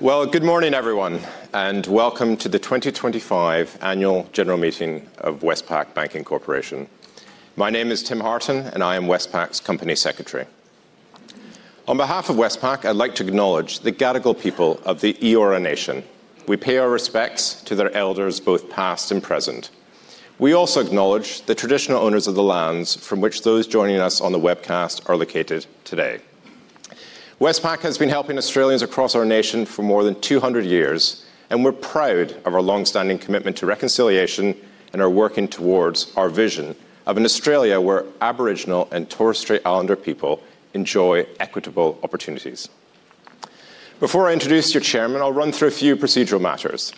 Well, good morning, everyone, and welcome to the 2025 Annual General Meeting of Westpac Banking Corporation. My name is Tim Hartin, and I am Westpac's Company Secretary. On behalf of Westpac, I'd like to acknowledge the Gadigal people of the Eora Nation. We pay our respects to their elders, both past and present. We also acknowledge the traditional owners of the lands from which those joining us on the webcast are located today. Westpac has been helping Australians across our nation for more than 200 years, and we're proud of our longstanding commitment to reconciliation and are working towards our vision of an Australia where Aboriginal and Torres Strait Islander people enjoy equitable opportunities. Before I introduce your Chairman, I'll run through a few procedural matters.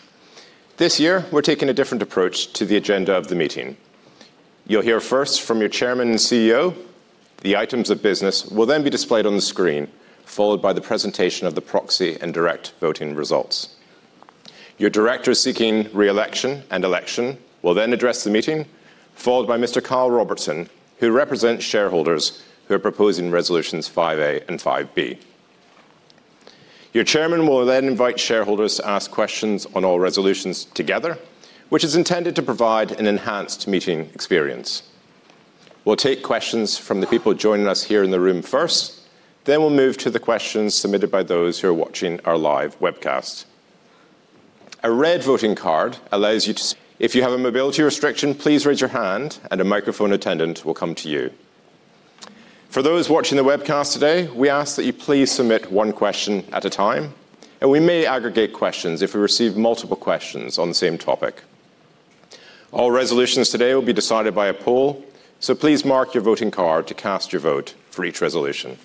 This year, we're taking a different approach to the agenda of the meeting. You'll hear first from your Chairman and CEO. The items of business will then be displayed on the screen, followed by the presentation of the proxy and direct voting results. Your Director seeking re-election and election will then address the meeting, followed by Mr. Carl Robertson, who represents shareholders who are proposing Resolutions 5A and 5B. Your Chairman will then invite shareholders to ask questions on all resolutions together, which is intended to provide an enhanced meeting experience. We'll take questions from the people joining us here in the room first, then we'll move to the questions submitted by those who are watching our live webcast. A red voting card allows you to. If you have a mobility restriction, please raise your hand, and a microphone attendant will come to you. For those watching the webcast today, we ask that you please submit one question at a time, and we may aggregate questions if we receive multiple questions on the same topic. All resolutions today will be decided by a poll, so please mark your voting card to cast your vote for each resolution.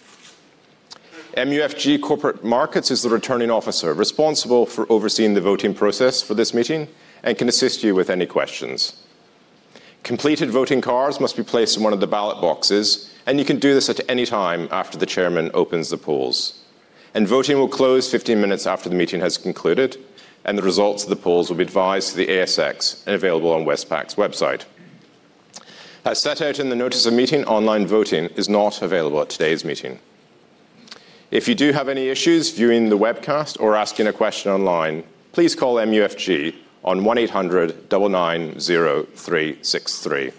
MUFG Corporate Markets is the returning officer responsible for overseeing the voting process for this meeting and can assist you with any questions. Completed voting cards must be placed in one of the ballot boxes, and you can do this at any time after the Chairman opens the polls, and voting will close 15 minutes after the meeting has concluded, and the results of the polls will be advised to the ASX and available on Westpac's website. As set out in the notice of meeting, online voting is not available at today's meeting. If you do have any issues viewing the webcast or asking a question online, please call MUFG on 1-800-990-363.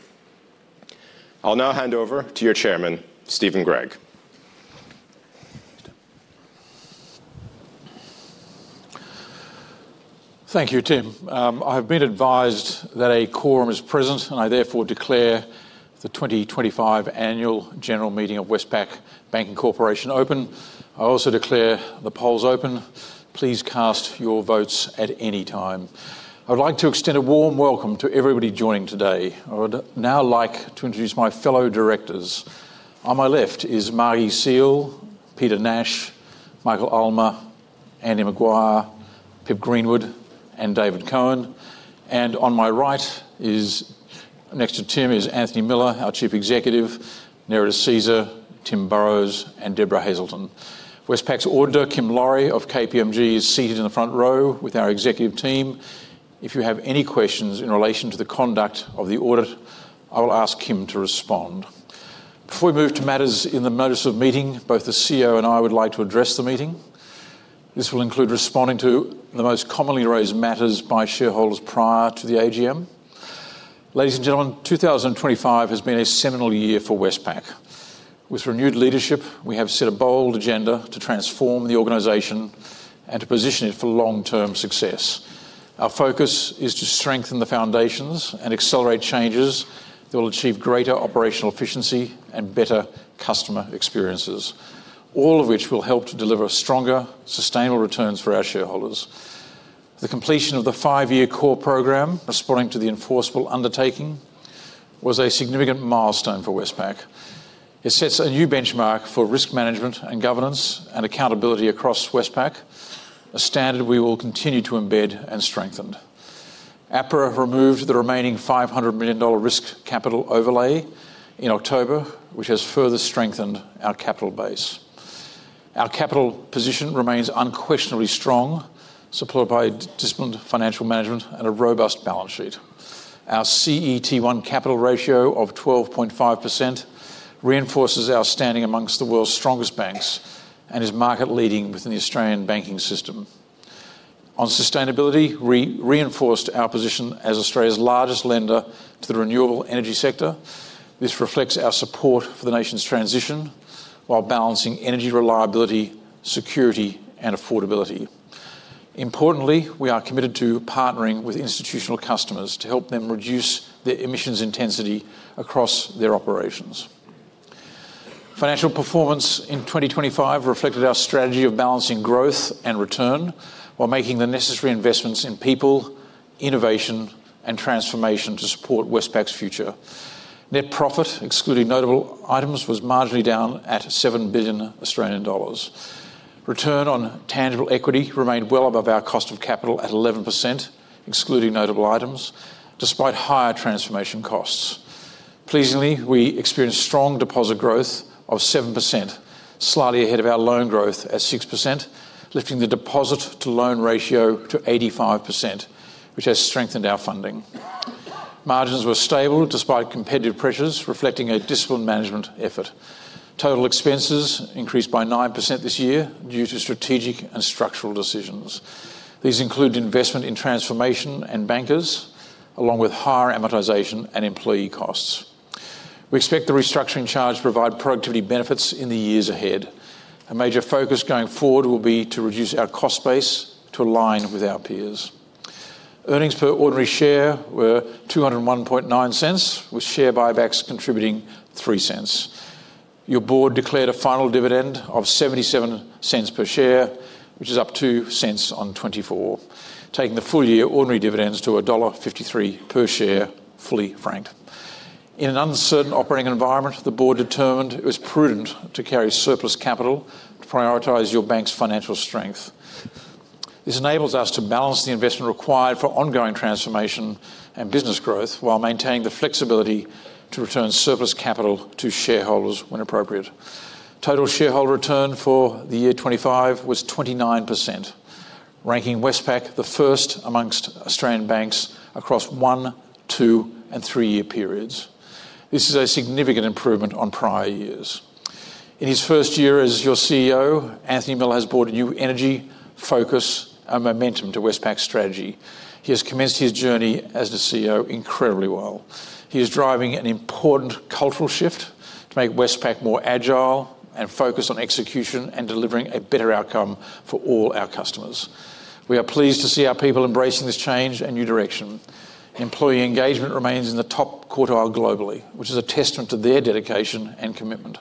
I'll now hand over to your Chairman, Steven Gregg. Thank you, Tim. I've been advised that a quorum is present, and I therefore declare the 2025 Annual General Meeting of Westpac Banking Corporation open. I also declare the polls open. Please cast your votes at any time. I would like to extend a warm welcome to everybody joining today. I would now like to introduce my fellow directors. On my left is Margie Seale, Peter Nash, Michael Ullmer, Andy Maguire, Pip Greenwood, and David Cohen, and on my right, next to Tim, is Anthony Miller, our Chief Executive, Nerida Caesar, Tim Burroughs, and Deborah Hazleton. Westpac's Auditor, Kim Lawry of KPMG, is seated in the front row with our executive team. If you have any questions in relation to the conduct of the audit, I will ask Kim to respond. Before we move to matters in the notice of meeting, both the CEO and I would like to address the meeting. This will include responding to the most commonly raised matters by shareholders prior to the AGM. Ladies and gentlemen, 2025 has been a seminal year for Westpac. With renewed leadership, we have set a bold agenda to transform the organization and to position it for long-term success. Our focus is to strengthen the foundations and accelerate changes that will achieve greater operational efficiency and better customer experiences, all of which will help to deliver stronger, sustainable returns for our shareholders. The completion of the five-year core program, responding to the enforceable undertaking, was a significant milestone for Westpac. It sets a new benchmark for risk management and governance and accountability across Westpac, a standard we will continue to embed and strengthen. APRA removed the remaining 500 million dollar risk capital overlay in October, which has further strengthened our capital base. Our capital position remains unquestionably strong, supported by disciplined financial management and a robust balance sheet. Our CET1 capital ratio of 12.5% reinforces our standing among the world's strongest banks and is market-leading within the Australian banking system. On sustainability, we reinforced our position as Australia's largest lender to the renewable energy sector. This reflects our support for the nation's transition while balancing energy reliability, security, and affordability. Importantly, we are committed to partnering with institutional customers to help them reduce their emissions intensity across their operations. Financial performance in 2025 reflected our strategy of balancing growth and return while making the necessary investments in people, innovation, and transformation to support Westpac's future. Net profit, excluding notable items, was marginally down at 7 billion Australian dollars. Return on tangible equity remained well above our cost of capital at 11%, excluding notable items, despite higher transformation costs. Pleasingly, we experienced strong deposit growth of 7%, slightly ahead of our loan growth at 6%, lifting the deposit-to-loan ratio to 85%, which has strengthened our funding. Margins were stable despite competitive pressures, reflecting a disciplined management effort. Total expenses increased by 9% this year due to strategic and structural decisions. These include investment in transformation and bankers, along with higher amortization and employee costs. We expect the restructuring charge to provide productivity benefits in the years ahead. A major focus going forward will be to reduce our cost base to align with our peers. Earnings per ordinary share were 201.09, with share buybacks contributing 0.03. Your board declared a final dividend of 0.77 per share, which is up 0.02 on 2024, taking the full-year ordinary dividends to AUD 1.53 per share, fully franked. In an uncertain operating environment, the board determined it was prudent to carry surplus capital to prioritize your bank's financial strength. This enables us to balance the investment required for ongoing transformation and business growth while maintaining the flexibility to return surplus capital to shareholders when appropriate. Total shareholder return for the year 2025 was 29%, ranking Westpac the first among Australian banks across one, two, and three-year periods. This is a significant improvement on prior years. In his first year as your CEO, Anthony Miller has brought a new energy, focus, and momentum to Westpac's strategy. He has commenced his journey as the CEO incredibly well. He is driving an important cultural shift to make Westpac more agile and focused on execution and delivering a better outcome for all our customers. We are pleased to see our people embracing this change and new direction. Employee engagement remains in the top quartile globally, which is a testament to their dedication and commitment.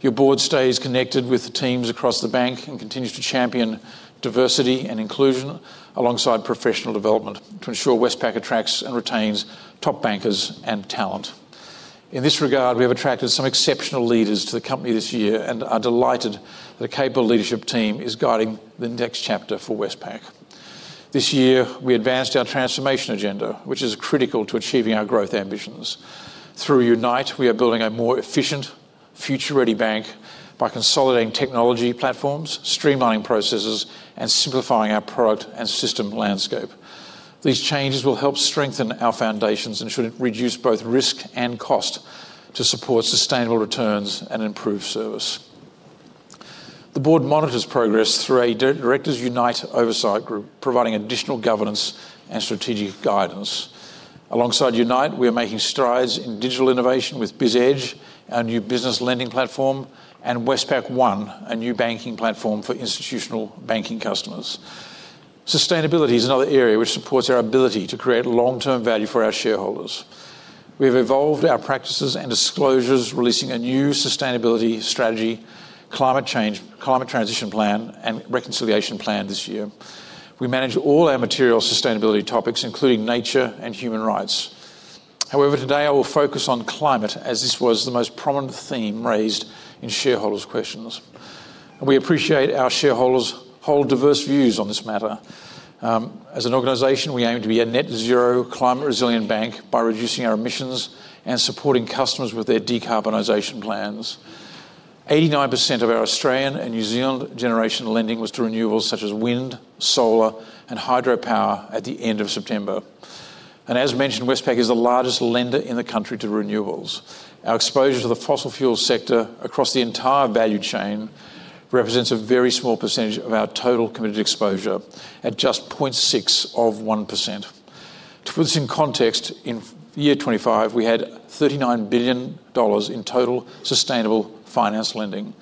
Your board stays connected with the teams across the bank and continues to champion diversity and inclusion alongside professional development to ensure Westpac attracts and retains top bankers and talent. In this regard, we have attracted some exceptional leaders to the company this year and are delighted that a capable leadership team is guiding the next chapter for Westpac. This year, we advanced our transformation agenda, which is critical to achieving our growth ambitions. Through UNITE, we are building a more efficient, future-ready bank by consolidating technology platforms, streamlining processes, and simplifying our product and system landscape. These changes will help strengthen our foundations and should reduce both risk and cost to support sustainable returns and improve service. The board monitors progress through a Directors UNITE oversight group, providing additional governance and strategic guidance. Alongside UNITE, we are making strides in digital innovation with BizEdge, our new business lending platform, and Westpac One, a new banking platform for institutional banking customers. Sustainability is another area which supports our ability to create long-term value for our shareholders. We have evolved our practices and disclosures, releasing a new sustainability strategy, climate transition plan, and reconciliation plan this year. We manage all our material sustainability topics, including nature and human rights. However, today, I will focus on climate, as this was the most prominent theme raised in shareholders' questions. We appreciate our shareholders' whole diverse views on this matter. As an organization, we aim to be a net-zero climate-resilient bank by reducing our emissions and supporting customers with their decarbonization plans. 89% of our Australian and New Zealand generation lending was to renewables such as wind, solar, and hydropower at the end of September. And as mentioned, Westpac is the largest lender in the country to renewables. Our exposure to the fossil fuel sector across the entire value chain represents a very small percentage of our total committed exposure, at just 0.6% of 1%. To put this in context, in 2025, we had 39 billion dollars in total sustainable finance lending.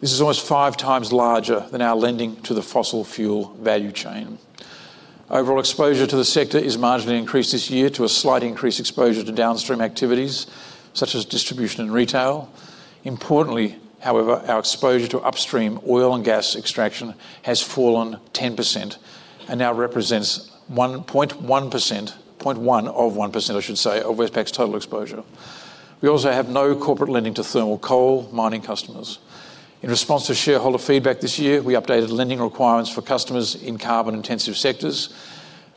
This is almost five times larger than our lending to the fossil fuel value chain. Overall exposure to the sector is marginally increased this year to a slight increased exposure to downstream activities such as distribution and retail. Importantly, however, our exposure to upstream oil and gas extraction has fallen 10% and now represents 0.1%, 0.1 of 1%, I should say, of Westpac's total exposure. We also have no corporate lending to thermal coal mining customers. In response to shareholder feedback this year, we updated lending requirements for customers in carbon-intensive sectors.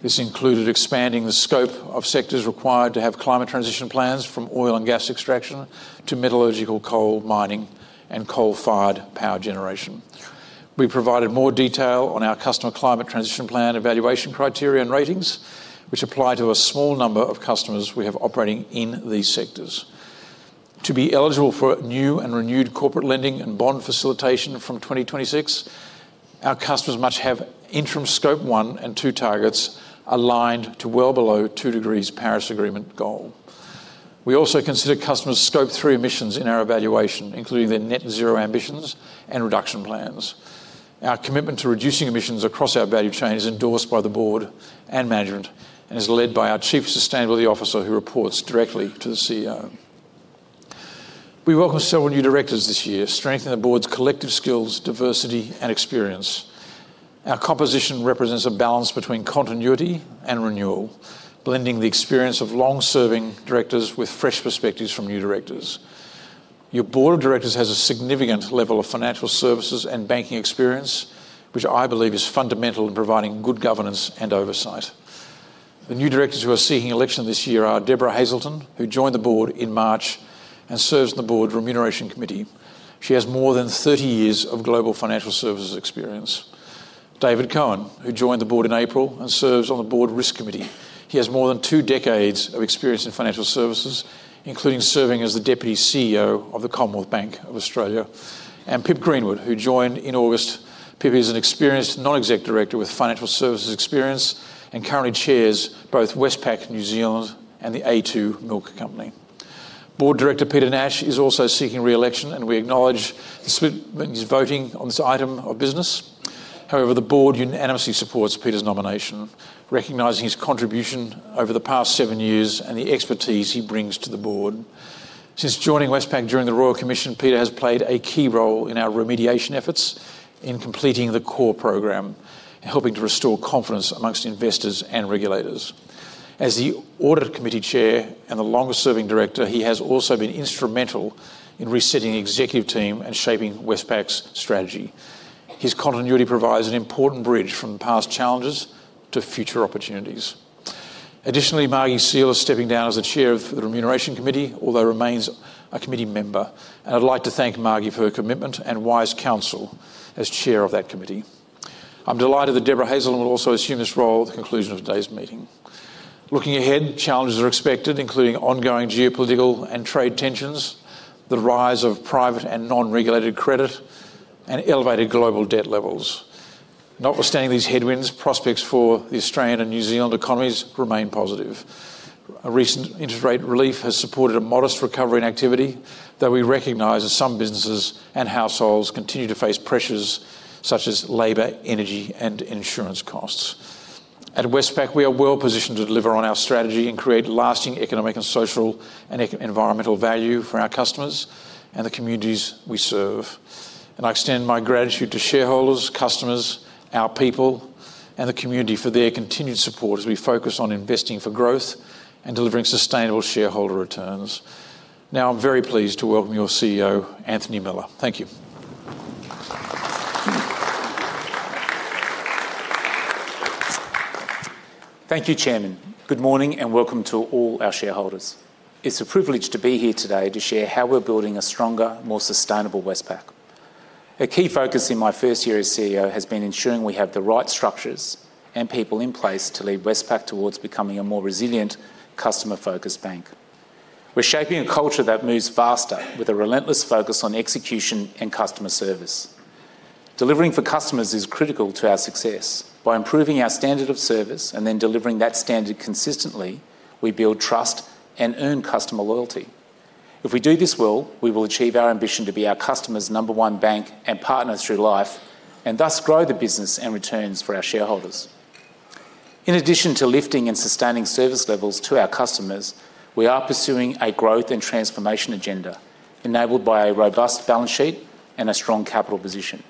This included expanding the scope of sectors required to have climate transition plans from oil and gas extraction to metallurgical coal mining and coal-fired power generation. We provided more detail on our customer climate transition plan evaluation criteria and ratings, which apply to a small number of customers we have operating in these sectors. To be eligible for new and renewed corporate lending and bond facilitation from 2026, our customers must have interim Scope 1 and 2 targets aligned to well below two degrees Paris Agreement goal. We also consider customers' Scope 3 emissions in our evaluation, including their net-zero ambitions and reduction plans. Our commitment to reducing emissions across our value chain is endorsed by the board and management and is led by our Chief Sustainability Officer, who reports directly to the CEO. We welcome several new directors this year, strengthening the board's collective skills, diversity, and experience. Our composition represents a balance between continuity and renewal, blending the experience of long-serving directors with fresh perspectives from new directors. Your board of directors has a significant level of financial services and banking experience, which I believe is fundamental in providing good governance and oversight. The new directors who are seeking election this year are Deborah Hazleton, who joined the board in March and serves on the board remuneration committee. She has more than 30 years of global financial services experience. David Cohen, who joined the board in April and serves on the board risk committee. He has more than two decades of experience in financial services, including serving as the Deputy CEO of the Commonwealth Bank of Australia. And Pip Greenwood, who joined in August. Pip is an experienced non-exec director with financial services experience and currently chairs both Westpac New Zealand and the A2 Milk Company. Board Director Peter Nash is also seeking re-election, and we acknowledge the shareholders' voting on this item of business. However, the board unanimously supports Peter's nomination, recognizing his contribution over the past seven years and the expertise he brings to the board. Since joining Westpac during the Royal Commission, Peter has played a key role in our remediation efforts in completing the CORE program and helping to restore confidence among investors and regulators. As the Audit Committee Chair and the longest-serving director, he has also been instrumental in resetting the executive team and shaping Westpac's strategy. His continuity provides an important bridge from past challenges to future opportunities. Additionally, Margie Seale is stepping down as the Chair of the Remuneration Committee, although remains a committee member, and I'd like to thank Margie for her commitment and wise counsel as Chair of that committee. I'm delighted that Deborah Hazleton will also assume this role at the conclusion of today's meeting. Looking ahead, challenges are expected, including ongoing geopolitical and trade tensions, the rise of private and non-regulated credit, and elevated global debt levels. Notwithstanding these headwinds, prospects for the Australian and New Zealand economies remain positive. A recent interest rate relief has supported a modest recovery in activity, though we recognize that some businesses and households continue to face pressures such as labor, energy, and insurance costs. At Westpac, we are well positioned to deliver on our strategy and create lasting economic and social and environmental value for our customers and the communities we serve, and I extend my gratitude to shareholders, customers, our people, and the community for their continued support as we focus on investing for growth and delivering sustainable shareholder returns. Now, I'm very pleased to welcome your CEO, Anthony Miller. Thank you. Thank you, Chairman. Good morning and welcome to all our shareholders. It's a privilege to be here today to share how we're building a stronger, more sustainable Westpac. A key focus in my first year as CEO has been ensuring we have the right structures and people in place to lead Westpac towards becoming a more resilient, customer-focused bank. We're shaping a culture that moves faster with a relentless focus on execution and customer service. Delivering for customers is critical to our success. By improving our standard of service and then delivering that standard consistently, we build trust and earn customer loyalty. If we do this well, we will achieve our ambition to be our customer's number one bank and partner through life and thus grow the business and returns for our shareholders. In addition to lifting and sustaining service levels to our customers, we are pursuing a growth and transformation agenda enabled by a robust balance sheet and a strong capital position.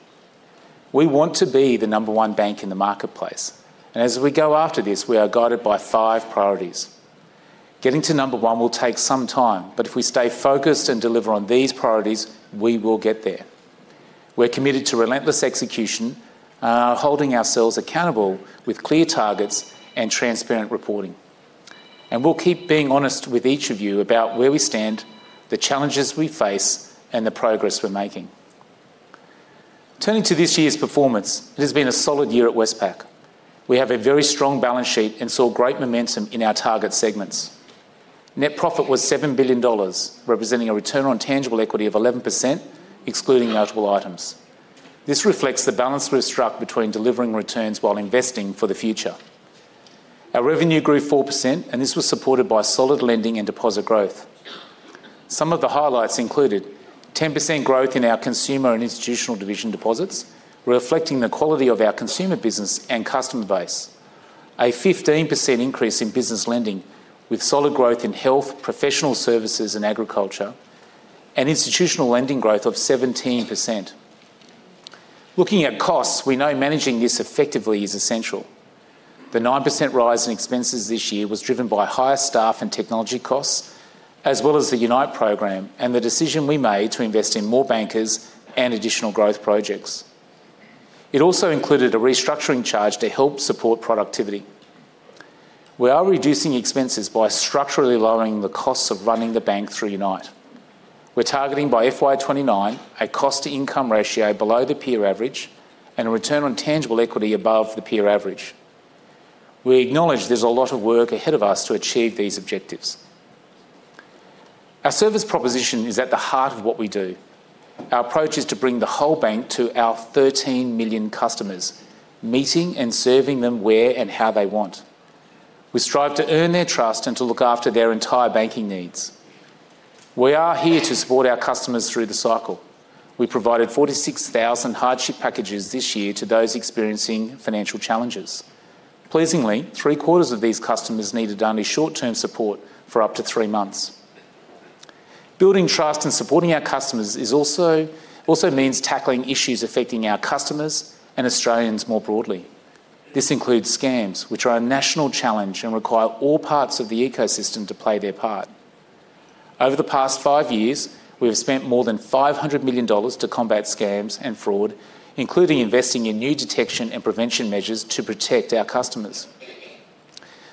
We want to be the number one bank in the marketplace. As we go after this, we are guided by five priorities. Getting to number one will take some time, but if we stay focused and deliver on these priorities, we will get there. We're committed to relentless execution and are holding ourselves accountable with clear targets and transparent reporting. We'll keep being honest with each of you about where we stand, the challenges we face, and the progress we're making. Turning to this year's performance, it has been a solid year at Westpac. We have a very strong balance sheet and saw great momentum in our target segments. Net profit was 7 billion dollars, representing a return on tangible equity of 11%, excluding notable items. This reflects the balance we've struck between delivering returns while investing for the future. Our revenue grew 4%, and this was supported by solid lending and deposit growth. Some of the highlights included 10% growth in our consumer and institutional division deposits, reflecting the quality of our consumer business and customer base, a 15% increase in business lending with solid growth in health, professional services, and agriculture, and institutional lending growth of 17%. Looking at costs, we know managing this effectively is essential. The 9% rise in expenses this year was driven by higher staff and technology costs, as well as the UNITE program and the decision we made to invest in more bankers and additional growth projects. It also included a restructuring charge to help support productivity. We are reducing expenses by structurally lowering the costs of running the bank through UNITE. We're targeting by FY29 a cost-to-income ratio below the peer average and a return on tangible equity above the peer average. We acknowledge there's a lot of work ahead of us to achieve these objectives. Our service proposition is at the heart of what we do. Our approach is to bring the whole bank to our 13 million customers, meeting and serving them where and how they want. We strive to earn their trust and to look after their entire banking needs. We are here to support our customers through the cycle. We provided 46,000 hardship packages this year to those experiencing financial challenges. Pleasingly, three-quarters of these customers needed only short-term support for up to three months. Building trust and supporting our customers also means tackling issues affecting our customers and Australians more broadly. This includes scams, which are a national challenge and require all parts of the ecosystem to play their part. Over the past five years, we have spent more than 500 million dollars to combat scams and fraud, including investing in new detection and prevention measures to protect our customers.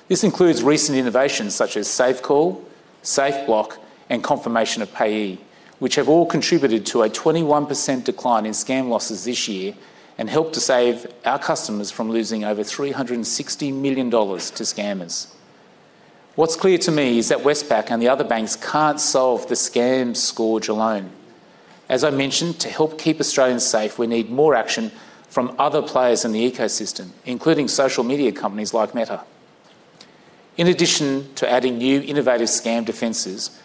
This includes recent innovations such as SafeCall, SafeBlock, and Confirmation of Payee, which have all contributed to a 21% decline in scam losses this year and helped to save our customers from losing over 360 million dollars to scammers. What's clear to me is that Westpac and the other banks can't solve the scam scourge alone. As I mentioned, to help keep Australians safe, we need more action from other players in the ecosystem, including social media companies like Meta. In addition to adding new innovative scam defenses,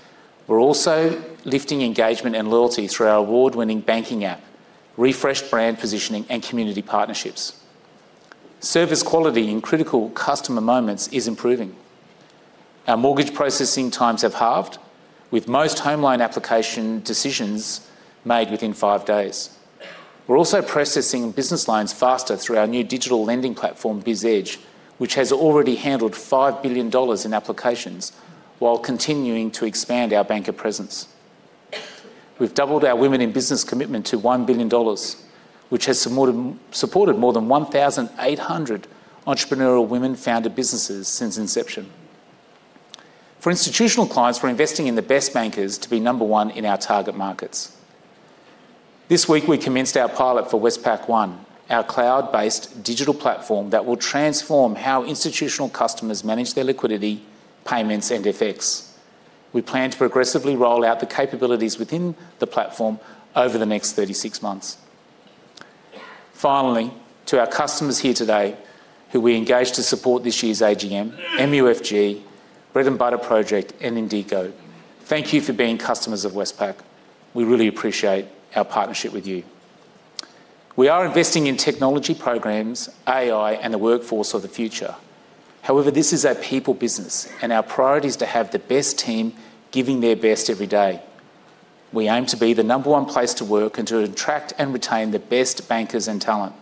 we're also lifting engagement and loyalty through our award-winning banking app, refreshed brand positioning, and community partnerships. Service quality in critical customer moments is improving. Our mortgage processing times have halved, with most home loan application decisions made within five days. We're also processing business loans faster through our new digital lending platform, BizEdge, which has already handled 5 billion dollars in applications while continuing to expand our banker presence. We've doubled our women in business commitment to 1 billion dollars, which has supported more than 1,800 entrepreneurial women-founded businesses since inception. For institutional clients, we're investing in the best bankers to be number one in our target markets. This week, we commenced our pilot for Westpac One, our cloud-based digital platform that will transform how institutional customers manage their liquidity, payments, and FX. We plan to progressively roll out the capabilities within the platform over the next 36 months. Finally, to our customers here today, who we engaged to support this year's AGM, MUFG, Bread & Butter Project, and Indigo, thank you for being customers of Westpac. We really appreciate our partnership with you. We are investing in technology programs, AI, and the workforce of the future. However, this is a people business, and our priority is to have the best team giving their best every day. We aim to be the number one place to work and to attract and retain the best bankers and talent.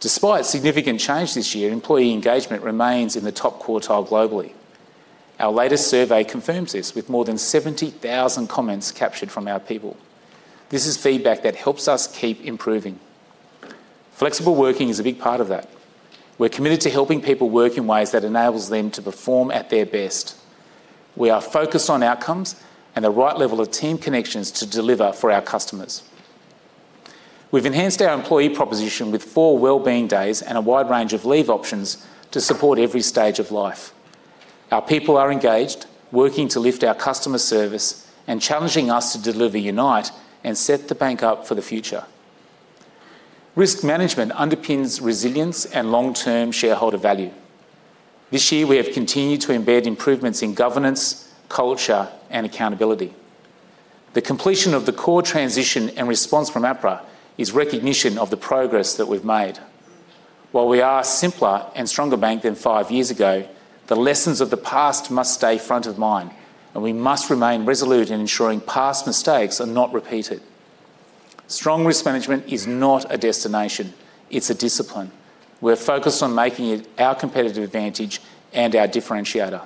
Despite significant change this year, employee engagement remains in the top quartile globally. Our latest survey confirms this with more than 70,000 comments captured from our people. This is feedback that helps us keep improving. Flexible working is a big part of that. We're committed to helping people work in ways that enable them to perform at their best. We are focused on outcomes and the right level of team connections to deliver for our customers. We've enhanced our employee proposition with four wellbeing days and a wide range of leave options to support every stage of life. Our people are engaged, working to lift our customer service and challenging us to deliver UNITE and set the bank up for the future. Risk management underpins resilience and long-term shareholder value. This year, we have continued to embed improvements in governance, culture, and accountability. The completion of the core transition and response from APRA is recognition of the progress that we've made. While we are a simpler and stronger bank than five years ago, the lessons of the past must stay front of mind, and we must remain resolute in ensuring past mistakes are not repeated. Strong risk management is not a destination. It's a discipline. We're focused on making it our competitive advantage and our differentiator.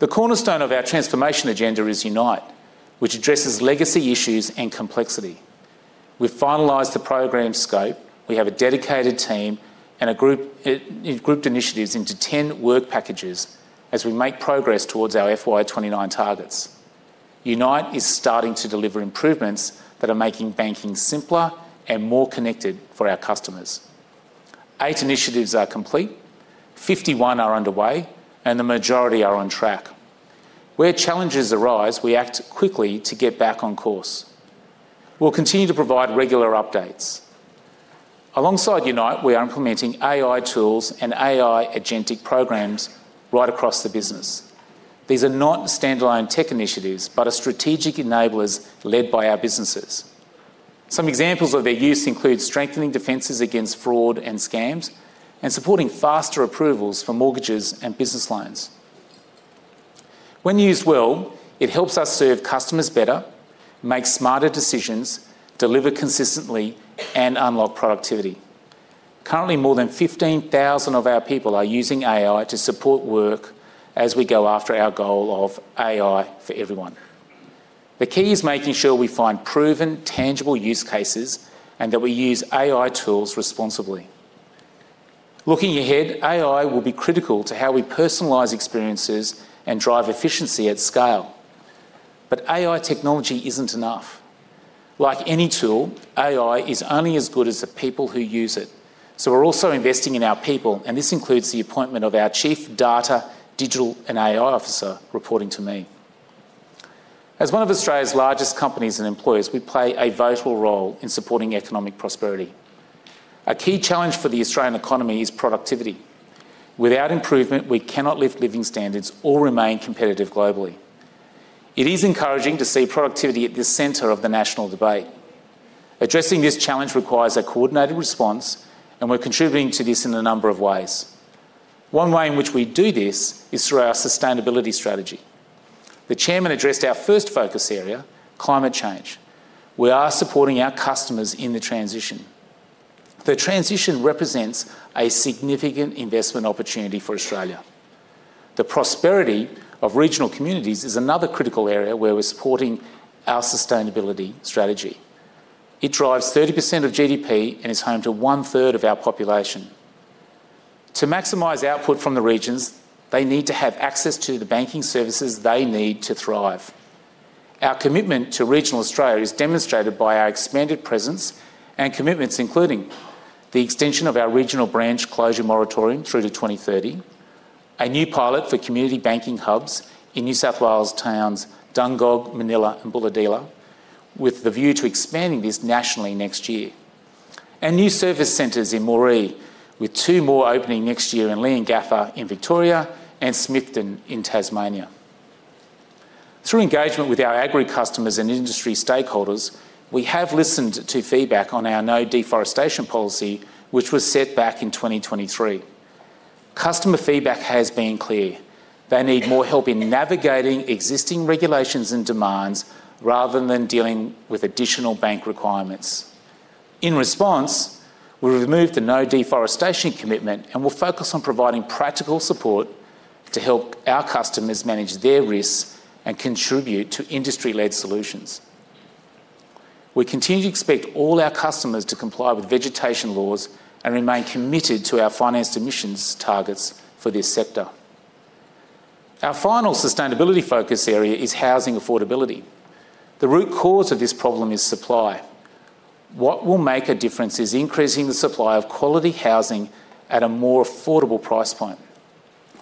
The cornerstone of our transformation agenda is UNITE, which addresses legacy issues and complexity. We've finalized the program scope. We have a dedicated team and grouped initiatives into 10 work packages as we make progress towards our FY29 targets. UNITE is starting to deliver improvements that are making banking simpler and more connected for our customers. Eight initiatives are complete, 51 are underway, and the majority are on track. Where challenges arise, we act quickly to get back on course. We'll continue to provide regular updates. Alongside UNITE, we are implementing AI tools and AI agentic programs right across the business. These are not standalone tech initiatives but are strategic enablers led by our businesses. Some examples of their use include strengthening defenses against fraud and scams and supporting faster approvals for mortgages and business loans. When used well, it helps us serve customers better, make smarter decisions, deliver consistently, and unlock productivity. Currently, more than 15,000 of our people are using AI to support work as we go after our goal of AI for everyone. The key is making sure we find proven, tangible use cases and that we use AI tools responsibly. Looking ahead, AI will be critical to how we personalize experiences and drive efficiency at scale. But AI technology isn't enough. Like any tool, AI is only as good as the people who use it. So we're also investing in our people, and this includes the appointment of our Chief Data, Digital, and AI Officer reporting to me. As one of Australia's largest companies and employers, we play a vital role in supporting economic prosperity. A key challenge for the Australian economy is productivity. Without improvement, we cannot lift living standards or remain competitive globally. It is encouraging to see productivity at the center of the national debate. Addressing this challenge requires a coordinated response, and we're contributing to this in a number of ways. One way in which we do this is through our sustainability strategy. The Chairman addressed our first focus area, climate change. We are supporting our customers in the transition. The transition represents a significant investment opportunity for Australia. The prosperity of regional communities is another critical area where we're supporting our sustainability strategy. It drives 30% of GDP and is home to one-third of our population. To maximize output from the regions, they need to have access to the banking services they need to thrive. Our commitment to regional Australia is demonstrated by our expanded presence and commitments, including the extension of our regional branch closure moratorium through to 2030, a new pilot for community banking hubs in New South Wales towns Dungog, Manilla, and Bulahdelah, with the view to expanding this nationally next year, and new service centres in Moree, with two more opening next year in Leongatha in Victoria and Smithton in Tasmania. Through engagement with our agri customers and industry stakeholders, we have listened to feedback on our no deforestation policy, which was set back in 2023. Customer feedback has been clear. They need more help in navigating existing regulations and demands rather than dealing with additional bank requirements. In response, we removed the no deforestation commitment and will focus on providing practical support to help our customers manage their risks and contribute to industry-led solutions. We continue to expect all our customers to comply with vegetation laws and remain committed to our financed emissions targets for this sector. Our final sustainability focus area is housing affordability. The root cause of this problem is supply. What will make a difference is increasing the supply of quality housing at a more affordable price point.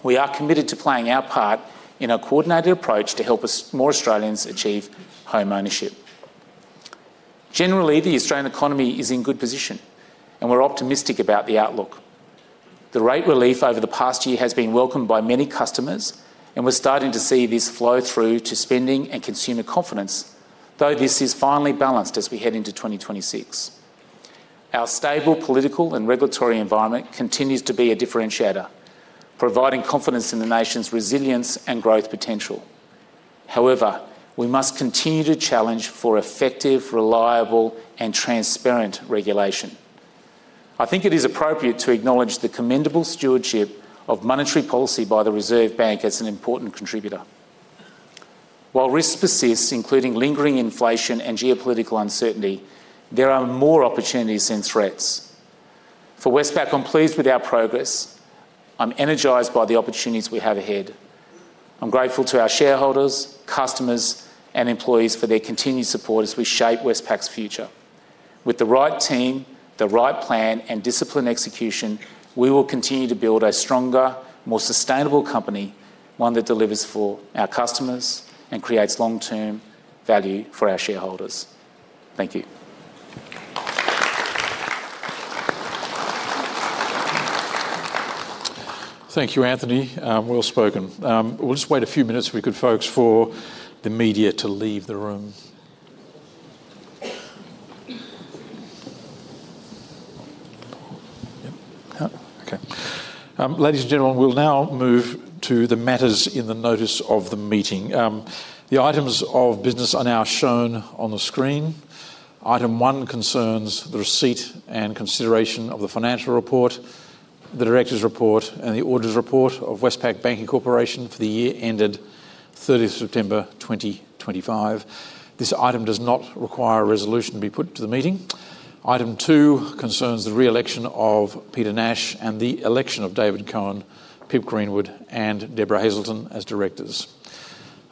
We are committed to playing our part in a coordinated approach to help more Australians achieve home ownership. Generally, the Australian economy is in good position, and we're optimistic about the outlook. The rate relief over the past year has been welcomed by many customers, and we're starting to see this flow through to spending and consumer confidence, though this is finely balanced as we head into 2026. Our stable political and regulatory environment continues to be a differentiator, providing confidence in the nation's resilience and growth potential. However, we must continue to challenge for effective, reliable, and transparent regulation. I think it is appropriate to acknowledge the commendable stewardship of monetary policy by the Reserve Bank as an important contributor. While risks persist, including lingering inflation and geopolitical uncertainty, there are more opportunities than threats. For Westpac, I'm pleased with our progress. I'm energized by the opportunities we have ahead. I'm grateful to our shareholders, customers, and employees for their continued support as we shape Westpac's future. With the right team, the right plan, and disciplined execution, we will continue to build a stronger, more sustainable company, one that delivers for our customers and creates long-term value for our shareholders. Thank you. Thank you, Anthony. Well spoken. We'll just wait a few minutes if we could, folks, for the media to leave the room. Okay. Ladies and gentlemen, we'll now move to the matters in the notice of the meeting. The items of business are now shown on the screen. Item one concerns the receipt and consideration of the financial report, the director's report, and the auditor's report of Westpac Banking Corporation for the year ended 30th September 2025. This item does not require a resolution to be put to the meeting. Item two concerns the re-election of Peter Nash and the election of David Cohen, Pip Greenwood, and Deborah Hazleton as directors.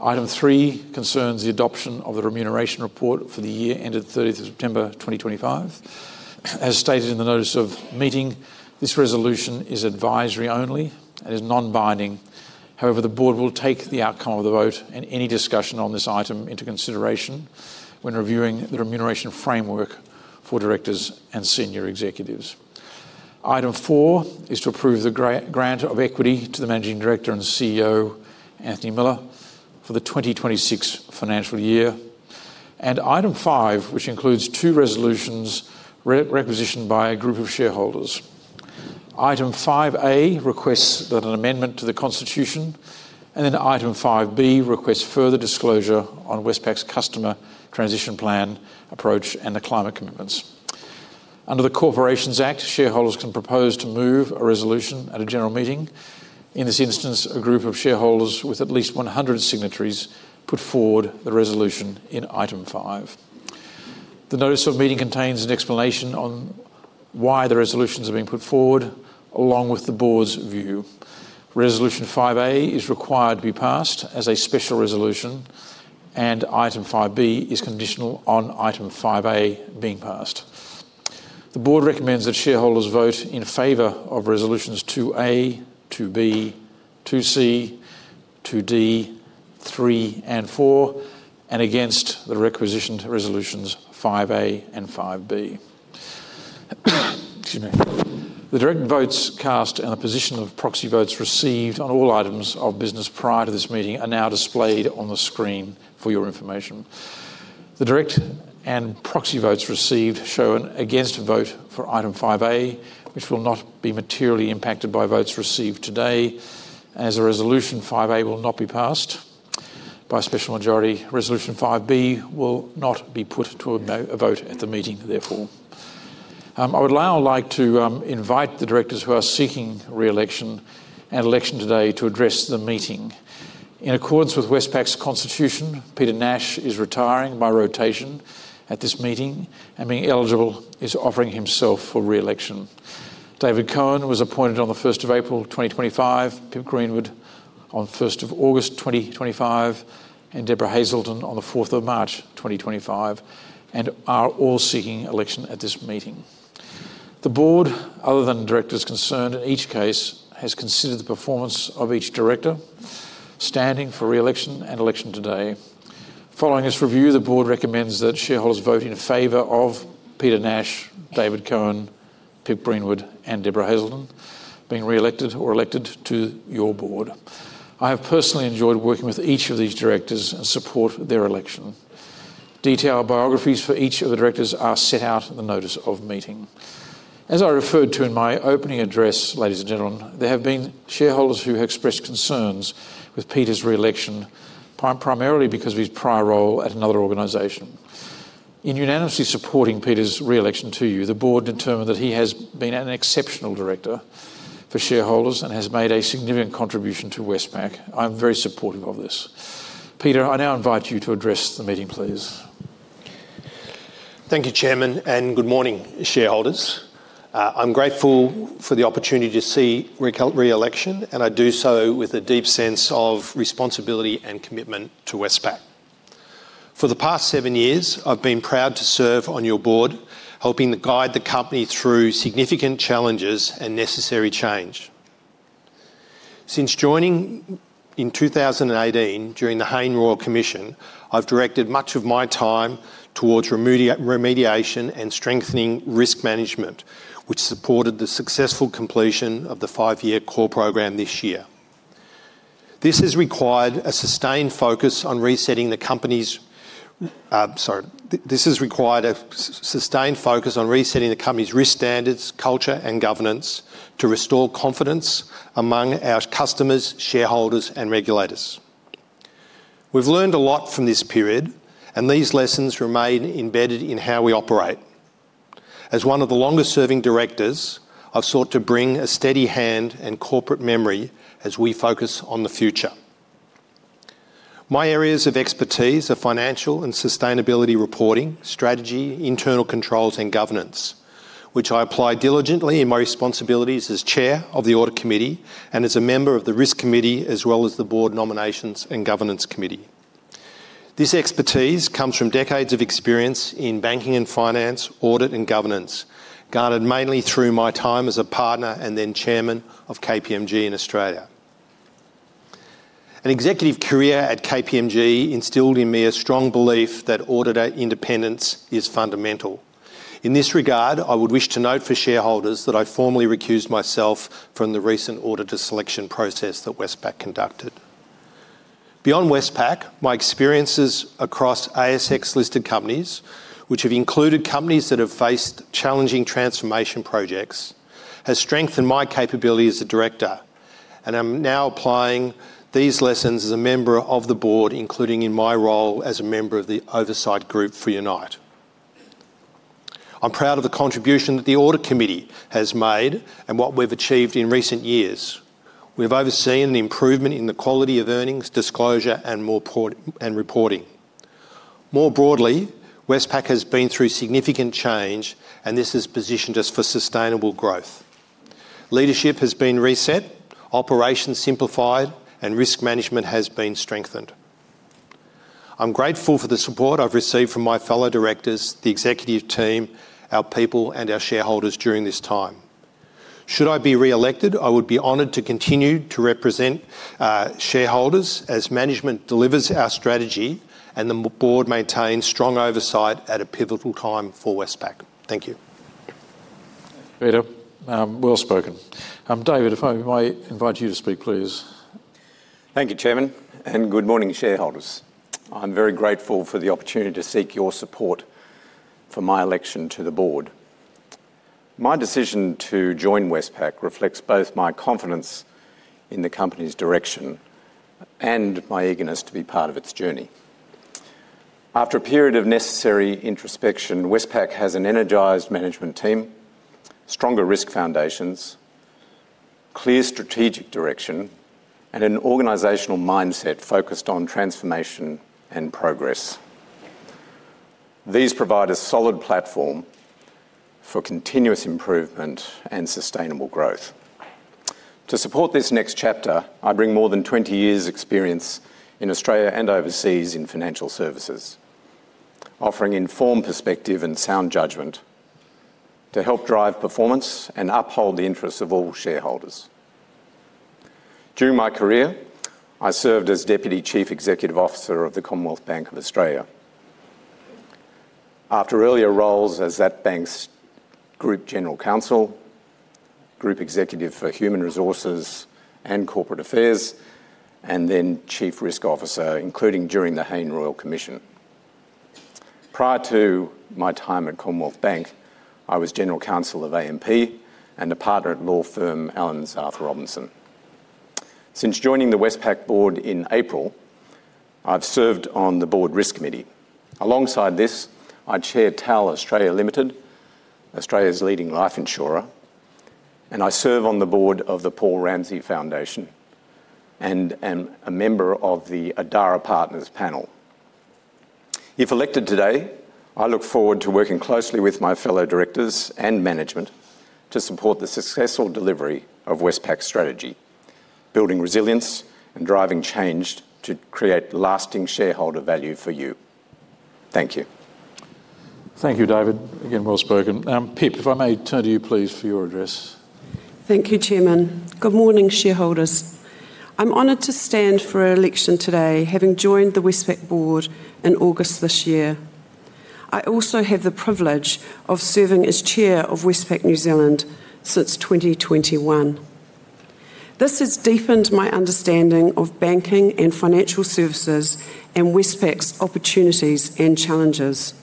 Item three concerns the adoption of the remuneration report for the year ended 30th September 2025. As stated in the notice of meeting, this resolution is advisory only and is non-binding. However, the board will take the outcome of the vote and any discussion on this item into consideration when reviewing the remuneration framework for directors and senior executives. Item four is to approve the grant of equity to the Managing Director and CEO, Anthony Miller, for the 2026 financial year. Item five, which includes two resolutions requisitioned by a group of shareholders. Item 5A requests an amendment to the constitution, and then Item 5B requests further disclosure on Westpac's customer transition plan, approach, and the climate commitments. Under the Corporations Act, shareholders can propose to move a resolution at a general meeting. In this instance, a group of shareholders with at least 100 signatories put forward the resolution in Item five. The notice of meeting contains an explanation on why the resolutions are being put forward, along with the board's view. Resolution 5A is required to be passed as a special resolution, and Item 5B is conditional on Item 5A being passed. The board recommends that shareholders vote in favor of resolutions 2A, 2B, 2C, 2D, 3, and 4, and against the requisitioned resolutions 5A and 5B. Excuse me. The direct votes cast and the position of proxy votes received on all items of business prior to this meeting are now displayed on the screen for your information. The direct and proxy votes received show an against vote for item 5A, which will not be materially impacted by votes received today, as a resolution 5A will not be passed by special majority. Resolution 5B will not be put to a vote at the meeting, therefore. I would now like to invite the directors who are seeking re-election and election today to address the meeting. In accordance with Westpac's constitution, Peter Nash is retiring by rotation at this meeting, and, being eligible, is offering himself for re-election. David Cohen was appointed on the 1st of April 2025, Pip Greenwood on the 1st of August 2025, and Deborah Hazleton on the 4th of March 2025, and are all seeking election at this meeting. The board, other than directors concerned in each case, has considered the performance of each director, standing for re-election and election today. Following this review, the board recommends that shareholders vote in favor of Peter Nash, David Cohen, Pip Greenwood, and Deborah Hazleton, being re-elected or elected to your board. I have personally enjoyed working with each of these directors and support their election. Detailed biographies for each of the directors are set out in the notice of meeting. As I referred to in my opening address, ladies and gentlemen, there have been shareholders who have expressed concerns with Peter's re-election, primarily because of his prior role at another organization. In unanimously supporting Peter's re-election to you, the board determined that he has been an exceptional director for shareholders and has made a significant contribution to Westpac. I'm very supportive of this. Peter, I now invite you to address the meeting, please. Thank you, Chairman, and good morning, shareholders. I'm grateful for the opportunity to seek re-election, and I do so with a deep sense of responsibility and commitment to Westpac. For the past seven years, I've been proud to serve on your board, helping to guide the company through significant challenges and necessary change. Since joining in 2018 during the Hayne Royal Commission, I've directed much of my time towards remediation and strengthening risk management, which supported the successful completion of the five-year CORE program this year. This has required a sustained focus on resetting the company's - sorry, this has required a sustained focus on resetting the company's risk standards, culture, and governance to restore confidence among our customers, shareholders, and regulators. We've learned a lot from this period, and these lessons remain embedded in how we operate. As one of the longest-serving directors, I've sought to bring a steady hand and corporate memory as we focus on the future. My areas of expertise are financial and sustainability reporting, strategy, internal controls, and governance, which I apply diligently in my responsibilities as Chair of the Audit Committee and as a member of the Risk Committee as well as the Board Nominations and Governance Committee. This expertise comes from decades of experience in banking and finance, audit and governance, garnered mainly through my time as a partner and then chairman of KPMG in Australia. An executive career at KPMG instilled in me a strong belief that auditor independence is fundamental. In this regard, I would wish to note for shareholders that I formally recused myself from the recent auditor selection process that Westpac conducted. Beyond Westpac, my experiences across ASX-listed companies, which have included companies that have faced challenging transformation projects, have strengthened my capability as a director, and I'm now applying these lessons as a member of the board, including in my role as a member of the oversight group for Unite. I'm proud of the contribution that the audit committee has made and what we've achieved in recent years. We've overseen an improvement in the quality of earnings, disclosure, and reporting. More broadly, Westpac has been through significant change, and this has positioned us for sustainable growth. Leadership has been reset, operations simplified, and risk management has been strengthened. I'm grateful for the support I've received from my fellow directors, the executive team, our people, and our shareholders during this time. Should I be re-elected, I would be honored to continue to represent shareholders as management delivers our strategy and the board maintains strong oversight at a pivotal time for Westpac. Thank you. Peter, well spoken. David, if I may invite you to speak, please. Thank you, Chairman, and good morning, shareholders. I'm very grateful for the opportunity to seek your support for my election to the board. My decision to join Westpac reflects both my confidence in the company's direction and my eagerness to be part of its journey. After a period of necessary introspection, Westpac has an energized management team, stronger risk foundations, clear strategic direction, and an organizational mindset focused on transformation and progress. These provide a solid platform for continuous improvement and sustainable growth. To support this next chapter, I bring more than 20 years' experience in Australia and overseas in financial services, offering informed perspective and sound judgment to help drive performance and uphold the interests of all shareholders. During my career, I served as Deputy Chief Executive Officer of the Commonwealth Bank of Australia. After earlier roles as that bank's Group General Counsel, Group Executive for Human Resources and Corporate Affairs, and then Chief Risk Officer, including during the Hayne Royal Commission. Prior to my time at Commonwealth Bank, I was General Counsel of AMP and a partner at law firm Allens Arthur Robinson. Since joining the Westpac board in April, I've served on the board risk committee. Alongside this, I chair TAL Australia Limited, Australia's leading life insurer, and I serve on the board of the Paul Ramsay Foundation and am a member of the Adara Partners panel. If elected today, I look forward to working closely with my fellow directors and management to support the successful delivery of Westpac's strategy, building resilience and driving change to create lasting shareholder value for you. Thank you. Thank you, David. Again, well spoken. Pip, if I may turn to you, please, for your address. Thank you, Chairman. Good morning, shareholders. I'm honored to stand for an election today, having joined the Westpac board in August this year. I also have the privilege of serving as chair of Westpac New Zealand since 2021. This has deepened my understanding of banking and financial services and Westpac's opportunities and challenges.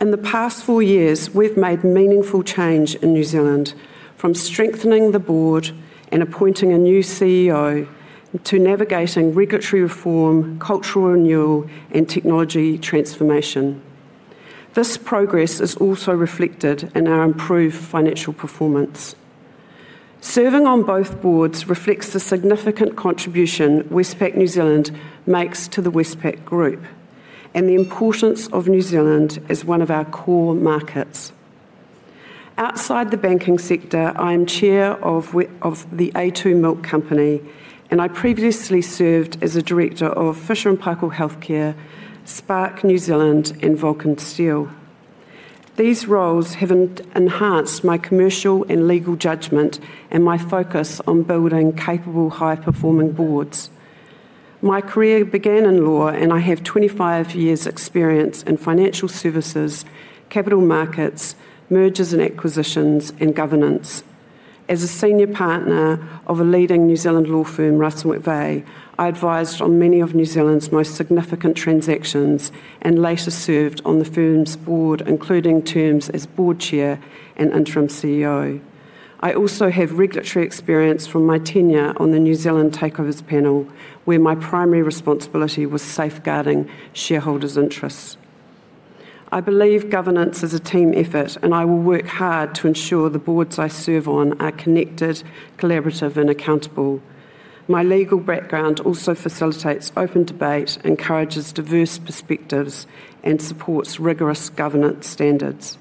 In the past four years, we've made meaningful change in New Zealand, from strengthening the board and appointing a new CEO to navigating regulatory reform, cultural renewal, and technology transformation. This progress is also reflected in our improved financial performance. Serving on both boards reflects the significant contribution Westpac New Zealand makes to the Westpac group and the importance of New Zealand as one of our core markets. Outside the banking sector, I am chair of the A2 Milk Company, and I previously served as a director of Fisher & Paykel Healthcare, Spark New Zealand, and Vulcan Steel. These roles have enhanced my commercial and legal judgment and my focus on building capable, high-performing boards. My career began in law, and I have 25 years' experience in financial services, capital markets, mergers and acquisitions, and governance. As a senior partner of a leading New Zealand law firm, Russell McVeagh, I advised on many of New Zealand's most significant transactions and later served on the firm's board, including terms as board chair and interim CEO. I also have regulatory experience from my tenure on the New Zealand Takeovers Panel, where my primary responsibility was safeguarding shareholders' interests. I believe governance is a team effort, and I will work hard to ensure the boards I serve on are connected, collaborative, and accountable. My legal background also facilitates open debate, encourages diverse perspectives, and supports rigorous governance standards.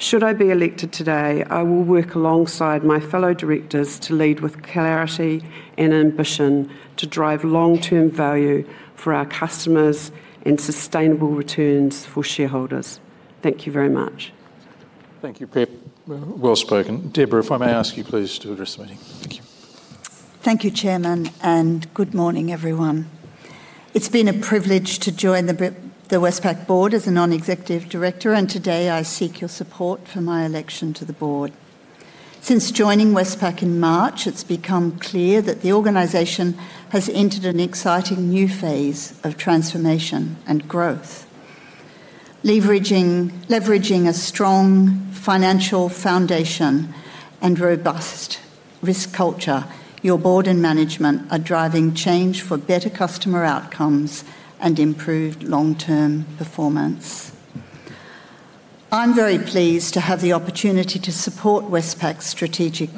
Should I be elected today, I will work alongside my fellow directors to lead with clarity and ambition to drive long-term value for our customers and sustainable returns for shareholders. Thank you very much. Thank you, Pip. Well spoken. Deborah, if I may ask you, please, to address the meeting. Thank you. Thank you, Chairman, and good morning, everyone. It's been a privilege to join the Westpac board as a non-executive director, and today I seek your support for my election to the board. Since joining Westpac in March, it's become clear that the organization has entered an exciting new phase of transformation and growth. Leveraging a strong financial foundation and robust risk culture, your board and management are driving change for better customer outcomes and improved long-term performance. I'm very pleased to have the opportunity to support Westpac's strategic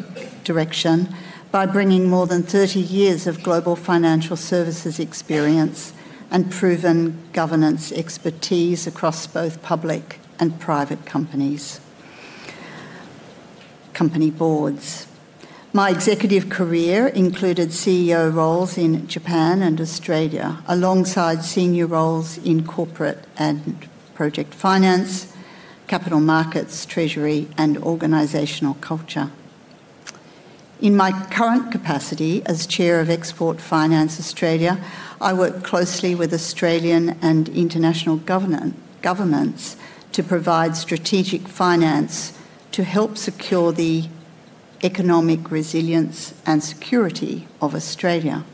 direction by bringing more than 30 years of global financial services experience and proven governance expertise across both public and private companies company boards. My executive career included CEO roles in Japan and Australia, alongside senior roles in corporate and project finance, capital markets, treasury, and organizational culture. In my current capacity as chair of Export Finance Australia, I work closely with Australian and international governments to provide strategic finance to help secure the economic resilience and security of Australia.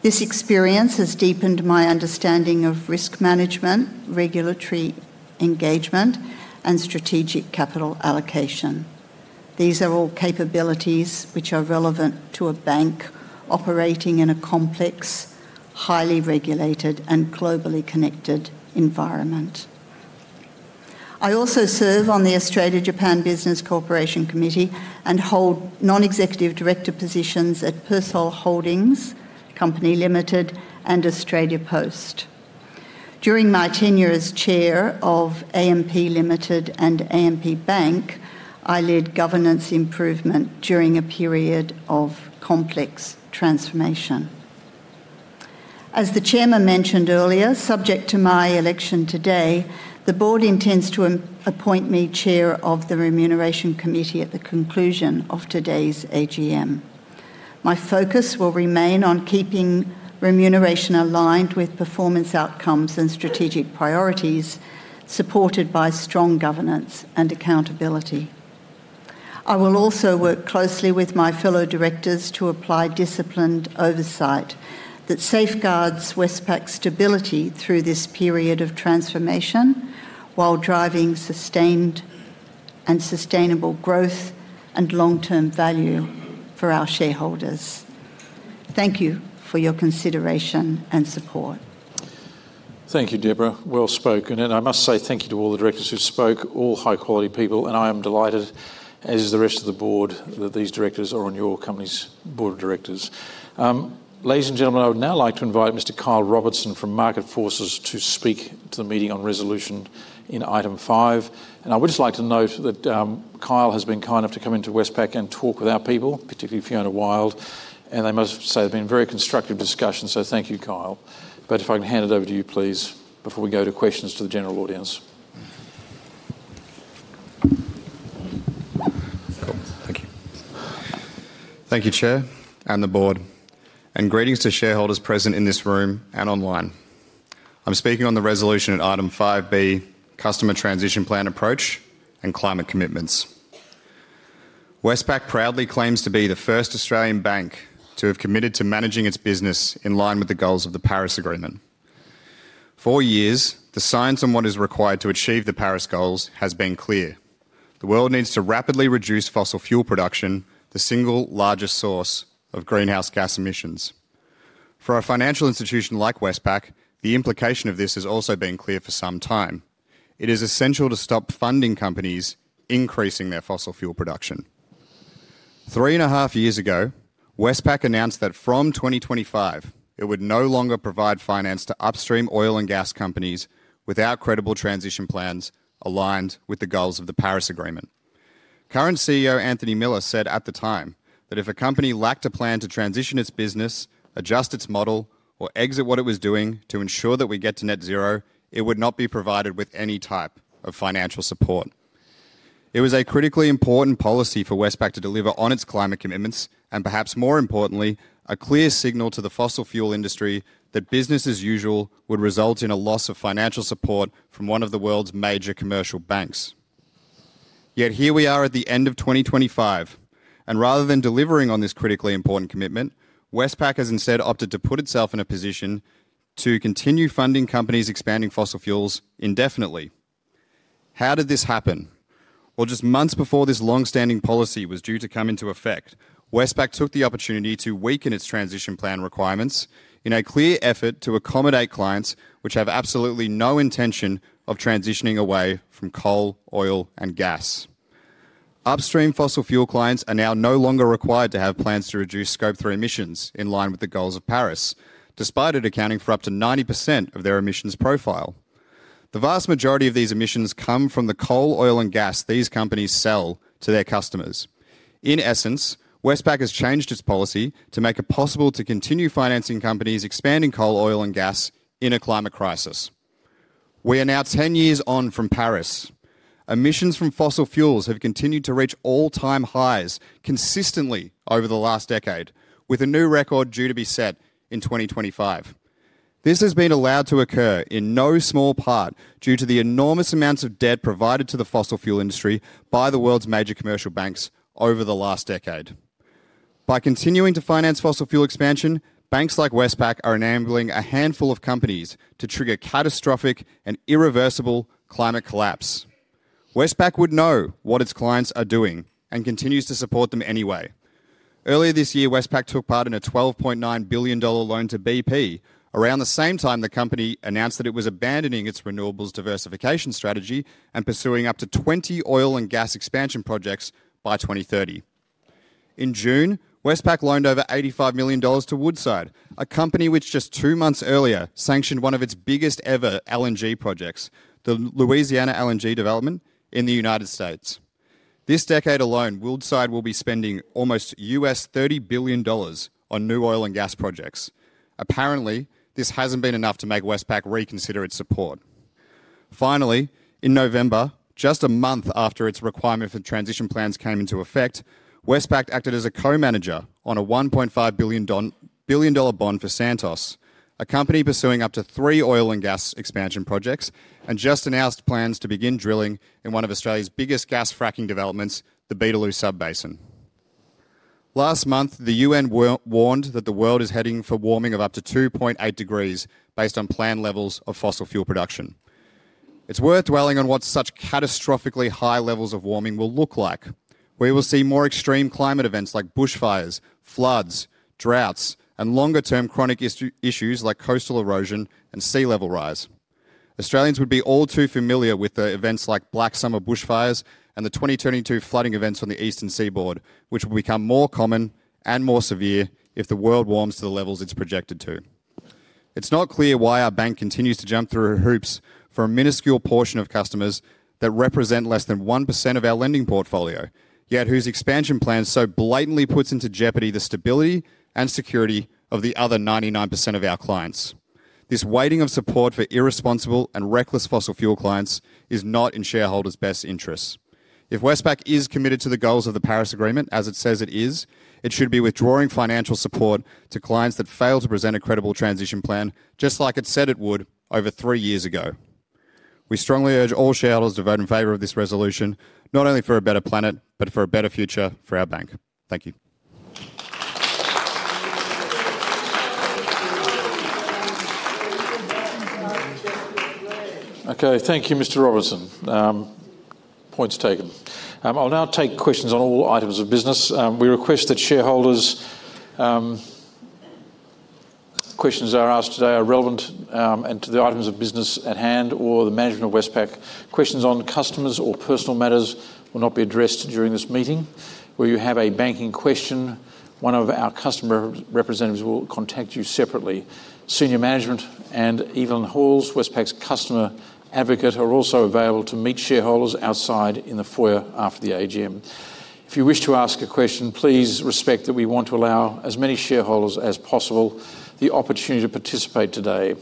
This experience has deepened my understanding of risk management, regulatory engagement, and strategic capital allocation. These are all capabilities which are relevant to a bank operating in a complex, highly regulated, and globally connected environment. I also serve on the Australia-Japan Business Corporation Committee and hold non-executive director positions at Persol Holdings, Company Limited, and Australia Post. During my tenure as chair of AMP Limited and AMP Bank, I led governance improvement during a period of complex transformation. As the chairman mentioned earlier, subject to my election today, the board intends to appoint me chair of the remuneration committee at the conclusion of today's AGM. My focus will remain on keeping remuneration aligned with performance outcomes and strategic priorities, supported by strong governance and accountability. I will also work closely with my fellow directors to apply disciplined oversight that safeguards Westpac's stability through this period of transformation while driving sustained and sustainable growth and long-term value for our shareholders. Thank you for your consideration and support. Thank you, Deborah. Well spoken. And I must say thank you to all the directors who spoke, all high-quality people. And I am delighted, as is the rest of the board, that these directors are on your company's board of directors. Ladies and gentlemen, I would now like to invite Mr. Kyle Robertson from Market Forces to speak to the meeting on resolution in item five. And I would just like to note that Kyle has been kind enough to come into Westpac and talk with our people, particularly Fiona Wild. And I must say there have been very constructive discussions. So thank you, Kyle. But if I can hand it over to you, please, before we go to questions to the general audience. Thank you. Thank you, Chair, and the board. And greetings to shareholders present in this room and online. I'm speaking on the resolution at item five B, Customer Transition Plan Approach and Climate Commitments. Westpac proudly claims to be the first Australian bank to have committed to managing its business in line with the goals of the Paris Agreement. For years, the science on what is required to achieve the Paris goals has been clear. The world needs to rapidly reduce fossil fuel production, the single largest source of greenhouse gas emissions. For a financial institution like Westpac, the implication of this has also been clear for some time. It is essential to stop funding companies increasing their fossil fuel production. Three and a half years ago, Westpac announced that from 2025, it would no longer provide finance to upstream oil and gas companies without credible transition plans aligned with the goals of the Paris Agreement. Current CEO Anthony Miller said at the time that if a company lacked a plan to transition its business, adjust its model, or exit what it was doing to ensure that we get to net zero, it would not be provided with any type of financial support. It was a critically important policy for Westpac to deliver on its climate commitments and, perhaps more importantly, a clear signal to the fossil fuel industry that business as usual would result in a loss of financial support from one of the world's major commercial banks. Yet here we are at the end of 2025, and rather than delivering on this critically important commitment, Westpac has instead opted to put itself in a position to continue funding companies expanding fossil fuels indefinitely. How did this happen? Well, just months before this long-standing policy was due to come into effect, Westpac took the opportunity to weaken its transition plan requirements in a clear effort to accommodate clients which have absolutely no intention of transitioning away from coal, oil, and gas. Upstream fossil fuel clients are now no longer required to have plans to reduce Scope 3 emissions in line with the goals of Paris, despite it accounting for up to 90% of their emissions profile. The vast majority of these emissions come from the coal, oil, and gas these companies sell to their customers. In essence, Westpac has changed its policy to make it possible to continue financing companies expanding coal, oil, and gas in a climate crisis. We are now 10 years on from Paris. Emissions from fossil fuels have continued to reach all-time highs consistently over the last decade, with a new record due to be set in 2025. This has been allowed to occur in no small part due to the enormous amounts of debt provided to the fossil fuel industry by the world's major commercial banks over the last decade. By continuing to finance fossil fuel expansion, banks like Westpac are enabling a handful of companies to trigger catastrophic and irreversible climate collapse. Westpac would know what its clients are doing and continues to support them anyway. Earlier this year, Westpac took part in a $12.9 billion loan to BP around the same time the company announced that it was abandoning its renewables diversification strategy and pursuing up to 20 oil and gas expansion projects by 2030. In June, Westpac loaned over $85 million to Woodside, a company which just two months earlier sanctioned one of its biggest ever LNG projects, the Louisiana LNG development in the United States. This decade alone, Woodside will be spending almost $30 billion on new oil and gas projects. Apparently, this hasn't been enough to make Westpac reconsider its support. Finally, in November, just a month after its requirement for transition plans came into effect, Westpac acted as a co-manager on a 1.5 billion bond for Santos, a company pursuing up to three oil and gas expansion projects, and just announced plans to begin drilling in one of Australia's biggest gas fracking developments, the Beetaloo Sub-basin. Last month, the UN warned that the world is heading for warming of up to 2.8 degrees based on planned levels of fossil fuel production. It's worth dwelling on what such catastrophically high levels of warming will look like, where we will see more extreme climate events like bushfires, floods, droughts, and longer-term chronic issues like coastal erosion and sea level rise. Australians would be all too familiar with events like Black Summer bushfires and the 2022 flooding events on the Eastern Seaboard, which will become more common and more severe if the world warms to the levels it's projected to. It's not clear why our bank continues to jump through hoops for a minuscule portion of customers that represent less than 1% of our lending portfolio, yet whose expansion plan so blatantly puts into jeopardy the stability and security of the other 99% of our clients. This weighting of support for irresponsible and reckless fossil fuel clients is not in shareholders' best interests. If Westpac is committed to the goals of the Paris Agreement, as it says it is, it should be withdrawing financial support to clients that fail to present a credible transition plan, just like it said it would over three years ago. We strongly urge all shareholders to vote in favor of this resolution, not only for a better planet, but for a better future for our bank. Thank you. Okay, thank you, Mr. Robertson. Points taken. I'll now take questions on all items of business. We request that shareholders' questions that are asked today are relevant to the items of business at hand or the management of Westpac. Questions on customers or personal matters will not be addressed during this meeting. Where you have a banking question, one of our customer representatives will contact you separately. Senior management and Evelyn Halls, Westpac's customer advocate, are also available to meet shareholders outside in the foyer after the AGM. If you wish to ask a question, please respect that we want to allow as many shareholders as possible the opportunity to participate today.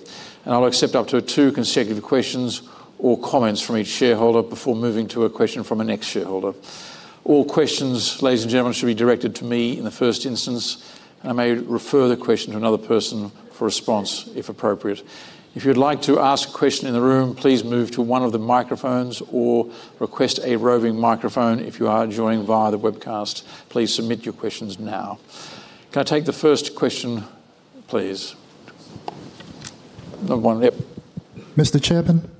And I'll accept up to two consecutive questions or comments from each shareholder before moving to a question from a next shareholder. All questions, ladies and gentlemen, should be directed to me in the first instance, and I may refer the question to another person for response if appropriate. If you'd like to ask a question in the room, please move to one of the microphones or request a roving microphone if you are joining via the webcast. Please submit your questions now. Can I take the first question, please? Number one, yep. Mr. Chairman,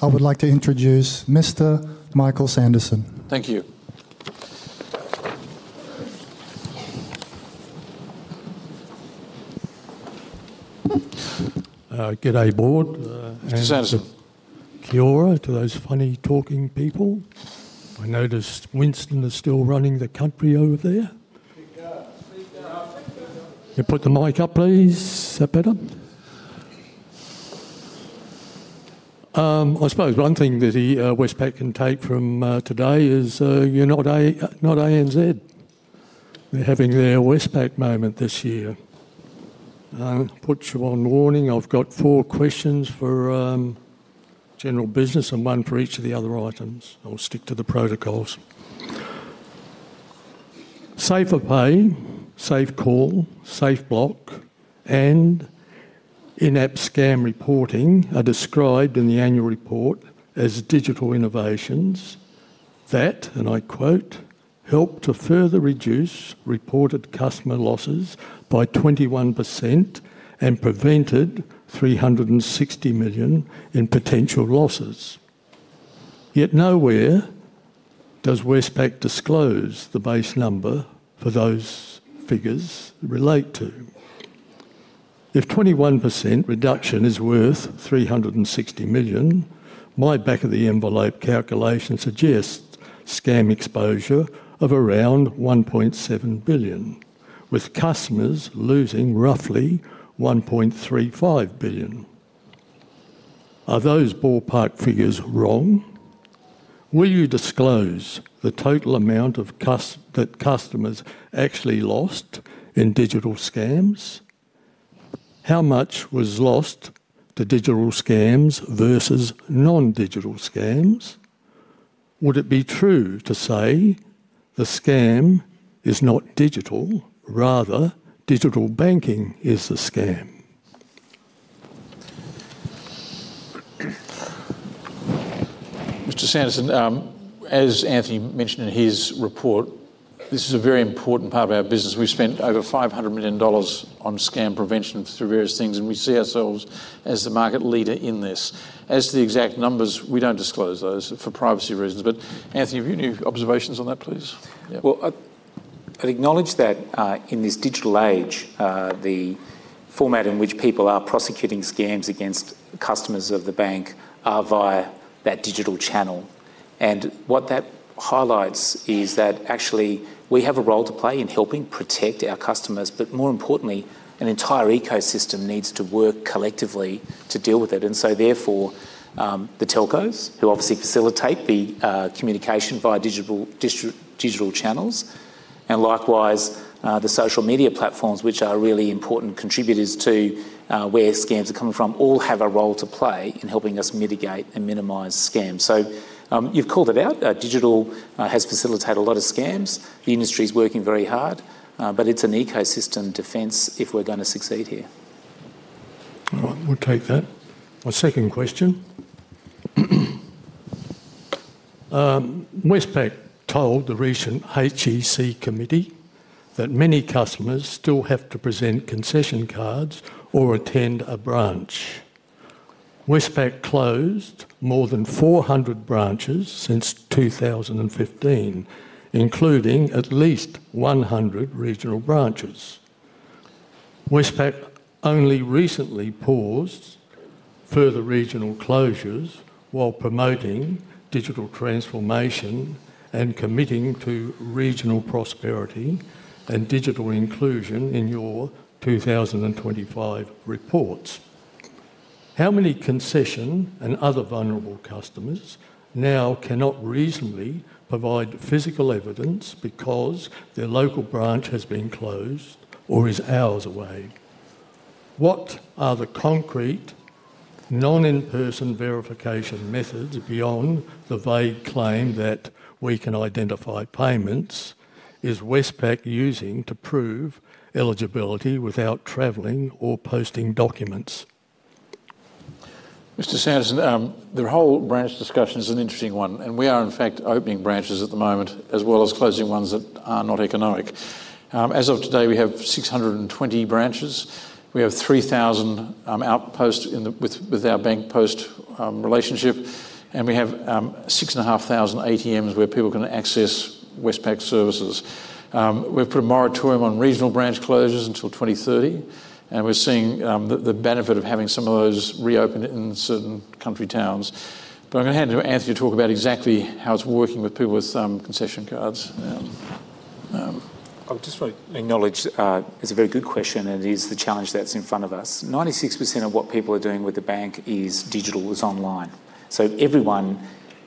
I would like to introduce Mr. Michael Sanderson. Thank you. G'day, board. Mr. Sanderson. Kia ora to those funny talking people. I noticed Winston is still running the country over there. Speak up. Speak up. You put the mic up, please. Is that better? I suppose one thing that Westpac can take from today is you're not ANZ. They're having their Westpac moment this year. Put you on warning. I've got four questions for general business and one for each of the other items. I'll stick to the protocols. Safer Pay, SafeCall, SafeBlock, and in-app scam reporting are described in the annual report as digital innovations that, and I quote, "helped to further reduce reported customer losses by 21% and prevented 360 million in potential losses." Yet nowhere does Westpac disclose the base number for those figures it relates to. If 21% reduction is worth 360 million, my back-of-the-envelope calculation suggests scam exposure of around 1.7 billion, with customers losing roughly 1.35 billion. Are those ballpark figures wrong? Will you disclose the total amount that customers actually lost in digital scams? How much was lost to digital scams versus non-digital scams? Would it be true to say the scam is not digital, rather digital banking is the scam? Mr. Sanderson, as Anthony mentioned in his report, this is a very important part of our business. We've spent over 500 million dollars on scam prevention through various things, and we see ourselves as the market leader in this. As to the exact numbers, we don't disclose those for privacy reasons. But Anthony, have you any observations on that, please? Well, I'd acknowledge that in this digital age, the format in which people are prosecuting scams against customers of the bank are via that digital channel. And what that highlights is that actually we have a role to play in helping protect our customers, but more importantly, an entire ecosystem needs to work collectively to deal with it. And so therefore, the telcos, who obviously facilitate the communication via digital channels, and likewise the social media platforms, which are really important contributors to where scams are coming from, all have a role to play in helping us mitigate and minimize scams. So you've called it out. Digital has facilitated a lot of scams. The industry is working very hard, but it's an ecosystem defense if we're going to succeed here. All right, we'll take that. My second question. Westpac told the recent HEC committee that many customers still have to present concession cards or attend a branch. Westpac closed more than 400 branches since 2015, including at least 100 regional branches. Westpac only recently paused further regional closures while promoting digital transformation and committing to regional prosperity and digital inclusion in your 2025 reports. How many concession and other vulnerable customers now cannot reasonably provide physical evidence because their local branch has been closed or is hours away? What are the concrete non-in-person verification methods beyond the vague claim that we can identify payments? Is Westpac using to prove eligibility without traveling or posting documents? Mr. Sanderson, the whole branch discussion is an interesting one, and we are in fact opening branches at the moment as well as closing ones that are not economic. As of today, we have 620 branches. We have 3,000 outposts with our Bank@Post relationship, and we have 6,500 ATMs where people can access Westpac services. We've put a moratorium on regional branch closures until 2030, and we're seeing the benefit of having some of those reopened in certain country towns. But I'm going to hand it over to Anthony to talk about exactly how it's working with people with concession cards. I'll just acknowledge it's a very good question, and it is the challenge that's in front of us. 96% of what people are doing with the bank is digital, is online. So everyone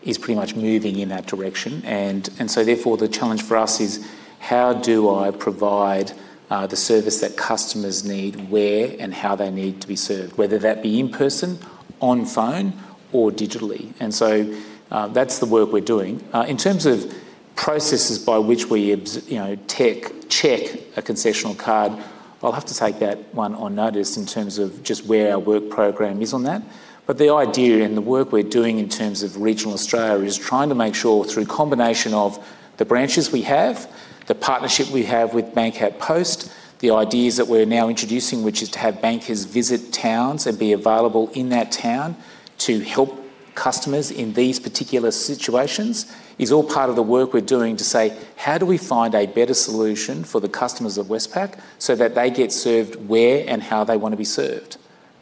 is pretty much moving in that direction. And so therefore, the challenge for us is, how do I provide the service that customers need, where and how they need to be served, whether that be in person, on phone, or digitally? And so that's the work we're doing. In terms of processes by which we check a concessional card, I'll have to take that one on notice in terms of just where our work program is on that. But the idea and the work we're doing in terms of regional Australia is trying to make sure through a combination of the branches we have, the partnership we have with Bank@Post, the ideas that we're now introducing, which is to have bankers visit towns and be available in that town to help customers in these particular situations, is all part of the work we're doing to say, how do we find a better solution for the customers of Westpac so that they get served where and how they want to be served?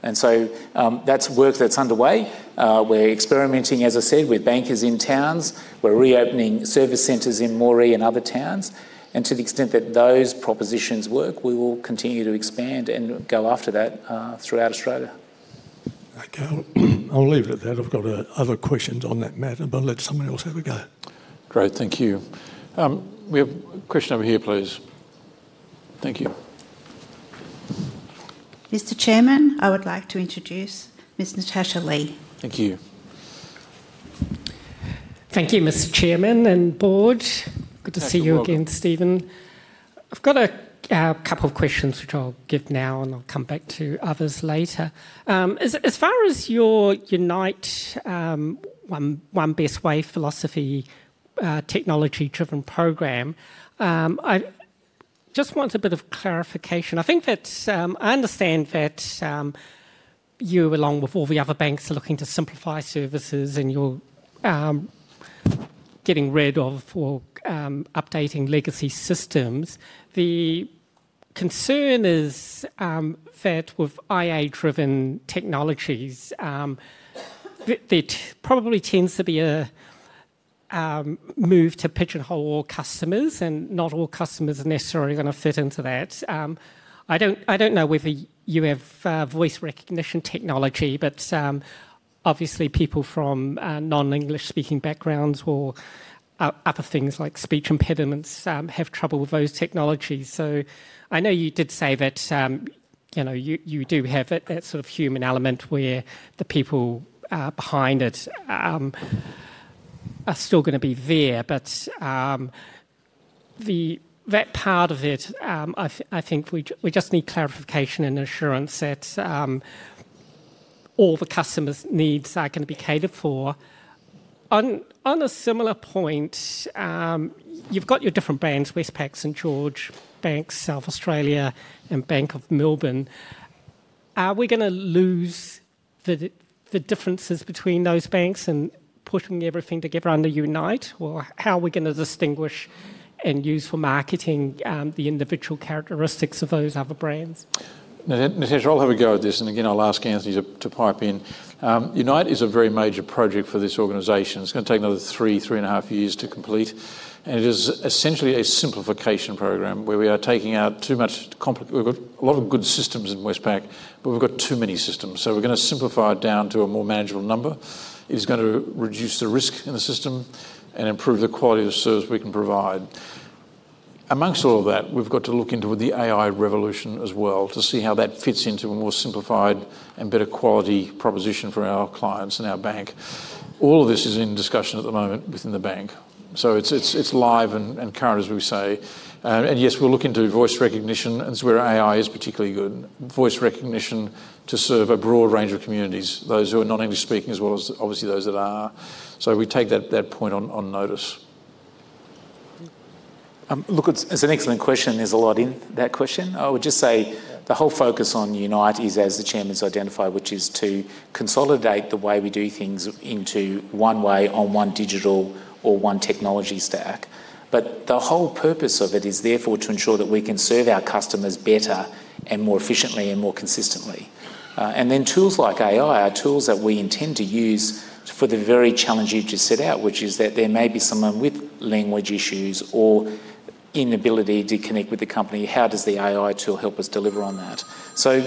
And so that's work that's underway. We're experimenting, as I said, with bankers in towns. We're reopening service centers in Moree and other towns. And to the extent that those propositions work, we will continue to expand and go after that throughout Australia. Okay, I'll leave it at that. I've got other questions on that matter, but let someone else have a go. Great, thank you. We have a question over here, please. Thank you. Mr. Chairman, I would like to introduce Ms. Natasha Lee. Thank you. Thank you, Mr. Chairman and board. Good to see you again, Stephen. I've got a couple of questions, which I'll give now, and I'll come back to others later. As far as your UNITE One Best Way philosophy, technology-driven program, I just want a bit of clarification. I think that I understand that you, along with all the other banks, are looking to simplify services and you're getting rid of or updating legacy systems. The concern is that with AI-driven technologies, there probably tends to be a move to pigeonhole all customers, and not all customers are necessarily going to fit into that. I don't know whether you have voice recognition technology, but obviously people from non-English speaking backgrounds or other things like speech impediments have trouble with those technologies. So I know you did say that you do have that sort of human element where the people behind it are still going to be there. But that part of it, I think we just need clarification and assurance that all the customers' needs are going to be catered for. On a similar point, you've got your different brands, Westpac, St. George Bank, South Australia, and Bank of Melbourne. Are we going to lose the differences between those banks and putting everything together under UNITE? Or how are we going to distinguish and use for marketing the individual characteristics of those other brands? Natasha will have a go at this, and again, I'll ask Anthony to pipe in. UNITE is a very major project for this organization. It's going to take another three, three and a half years to complete. And it is essentially a simplification program where we are taking out too much complex. We've got a lot of good systems in Westpac, but we've got too many systems. So we're going to simplify it down to a more manageable number. It's going to reduce the risk in the system and improve the quality of service we can provide. Among all of that, we've got to look into the AI revolution as well to see how that fits into a more simplified and better quality proposition for our clients and our bank. All of this is in discussion at the moment within the bank. So it's live and current, as we say. And yes, we're looking to voice recognition, and it's where AI is particularly good. Voice recognition to serve a broad range of communities, those who are non-English speaking as well as obviously those that are. So we take that point on notice. Look, it's an excellent question. There's a lot in that question. I would just say the whole focus on UNITE is, as the chairman's identified, which is to consolidate the way we do things into one way on one digital or one technology stack. But the whole purpose of it is therefore to ensure that we can serve our customers better and more efficiently and more consistently. And then tools like AI are tools that we intend to use for the very challenge you just set out, which is that there may be someone with language issues or inability to connect with the company. How does the AI tool help us deliver on that? So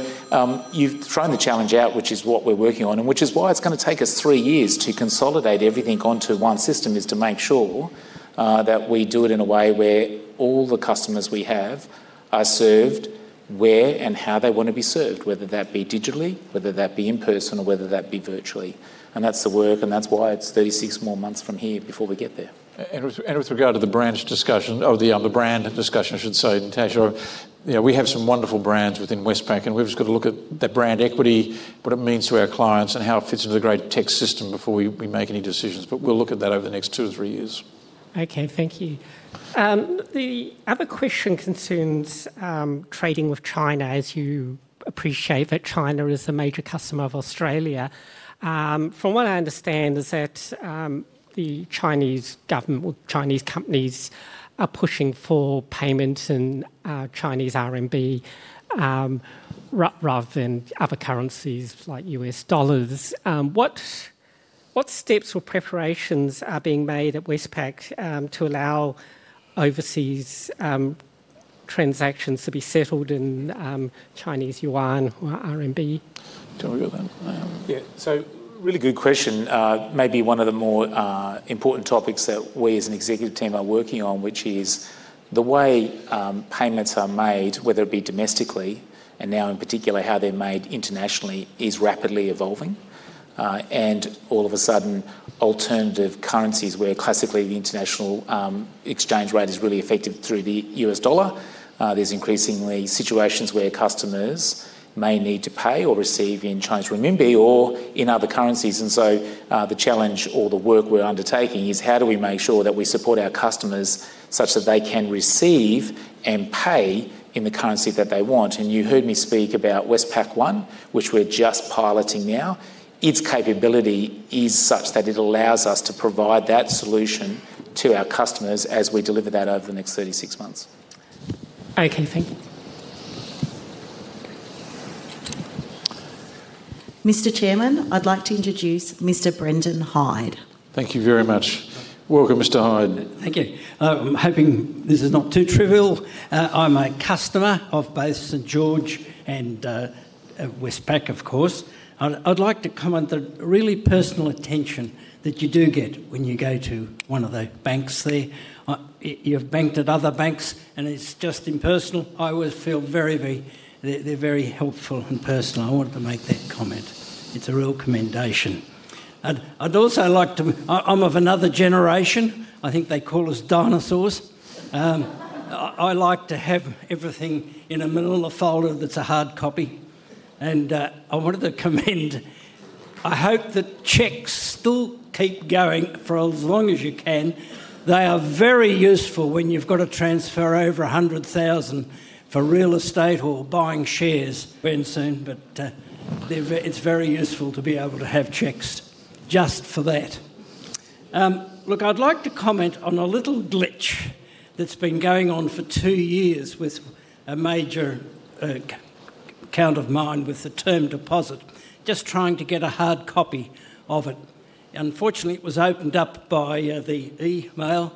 you've thrown the challenge out, which is what we're working on, and which is why it's going to take us three years to consolidate everything onto one system is to make sure that we do it in a way where all the customers we have are served where and how they want to be served, whether that be digitally, whether that be in person, or whether that be virtually. And that's the work, and that's why it's 36 more months from here before we get there. And with regard to the brand discussion, or the brand discussion, I should say, Natasha, we have some wonderful brands within Westpac, and we've just got to look at that brand equity, what it means to our clients, and how it fits into the great tech system before we make any decisions. But we'll look at that over the next two or three years. Okay, thank you. The other question concerns trading with China, as you appreciate that China is a major customer of Australia. From what I understand, is that the Chinese government or Chinese companies are pushing for payments in Chinese RMB rather than other currencies like U.S. dollars. What steps or preparations are being made at Westpac to allow overseas transactions to be settled in Chinese yuan or RMB? Tell me about that. Yeah, so really good question. Maybe one of the more important topics that we as an executive team are working on, which is the way payments are made, whether it be domestically and now in particular how they're made internationally, is rapidly evolving. And all of a sudden, alternative currencies where classically the international exchange rate is really effective through the U.S. dollar, there's increasingly situations where customers may need to pay or receive in Chinese RMB or in other currencies. And so the challenge or the work we're undertaking is how do we make sure that we support our customers such that they can receive and pay in the currency that they want? And you heard me speak about Westpac One, which we're just piloting now. Its capability is such that it allows us to provide that solution to our customers as we deliver that over the next 36 months. Okay, thank you. Mr. Chairman, I'd like to introduce Mr. Brendan Hyde. Thank you very much. Welcome, Mr. Hyde. Thank you. I'm hoping this is not too trivial. I'm a customer of both St. George and Westpac, of course. I'd like to comment that really personal attention that you do get when you go to one of the banks there. You've banked at other banks, and it's just impersonal. I always feel very, very they're very helpful and personal. I wanted to make that comment. It's a real commendation. I'd also like to. I'm of another generation. I think they call us dinosaurs. I like to have everything in a manila folder that's a hard copy, and I wanted to commend. I hope that checks still keep going for as long as you can. They are very useful when you've got to transfer over 100,000 for real estate or buying shares. Very soon, but it's very useful to be able to have checks just for that. Look, I'd like to comment on a little glitch that's been going on for two years with a major account of mine with the term deposit, just trying to get a hard copy of it. Unfortunately, it was opened up by the email,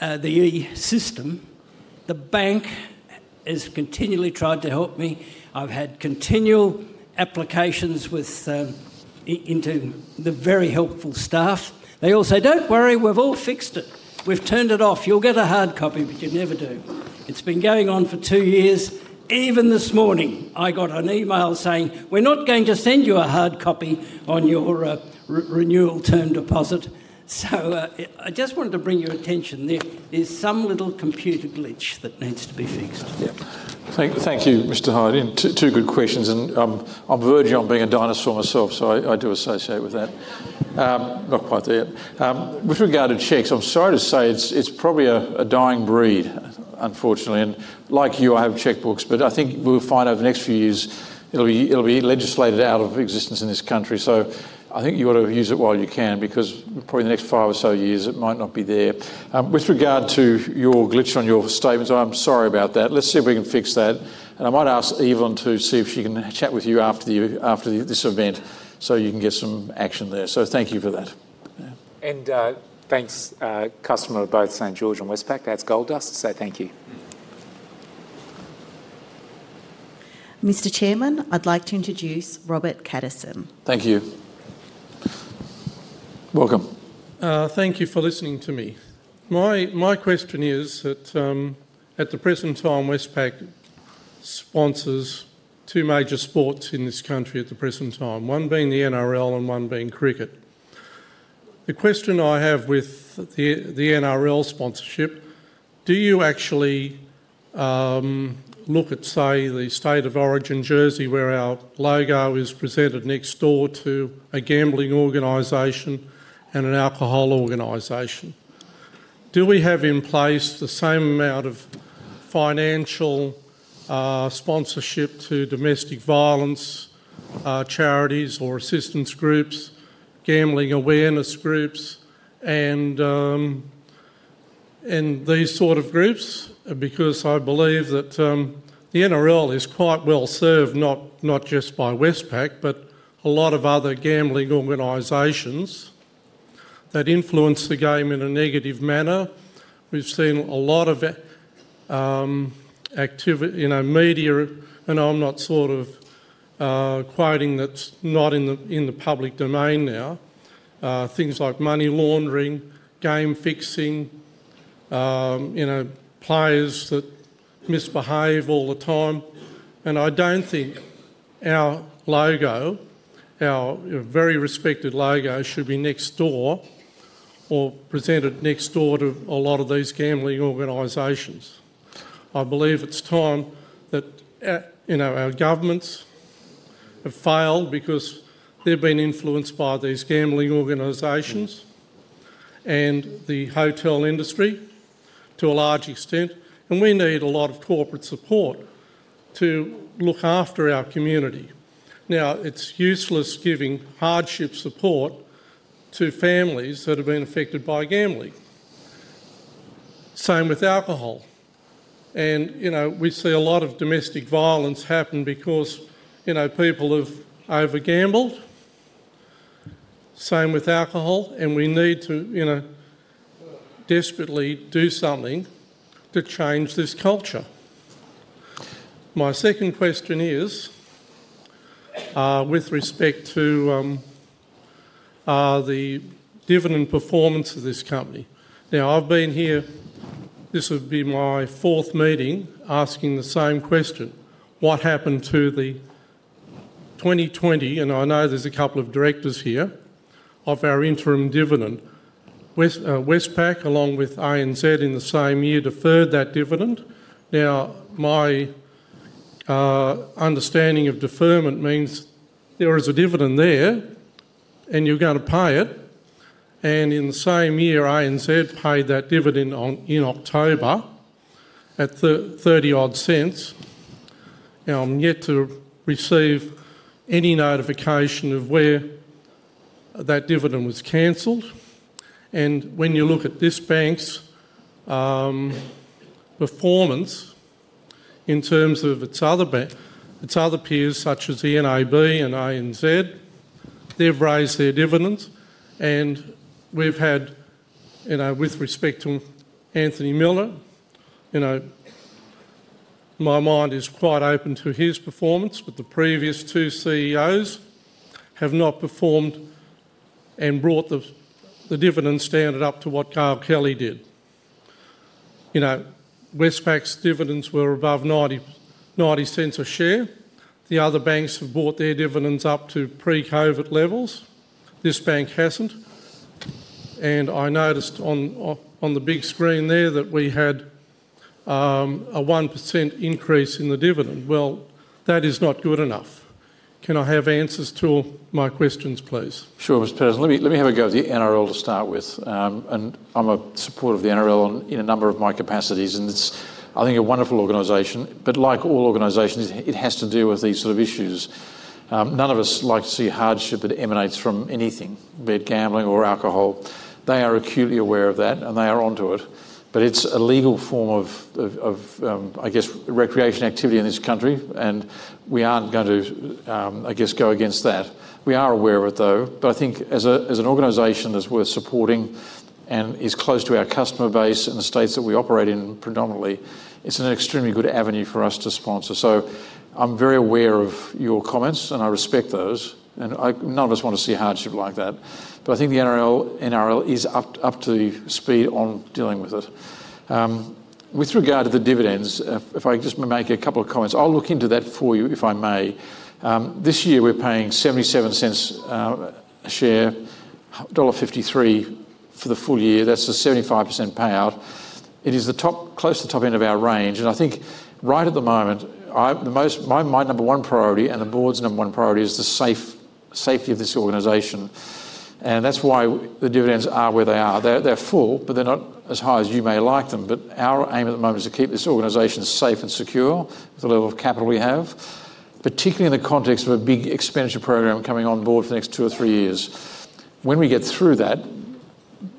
the e-system. The bank has continually tried to help me. I've had continual applications to the very helpful staff. They all say, "Don't worry, we've all fixed it. We've turned it off. You'll get a hard copy, but you never do." It's been going on for two years. Even this morning, I got an email saying, "We're not going to send you a hard copy on your renewal term deposit." So I just wanted to bring your attention. There is some little computer glitch that needs to be fixed. Yeah, thank you, Mr. Hyde. Two good questions. And I'm verging on being a dinosaur myself, so I do associate with that. Not quite there. With regard to checks, I'm sorry to say it's probably a dying breed, unfortunately. And like you, I have checkbooks, but I think we'll find over the next few years, it'll be legislated out of existence in this country. So I think you ought to use it while you can because probably in the next five or so years, it might not be there. With regard to your glitch on your statements, I'm sorry about that. Let's see if we can fix that. And I might ask Evelyn to see if she can chat with you after this event so you can get some action there. So thank you for that. And thanks, customer of both St. George and Westpac. That's gold dust. So thank you. Mr. Chairman, I'd like to introduce Robert Caddeson. Thank you. Welcome. Thank you for listening to me. My question is that at the present time, Westpac sponsors two major sports in this country at the present time, one being the NRL and one being cricket. The question I have with the NRL sponsorship, do you actually look at, say, the State of Origin jersey, where our logo is presented next door to a gambling organization and an alcohol organization? Do we have in place the same amount of financial sponsorship to domestic violence charities or assistance groups, gambling awareness groups, and these sort of groups? Because I believe that the NRL is quite well served, not just by Westpac, but a lot of other gambling organizations that influence the game in a negative manner. We've seen a lot of activity in our media, and I'm not sort of quoting that's not in the public domain now, things like money laundering, game fixing, players that misbehave all the time. And I don't think our logo, our very respected logo, should be next door or presented next door to a lot of these gambling organizations. I believe it's time that our governments have failed because they've been influenced by these gambling organizations and the hotel industry to a large extent. And we need a lot of corporate support to look after our community. Now, it's useless giving hardship support to families that have been affected by gambling. Same with alcohol. And we see a lot of domestic violence happen because people have over-gambled. Same with alcohol. And we need to desperately do something to change this culture. My second question is with respect to the dividend performance of this company. Now, I've been here, this would be my fourth meeting asking the same question. What happened to the 2020? And I know there's a couple of directors here of our interim dividend. Westpac, along with ANZ in the same year, deferred that dividend. Now, my understanding of deferment means there is a dividend there, and you're going to pay it. And in the same year, ANZ paid that dividend in October at the 30-odd cents. Now, I'm yet to receive any notification of where that dividend was canceled. And when you look at this bank's performance in terms of its other peers, such as the NAB and ANZ, they've raised their dividends. We've had, with respect to Anthony Miller, my mind is quite open to his performance, but the previous two CEOs have not performed and brought the dividend standard up to what Gail Kelly did. Westpac's dividends were above 0.90 a share. The other banks have brought their dividends up to pre-COVID levels. This bank hasn't. And I noticed on the big screen there that we had a 1% increase in the dividend. Well, that is not good enough. Can I have answers to my questions, please? Sure, Mr. President. Let me have a go at the NRL to start with. And I'm a supporter of the NRL in a number of my capacities, and it's, I think, a wonderful organization. But like all organizations, it has to deal with these sort of issues. None of us like to see hardship that emanates from anything, be it gambling or alcohol. They are acutely aware of that, and they are onto it. But it's a legal form of, I guess, recreation activity in this country, and we aren't going to, I guess, go against that. We are aware of it, though. But I think as an organization that's worth supporting and is close to our customer base in the states that we operate in predominantly, it's an extremely good avenue for us to sponsor. So I'm very aware of your comments, and I respect those. And none of us want to see hardship like that. But I think the NRL is up to speed on dealing with it. With regard to the dividends, if I just may make a couple of comments, I'll look into that for you, if I may. This year, we're paying 0.77 a share, dollar 1.53 for the full year. That's a 75% payout. It is close to the top end of our range, and I think right at the moment, my number one priority and the board's number one priority is the safety of this organization, and that's why the dividends are where they are. They're full, but they're not as high as you may like them, but our aim at the moment is to keep this organization safe and secure with the level of capital we have, particularly in the context of a big expenditure program coming on board for the next two or three years. When we get through that,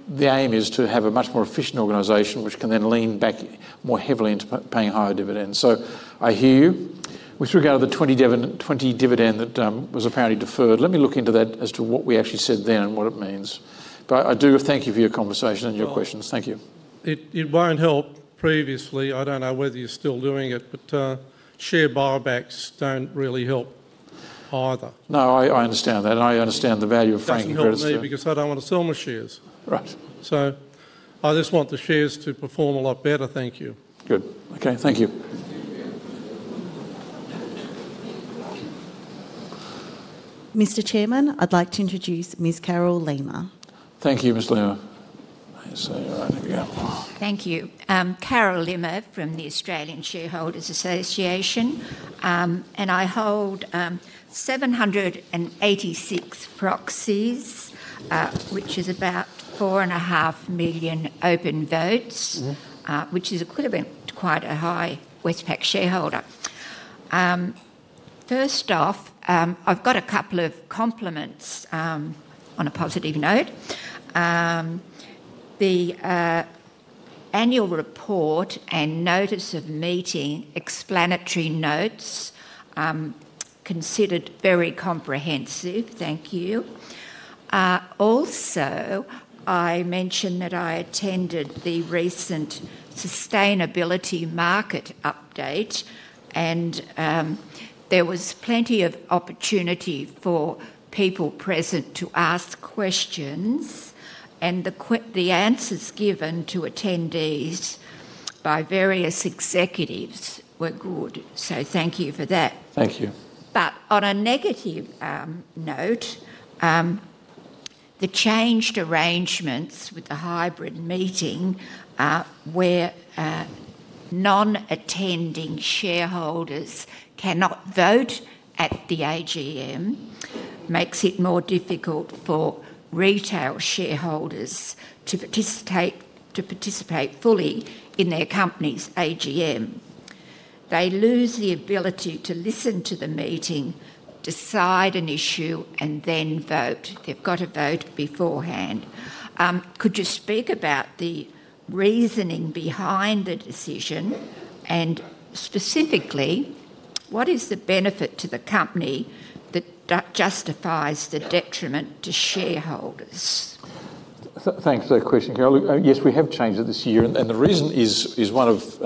the aim is to have a much more efficient organization, which can then lean back more heavily into paying higher dividends, so I hear you. With regard to the 2020 dividend that was apparently deferred, let me look into that as to what we actually said then and what it means. But I do thank you for your conversation and your questions. Thank you. It won't help previously. I don't know whether you're still doing it, but share buybacks don't really help either. No, I understand that. And I understand the value of franking credits. That's not me because I don't want to sell my shares. Right. So I just want the shares to perform a lot better. Thank you. Good. Okay, thank you. Mr. Chairman, I'd like to introduce Ms. Carol Limmer. Thank you, Ms. Limmer. There you go. Thank you. Carol Limmer from the Australian Shareholders' Association. And I hold 786 proxies, which is about 4.5 million open votes, which is equivalent to quite a high Westpac shareholder. First off, I've got a couple of compliments on a positive note. The annual report and notice of meeting explanatory notes, considered very comprehensive. Thank you. Also, I mentioned that I attended the recent sustainability market update, and there was plenty of opportunity for people present to ask questions, and the answers given to attendees by various executives were good, so thank you for that. Thank you, but on a negative note, the changed arrangements with the hybrid meeting where non-attending shareholders cannot vote at the AGM makes it more difficult for retail shareholders to participate fully in their company's AGM. They lose the ability to listen to the meeting, decide an issue, and then vote. They've got to vote beforehand. Could you speak about the reasoning behind the decision, and specifically, what is the benefit to the company that justifies the detriment to shareholders? Thanks for that question, Carol. Yes, we have changed it this year, and the reason is one of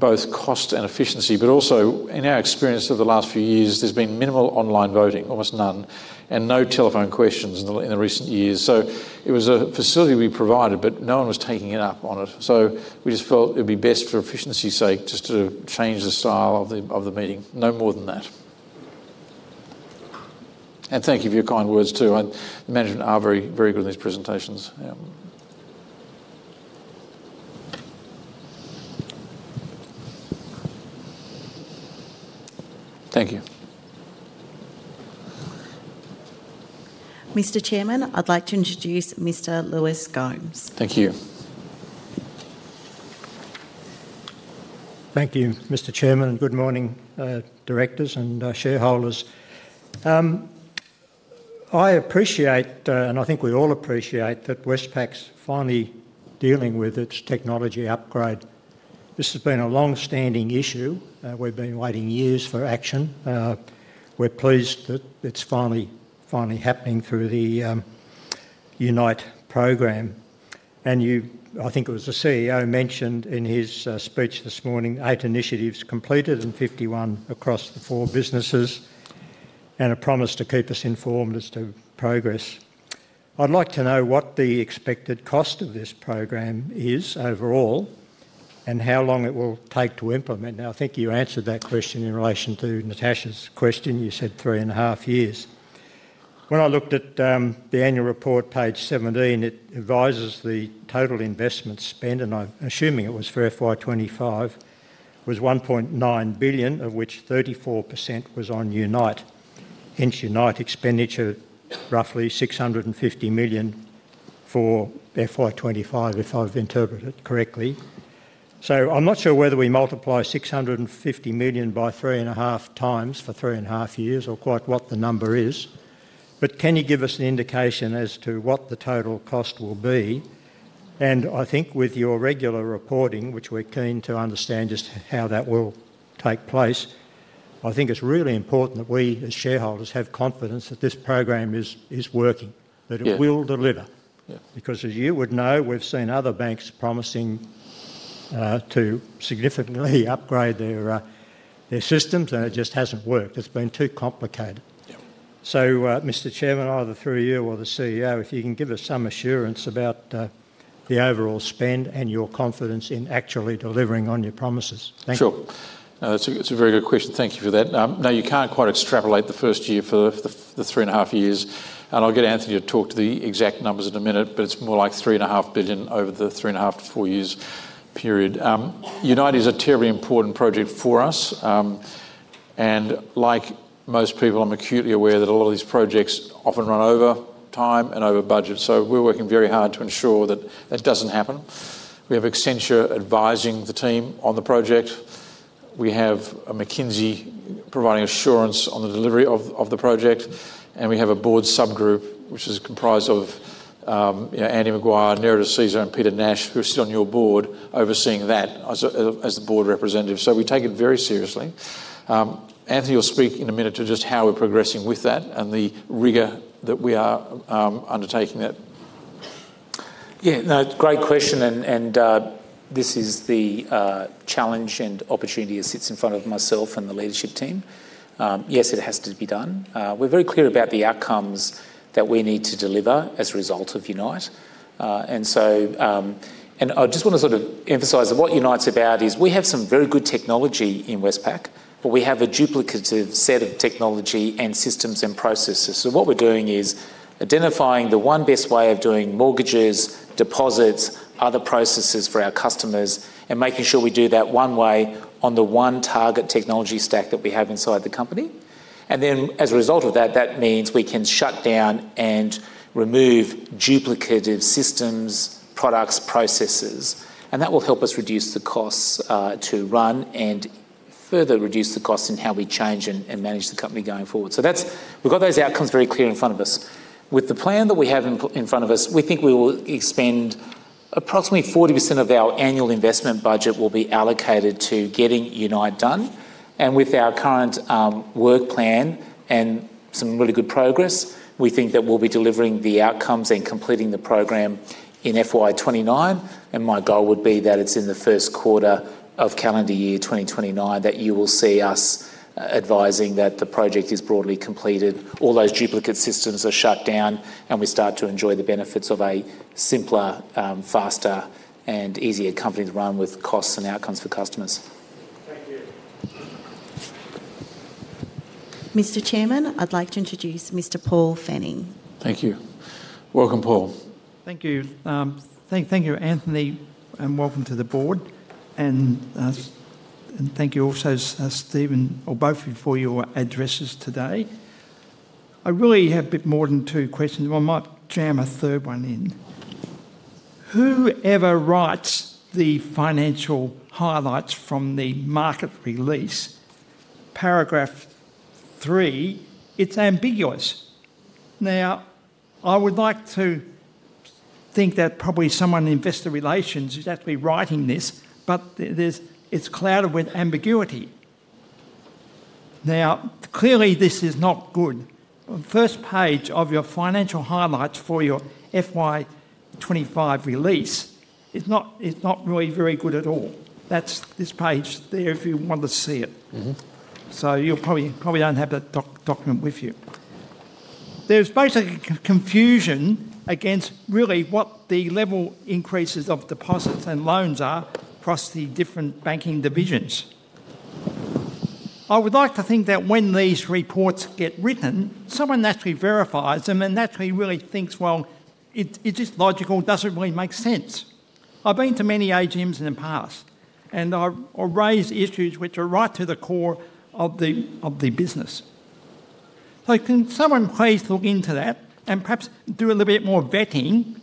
both cost and efficiency, but also in our experience of the last few years, there's been minimal online voting, almost none, and no telephone questions in the recent years. So it was a facility we provided, but no one was taking it up on it. So we just felt it would be best for efficiency's sake just to change the style of the meeting. No more than that, and thank you for your kind words too. The management are very, very good in these presentations. Thank you. Mr. Chairman, I'd like to introduce Mr. Louis Gomes. Thank you. Thank you, Mr. Chairman, and good morning, directors and shareholders. I appreciate, and I think we all appreciate that Westpac's finally dealing with its technology upgrade. This has been a long-standing issue. We've been waiting years for action. We're pleased that it's finally happening through the UNITE program, and I think it was the CEO mentioned in his speech this morning, eight initiatives completed and 51 across the four businesses, and a promise to keep us informed as to progress. I'd like to know what the expected cost of this program is overall and how long it will take to implement. Now, I think you answered that question in relation to Natasha's question. You said three and a half years. When I looked at the annual report, page 17, it advises the total investment spent, and I'm assuming it was for FY25, was 1.9 billion, of which 34% was on UNITE. Hence, UNITE expenditure, roughly 650 million for FY25, if I've interpreted it correctly. So I'm not sure whether we multiply 650 million by three and a half times for three and a half years or quite what the number is. But can you give us an indication as to what the total cost will be? And I think with your regular reporting, which we're keen to understand just how that will take place, I think it's really important that we as shareholders have confidence that this program is working, that it will deliver. Because as you would know, we've seen other banks promising to significantly upgrade their systems, and it just hasn't worked. It's been too complicated. So, Mr. Chairman, either through you or the CEO, if you can give us some assurance about the overall spend and your confidence in actually delivering on your promises. Thank you. Sure. It's a very good question. Thank you for that. Now, you can't quite extrapolate the first year for the 3.5 years. And I'll get Anthony to talk to the exact numbers in a minute, but it's more like 3.5 billion over the 3.5-4 years period. UNITE is a terribly important project for us. And like most people, I'm acutely aware that a lot of these projects often run over time and over budget. So we're working very hard to ensure that that doesn't happen. We have Accenture advising the team on the project. We have McKinsey providing assurance on the delivery of the project. And we have a board subgroup, which is comprised of Andy Maguire, Nerida Caesar, and Peter Nash, who are still on your board, overseeing that as the board representative. So we take it very seriously. Anthony will speak in a minute to just how we're progressing with that and the rigor that we are undertaking that. Yeah, no, great question. And this is the challenge and opportunity that sits in front of myself and the leadership team. Yes, it has to be done. We're very clear about the outcomes that we need to deliver as a result of UNITE. And I just want to sort of emphasize that what UNITE's about is we have some very good technology in Westpac, but we have a duplicative set of technology and systems and processes. So what we're doing is identifying the one best way of doing mortgages, deposits, other processes for our customers, and making sure we do that one way on the one target technology stack that we have inside the company. And then, as a result of that, that means we can shut down and remove duplicative systems, products, processes. And that will help us reduce the costs to run and further reduce the costs in how we change and manage the company going forward. So we've got those outcomes very clear in front of us. With the plan that we have in front of us, we think we will expend approximately 40% of our annual investment budget will be allocated to getting UNITE done. And with our current work plan and some really good progress, we think that we'll be delivering the outcomes and completing the program in FY29. And my goal would be that it's in the first quarter of calendar year 2029 that you will see us advising that the project is broadly completed, all those duplicate systems are shut down, and we start to enjoy the benefits of a simpler, faster, and easier company to run with costs and outcomes for customers. Thank you. Mr. Chairman, I'd like to introduce Mr. Paul Fenning. Thank you. Welcome, Paul. Thank you. Thank you, Anthony, and welcome to the board. And thank you also, Steven, or both of you, for your addresses today. I really have a bit more than two questions. I might jam a third one in. Whoever writes the financial highlights from the market release, paragraph three, it's ambiguous. Now, I would like to think that probably someone in investor relations is actually writing this, but it's clouded with ambiguity. Now, clearly, this is not good. The first page of your financial highlights for your FY25 release is not really very good at all. That's this page there if you want to see it. So you probably don't have that document with you. There's basically confusion against really what the level increases of deposits and loans are across the different banking divisions. I would like to think that when these reports get written, someone naturally verifies them and naturally really thinks, well, it's just logical, doesn't really make sense. I've been to many AGMs in the past, and I've raised issues which are right to the core of the business. So can someone please look into that and perhaps do a little bit more vetting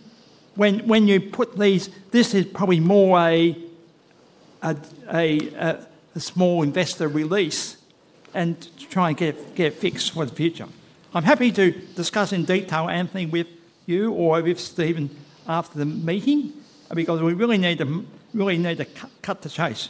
when you put these? This is probably more a small investor release and trying to get it fixed for the future. I'm happy to discuss in detail, Anthony, with you or with Stephen after the meeting because we really need to cut to chase.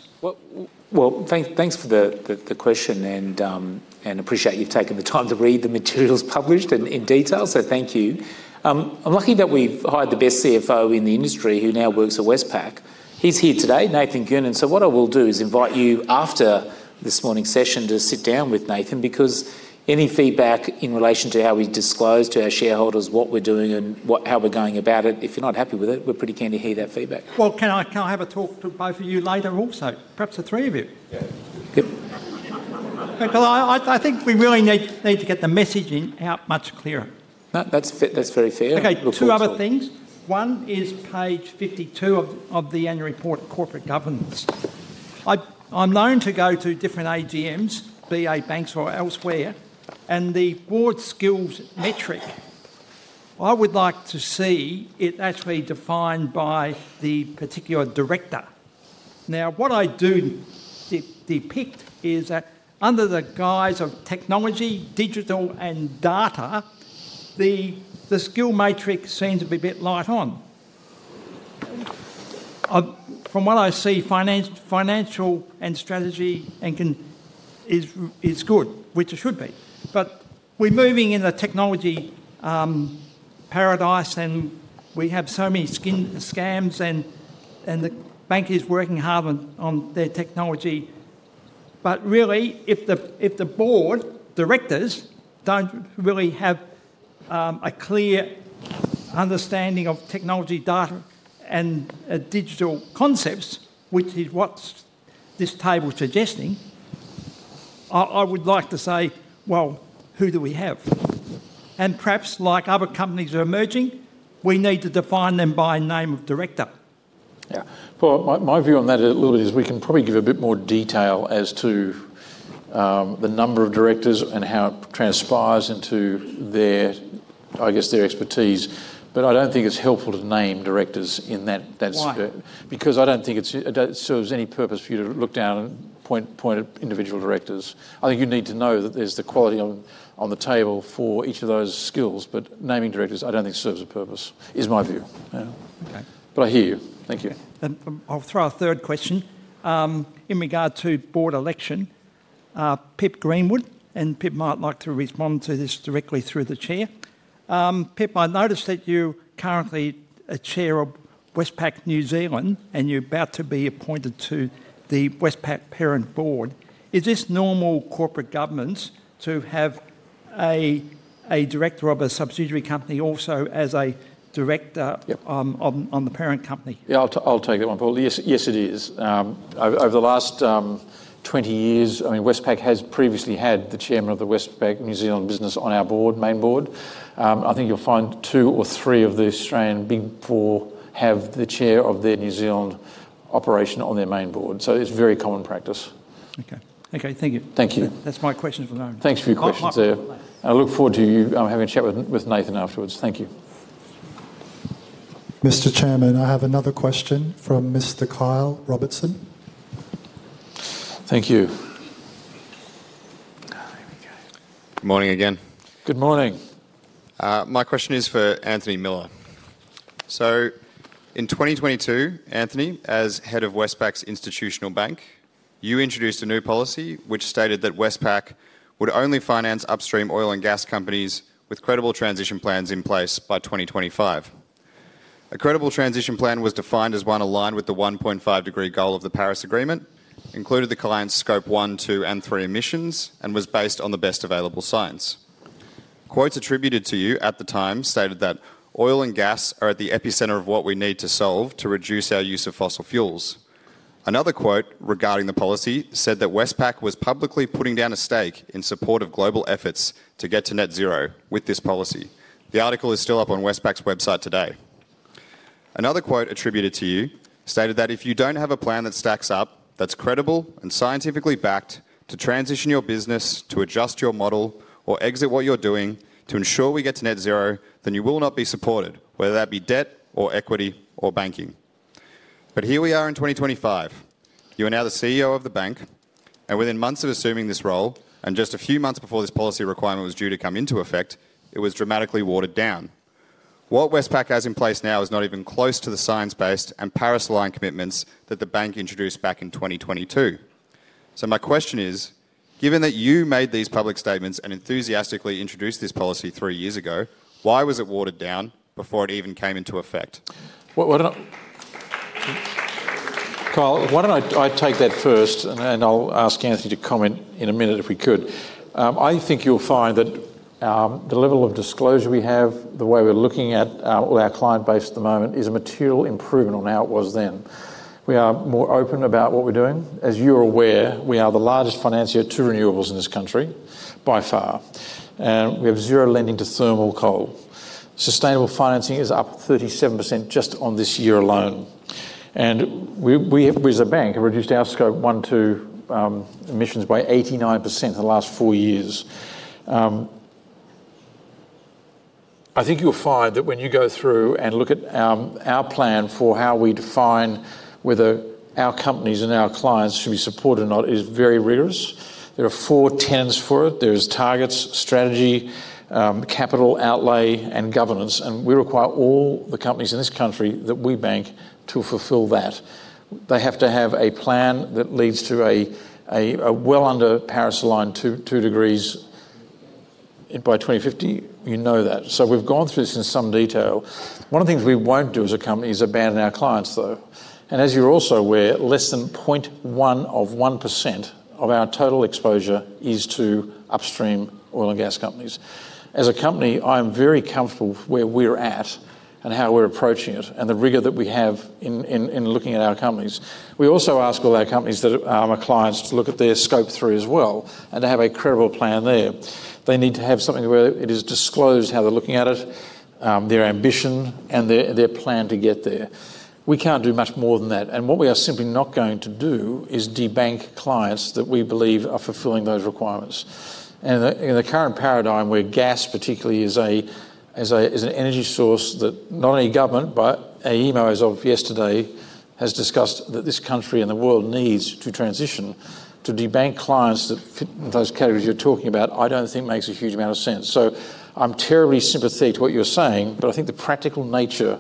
Well, thanks for the question and appreciate you've taken the time to read the materials published in detail. So thank you. I'm lucky that we've hired the best CFO in the industry who now works at Westpac. He's here today, Nathan Goonan. So what I will do is invite you after this morning's session to sit down with Nathan because any feedback in relation to how we disclose to our shareholders what we're doing and how we're going about it, if you're not happy with it, we're pretty keen to hear that feedback. Well, can I have a talk to both of you later also, perhaps the three of you? Yeah. Because I think we really need to get the messaging out much clearer. That's very fair. Okay, two other things. One is page 52 of the annual report, corporate governance. I'm known to go to different AGMs, big banks or elsewhere, and the board skills metric. I would like to see it actually defined by the particular director. Now, what I detect is that under the guise of technology, digital, and data, the skill matrix seems to be a bit light on. From what I see, financial and strategy is good, which it should be. But we're moving in a technology paradise and we have so many scams and the bank is working hard on their technology. But really, if the board directors don't really have a clear understanding of technology, data, and digital concepts, which is what this table is suggesting, I would like to say, well, who do we have? And perhaps, like other companies that are emerging, we need to define them by name of director. Yeah. My view on that a little bit is we can probably give a bit more detail as to the number of directors and how it transpires into, I guess, their expertise. But I don't think it's helpful to name directors in that spirit because I don't think it serves any purpose for you to look down and point at individual directors. I think you need to know that there's the quality on the table for each of those skills, but naming directors, I don't think serves a purpose, is my view. But I hear you. Thank you. And I'll throw a third question in regard to board election. Pip Greenwood, and Pip might like to respond to this directly through the chair. Pip, I noticed that you're currently a chair of Westpac New Zealand and you're about to be appointed to the Westpac parent board. Is this normal corporate governance to have a director of a subsidiary company also as a director on the parent company? Yeah, I'll take that one, Paul. Yes, it is. Over the last 20 years, I mean, Westpac has previously had the chairman of the Westpac New Zealand business on our board, main board. I think you'll find two or three of the Australian big four have the chair of their New Zealand operation on their main board. So it's very common practice. Okay. Okay, thank you. Thank you. That's my question for now. Thanks for your questions there. And I look forward to having a chat with Nathan afterwards. Thank you. Mr. Chairman, I have another question from Mr. Kyle Robertson. Thank you. Good morning again. Good morning. My question is for Anthony Miller. So in 2022, Anthony, as head of Westpac's institutional bank, you introduced a new policy which stated that Westpac would only finance upstream oil and gas companies with credible transition plans in place by 2025. A credible transition plan was defined as one aligned with the 1.5-degree goal of the Paris Agreement, included the client's scope one, two, and three emissions, and was based on the best available science. Quotes attributed to you at the time stated that oil and gas are at the epicenter of what we need to solve to reduce our use of fossil fuels. Another quote regarding the policy said that Westpac was publicly putting down a stake in support of global efforts to get to net zero with this policy. The article is still up on Westpac's website today. Another quote attributed to you stated that if you don't have a plan that stacks up, that's credible and scientifically backed to transition your business, to adjust your model, or exit what you're doing to ensure we get to net zero, then you will not be supported, whether that be debt or equity or banking. But here we are in 2025. You are now the CEO of the bank, and within months of assuming this role and just a few months before this policy requirement was due to come into effect, it was dramatically watered down. What Westpac has in place now is not even close to the science-based and Paris-aligned commitments that the bank introduced back in 2022. So my question is, given that you made these public statements and enthusiastically introduced this policy three years ago, why was it watered down before it even came into effect? Kyle, why don't I take that first and I'll ask Anthony to comment in a minute if we could. I think you'll find that the level of disclosure we have, the way we're looking at our client base at the moment, is a material improvement on how it was then. We are more open about what we're doing. As you're aware, we are the largest financier to renewables in this country by far, and we have zero lending to thermal coal. Sustainable financing is up 37% just on this year alone, and we, as a bank, have reduced our Scope 1, 2 emissions by 89% in the last four years. I think you'll find that when you go through and look at our plan for how we define whether our companies and our clients should be supported or not is very rigorous. There are four tenets for it. There is targets, strategy, capital outlay, and governance. And we require all the companies in this country that we bank to fulfill that. They have to have a plan that leads to a well under Paris aligned two degrees by 2050. You know that. So we've gone through this in some detail. One of the things we won't do as a company is abandon our clients, though. And as you're also aware, less than 0.1 of 1% of our total exposure is to upstream oil and gas companies. As a company, I am very comfortable where we're at and how we're approaching it and the rigor that we have in looking at our companies. We also ask all our companies that are our clients to look at their Scope 3 as well and to have a credible plan there. They need to have something where it is disclosed how they're looking at it, their ambition, and their plan to get there. We can't do much more than that. And what we are simply not going to do is debank clients that we believe are fulfilling those requirements. And in the current paradigm, where gas particularly is an energy source that not only government, but AEMO of yesterday has discussed that this country and the world needs to transition to. Debank clients that those categories you're talking about, I don't think makes a huge amount of sense. So I'm terribly sympathetic to what you're saying, but I think the practical nature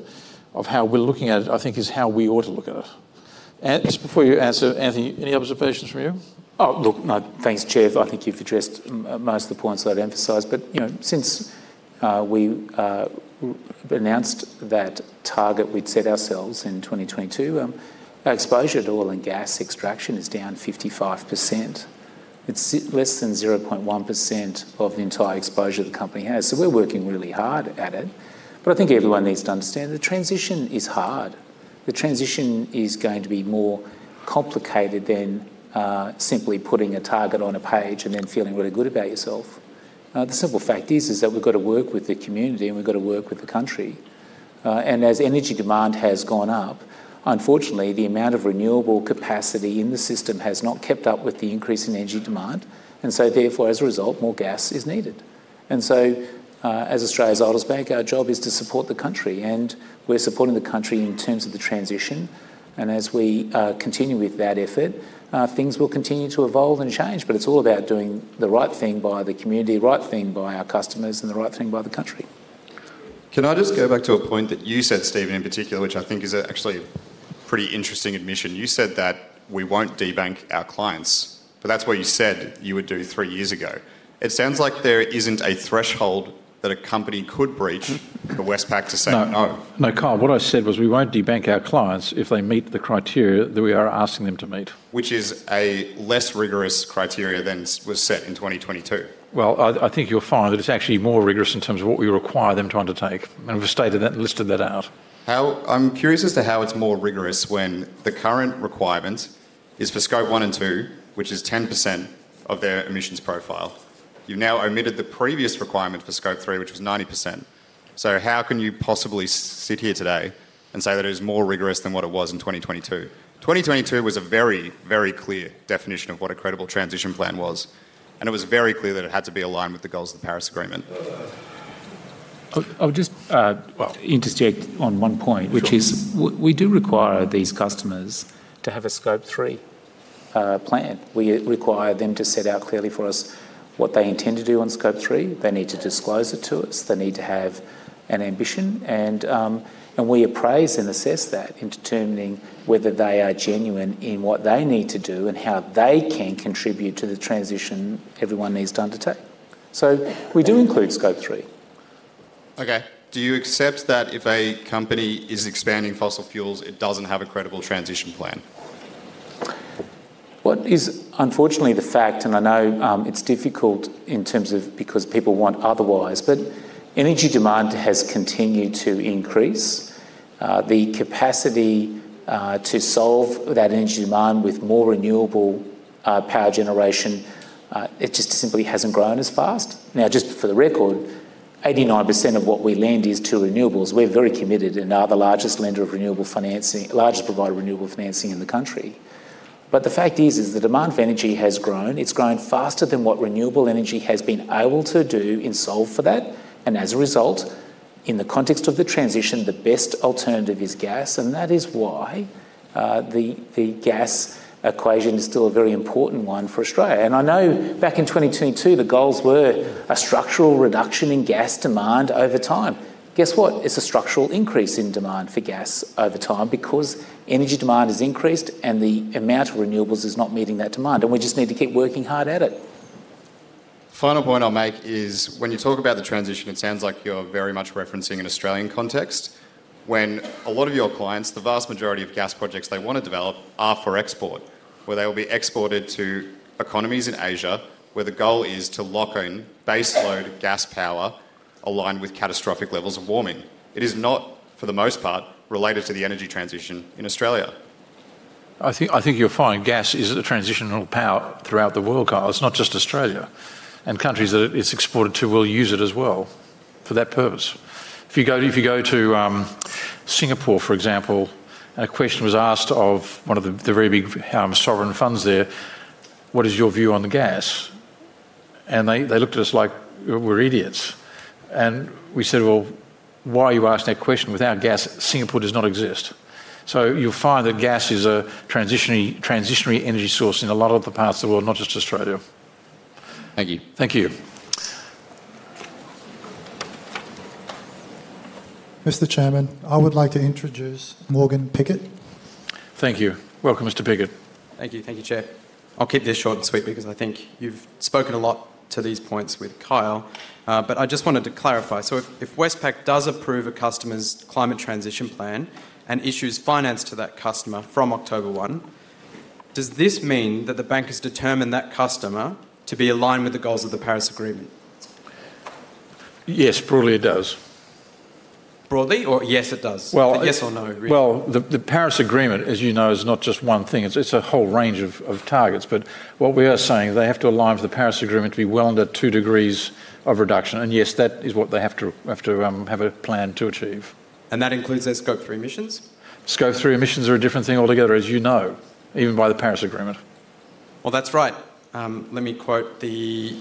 of how we're looking at it, I think, is how we ought to look at it. And just before you answer, Anthony, any observations from you? Oh, look, thanks, Chair. I think you've addressed most of the points that I'd emphasized. But since we announced that target we'd set ourselves in 2022, our exposure to oil and gas extraction is down 55%. It's less than 0.1% of the entire exposure the company has. So we're working really hard at it. But I think everyone needs to understand the transition is hard. The transition is going to be more complicated than simply putting a target on a page and then feeling really good about yourself. The simple fact is that we've got to work with the community and we've got to work with the country. And as energy demand has gone up, unfortunately, the amount of renewable capacity in the system has not kept up with the increase in energy demand. And so therefore, as a result, more gas is needed. And so as Australia's oldest bank, our job is to support the country. And we're supporting the country in terms of the transition. And as we continue with that effort, things will continue to evolve and change. But it's all about doing the right thing by the community, the right thing by our customers, and the right thing by the country. Can I just go back to a point that you said, Stephen, in particular, which I think is actually a pretty interesting admission? You said that we won't debank our clients. But that's what you said you would do three years ago. It sounds like there isn't a threshold that a company could breach for Westpac to say no. No, Kyle, what I said was we won't debank our clients if they meet the criteria that we are asking them to meet. Which is a less rigorous criteria than was set in 2022. Well, I think you'll find that it's actually more rigorous in terms of what we require them to undertake. And we've stated that and listed that out. I'm curious as to how it's more rigorous when the current requirement is for Scope 1 and 2, which is 10% of their emissions profile. You've now omitted the previous requirement for Scope 3, which was 90%. So how can you possibly sit here today and say that it is more rigorous than what it was in 2022? 2022 was a very, very clear definition of what a credible transition plan was. And it was very clear that it had to be aligned with the goals of the Paris Agreement. I'll just interject on one point, which is we do require these customers to have a Scope 3 plan. We require them to set out clearly for us what they intend to do on Scope 3. They need to disclose it to us. They need to have an ambition. And we appraise and assess that in determining whether they are genuine in what they need to do and how they can contribute to the transition everyone needs to undertake. So we do include Scope 3. Okay. Do you accept that if a company is expanding fossil fuels, it doesn't have a credible transition plan? What is unfortunately the fact, and I know it's difficult in terms of because people want otherwise, but energy demand has continued to increase. The capacity to solve that energy demand with more renewable power generation, it just simply hasn't grown as fast. Now, just for the record, 89% of what we lend is to renewables. We're very committed and are the largest lender of renewable financing, largest provider of renewable financing in the country. But the fact is, the demand for energy has grown. It's grown faster than what renewable energy has been able to do and solve for that. And as a result, in the context of the transition, the best alternative is gas. And that is why the gas equation is still a very important one for Australia. And I know back in 2022, the goals were a structural reduction in gas demand over time. Guess what? It's a structural increase in demand for gas over time because energy demand has increased and the amount of renewables is not meeting that demand. And we just need to keep working hard at it. Final point I'll make is when you talk about the transition, it sounds like you're very much referencing an Australian context. When a lot of your clients, the vast majority of gas projects they want to develop are for export, where they will be exported to economies in Asia where the goal is to lock in baseload gas power aligned with catastrophic levels of warming. It is not, for the most part, related to the energy transition in Australia. I think you'll find gas is a transitional power throughout the world, Kyle. It's not just Australia. And countries that it's exported to will use it as well for that purpose. If you go to Singapore, for example, and a question was asked of one of the very big sovereign funds there, what is your view on the gas, and they looked at us like we're idiots. And we said, well, why are you asking that question without gas? Singapore does not exist. So you'll find that gas is a transitionary energy source in a lot of the parts of the world, not just Australia. Thank you. Thank you. Mr. Chairman, I would like to introduce Morgan Pickett. Thank you. Welcome, Mr. Pickett. Thank you. Thank you, Chair. I'll keep this short and sweet because I think you've spoken a lot to these points with Kyle. But I just wanted to clarify. So if Westpac does approve a customer's climate transition plan and issues finance to that customer from October 1, does this mean that the bank has determined that customer to be aligned with the goals of the Paris Agreement? Yes, broadly it does. Broadly? Or yes, it does? Well. Yes or no? Well, the Paris Agreement, as you know, is not just one thing. It's a whole range of targets. But what we are saying, they have to align with the Paris Agreement to be well under 2 degrees of reduction. And yes, that is what they have to have a plan to achieve. And that includes their Scope 3 emissions? Scope 3 emissions are a different thing altogether, as you know, even by the Paris Agreement. Well, that's right. Let me quote the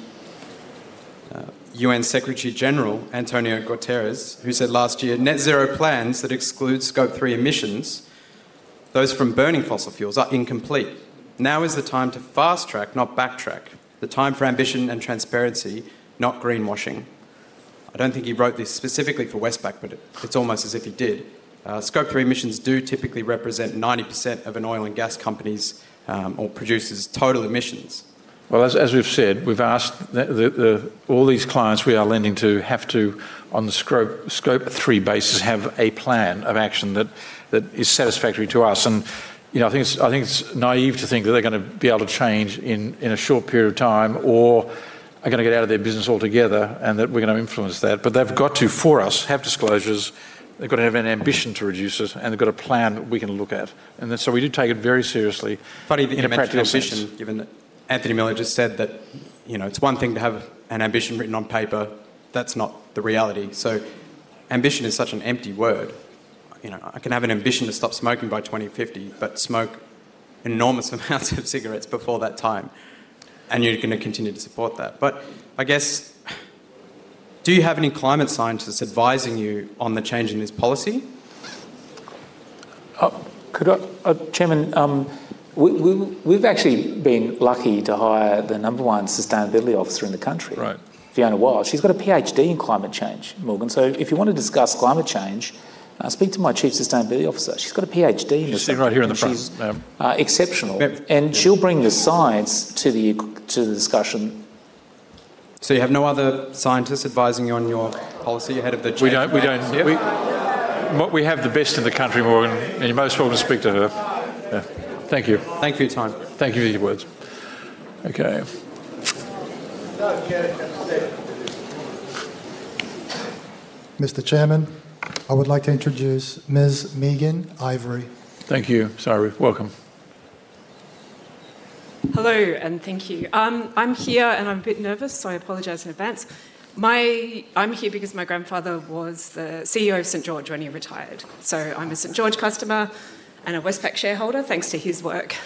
U.N. Secretary General, António Guterres, who said last year, "Net zero plans that exclude Scope 3 emissions, those from burning fossil fuels are incomplete. Now is the time to fast track, not backtrack. The time for ambition and transparency, not greenwashing." I don't think he wrote this specifically for Westpac, but it's almost as if he did. Scope 3 emissions do typically represent 90% of an oil and gas company's or producer's total emissions. Well, as we've said, we've asked all these clients we are lending to have to, on the Scope 3 basis, have a plan of action that is satisfactory to us. And I think it's naive to think that they're going to be able to change in a short period of time or are going to get out of their business altogether and that we're going to influence that. But they've got to, for us, have disclosures. They've got to have an ambition to reduce it, and they've got a plan that we can look at. And so we do take it very seriously. Funny, the practical ambition, given that Anthony Miller just said that it's one thing to have an ambition written on paper. That's not the reality. So ambition is such an empty word. I can have an ambition to stop smoking by 2050, but smoke enormous amounts of cigarettes before that time. And you're going to continue to support that. But I guess, do you have any climate scientists advising you on the change in this policy? Chairman, we've actually been lucky to hire the number one sustainability officer in the country, Fiona Wild. She's got a PhD in climate change, Morgan. So if you want to discuss climate change, speak to my chief sustainability officer. She's got a PhD in sustainability. You see her right here in the front. Exceptional. And she'll bring the science to the discussion. So you have no other scientists advising you on your policy ahead of the Chair? We don't. We have the best in the country, Morgan. And you're most welcome to speak to her. Thank you. Thank you for your time. Thank you for your words. Okay. Mr. Chairman, I would like to introduce Ms. Megan Ivory. Thank you. Sorry. Welcome. Hello, and thank you. I'm here and I'm a bit nervous, so I apologize in advance. I'm here because my grandfather was the CEO of St. George when he retired. So I'm a St. George customer and a Westpac shareholder thanks to his work.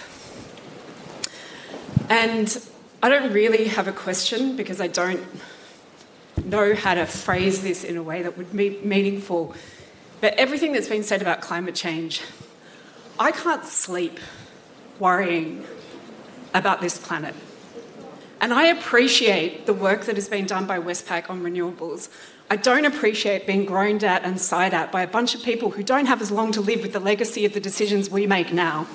And I don't really have a question because I don't know how to phrase this in a way that would be meaningful. But everything that's been said about climate change, I can't sleep worrying about this planet. And I appreciate the work that has been done by Westpac on renewables. I don't appreciate being groaned at and sighed at by a bunch of people who don't have as long to live with the legacy of the decisions we make now.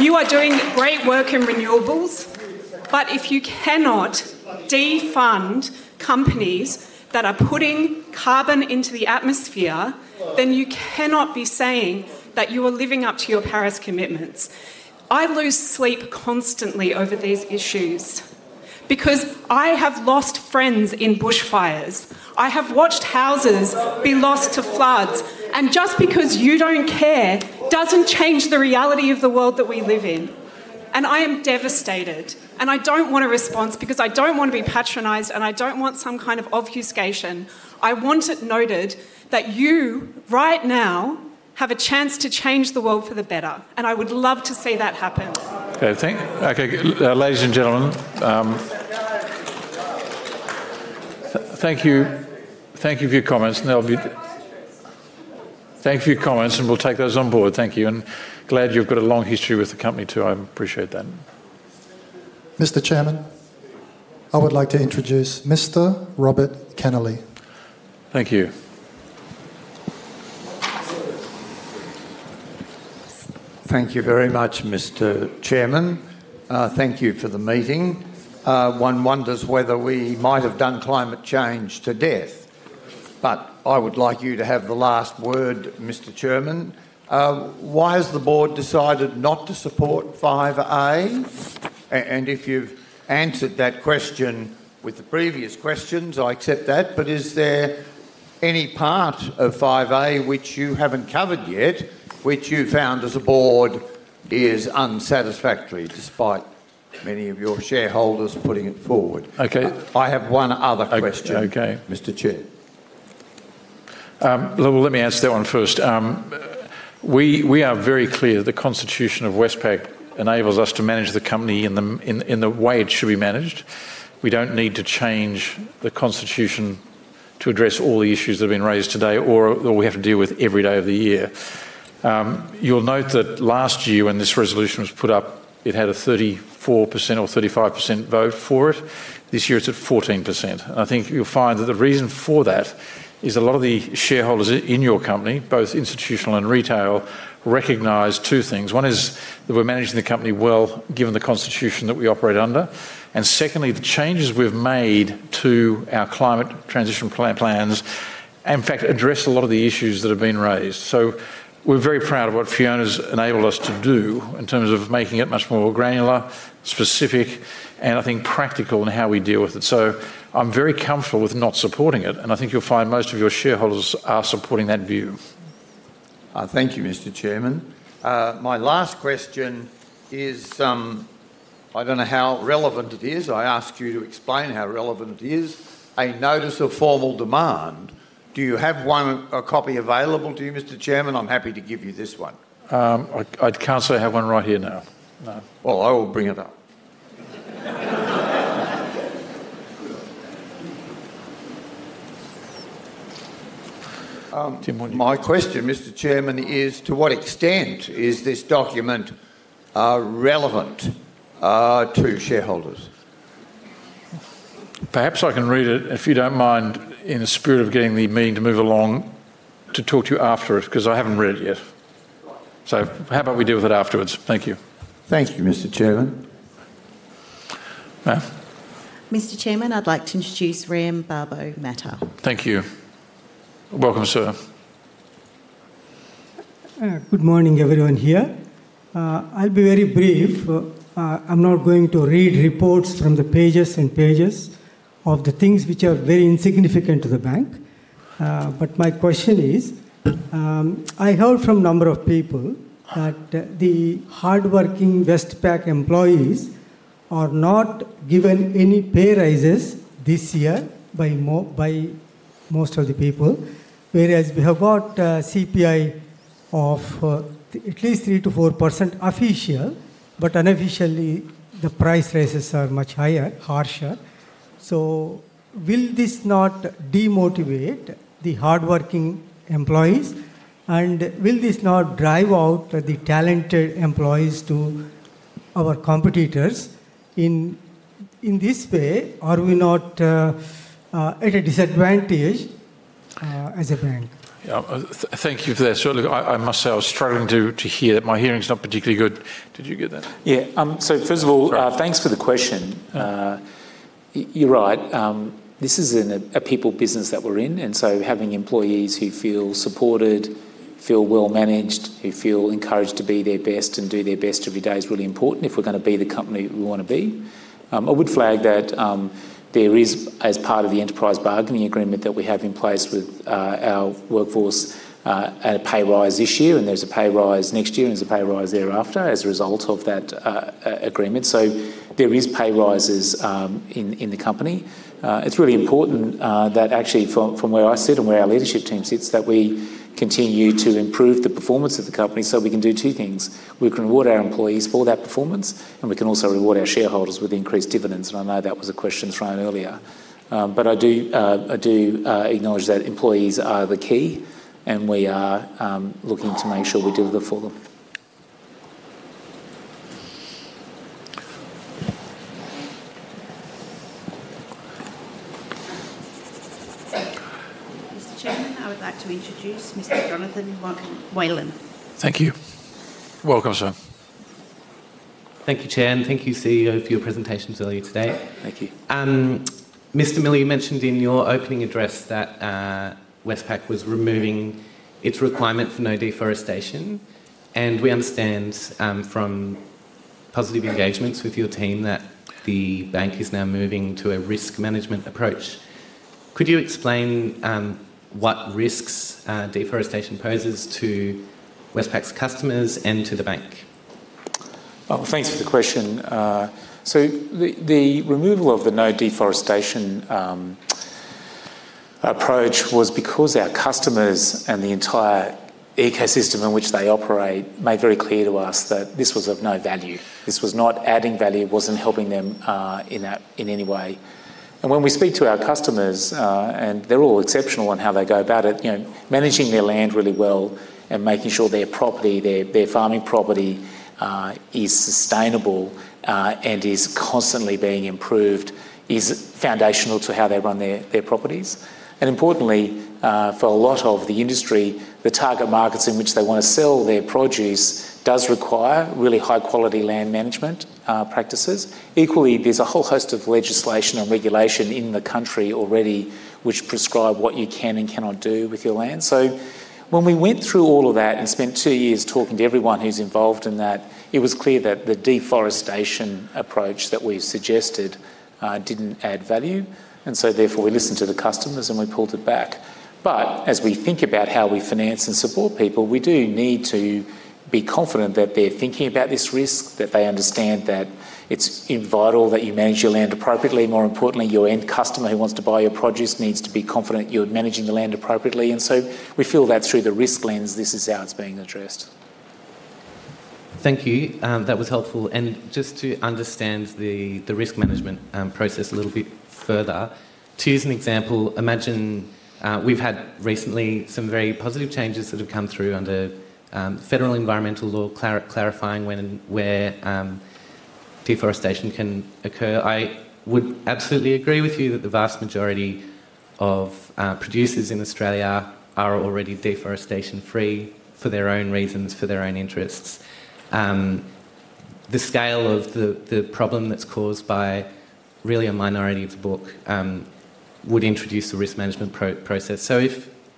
You are doing great work in renewables. But if you cannot defund companies that are putting carbon into the atmosphere, then you cannot be saying that you are living up to your Paris commitments. I lose sleep constantly over these issues because I have lost friends in bushfires. I have watched houses be lost to floods. And just because you don't care doesn't change the reality of the world that we live in. And I am devastated. And I don't want a response because I don't want to be patronized and I don't want some kind of obfuscation. I want it noted that you right now have a chance to change the world for the better. And I would love to see that happen. Okay. Ladies and gentlemen, thank you for your comments. Thank you for your comments, and we'll take those on board. Thank you. And glad you've got a long history with the company too. I appreciate that. Mr. Chairman, I would like to introduce Mr. Robert Kennelly. Thank you. Thank you very much, Mr. Chairman. Thank you for the meeting. One wonders whether we might have done climate change to death. But I would like you to have the last word, Mr. Chairman. Why has the board decided not to support 5A? And if you've answered that question with the previous questions, I accept that. But is there any part of 5A which you haven't covered yet, which you found, as a board, is unsatisfactory despite many of your shareholders putting it forward? I have one other question. Okay. Mr. Chair. Well, let me answer that one first. We are very clear that the constitution of Westpac enables us to manage the company in the way it should be managed. We don't need to change the constitution to address all the issues that have been raised today or we have to deal with every day of the year. You'll note that last year when this resolution was put up, it had a 34% or 35% vote for it. This year it's at 14%, and I think you'll find that the reason for that is a lot of the shareholders in your company, both institutional and retail, recognize two things. One is that we're managing the company well given the constitution that we operate under, and secondly, the changes we've made to our climate transition plans in fact address a lot of the issues that have been raised, so we're very proud of what Fiona has enabled us to do in terms of making it much more granular, specific, and I think practical in how we deal with it. So I'm very comfortable with not supporting it. And I think you'll find most of your shareholders are supporting that view. Thank you, Mr. Chairman. My last question is, I don't know how relevant it is. I ask you to explain how relevant it is. A notice of formal demand. Do you have a copy available to you, Mr. Chairman? I'm happy to give you this one. I can't say I have one right here now. Well, I will bring it up. My question, Mr. Chairman, is to what extent is this document relevant to shareholders? Perhaps I can read it, if you don't mind, in the spirit of getting the meeting to move along to talk to you afterwards because I haven't read it yet. So how about we deal with it afterwards? Thank you. Thank you, Mr. Chairman. Mr. Chairman, I'd like to introduce Rhea Mbabo Mata. Thank you. Welcome, sir. Good morning, everyone here. I'll be very brief. I'm not going to read reports from the pages and pages of the things which are very insignificant to the bank. But my question is, I heard from a number of people that the hardworking Westpac employees are not given any pay raises this year by most of the people, whereas we have got a CPI of at least 3%-4% official, but unofficially the price raises are much higher, harsher. So will this not demotivate the hardworking employees? And will this not drive out the talented employees to our competitors in this way? Are we not at a disadvantage as a bank? Thank you for that. Surely, I must say I was struggling to hear. My hearing's not particularly good. Did you get that? Yeah. So first of all, thanks for the question. You're right. This is a people business that we're in. And so having employees who feel supported, feel well managed, who feel encouraged to be their best and do their best every day is really important if we're going to be the company we want to be. I would flag that there is, as part of the enterprise bargaining agreement that we have in place with our workforce, a pay rise this year, and there's a pay rise next year, and there's a pay rise thereafter as a result of that agreement. So there are pay rises in the company. It's really important that actually, from where I sit and where our leadership team sits, that we continue to improve the performance of the company so we can do two things. We can reward our employees for that performance, and we can also reward our shareholders with increased dividends. And I know that was a question thrown earlier. But I do acknowledge that employees are the key, and we are looking to make sure we deliver for them. Mr. Chairman, I would like to introduce Mr. Jonathan Moylan. Thank you. Welcome, sir. Thank you, Chairman. Thank you, CEO, for your presentation earlier today. Thank you. Mr. Miller, you mentioned in your opening address that Westpac was removing its requirement for no deforestation. And we understand from positive engagements with your team that the bank is now moving to a risk management approach. Could you explain what risks deforestation poses to Westpac's customers and to the bank? Thanks for the question. So the removal of the no deforestation approach was because our customers and the entire ecosystem in which they operate made very clear to us that this was of no value. This was not adding value. It wasn't helping them in any way. And when we speak to our customers, and they're all exceptional in how they go about it, managing their land really well and making sure their property, their farming property, is sustainable and is constantly being improved is foundational to how they run their properties. And importantly, for a lot of the industry, the target markets in which they want to sell their produce do require really high-quality land management practices. Equally, there's a whole host of legislation and regulation in the country already which prescribe what you can and cannot do with your land. So when we went through all of that and spent two years talking to everyone who's involved in that, it was clear that the deforestation approach that we suggested didn't add value. And so therefore, we listened to the customers and we pulled it back. But as we think about how we finance and support people, we do need to be confident that they're thinking about this risk, that they understand that it's vital that you manage your land appropriately. More importantly, your end customer who wants to buy your produce needs to be confident you're managing the land appropriately. And so we feel that through the risk lens, this is how it's being addressed. Thank you. That was helpful. And just to understand the risk management process a little bit further, to use an example, imagine we've had recently some very positive changes that have come through under federal environmental law clarifying when and where deforestation can occur. I would absolutely agree with you that the vast majority of producers in Australia are already deforestation-free for their own reasons, for their own interests. The scale of the problem that's caused by really a minority of the book would introduce a risk management process. So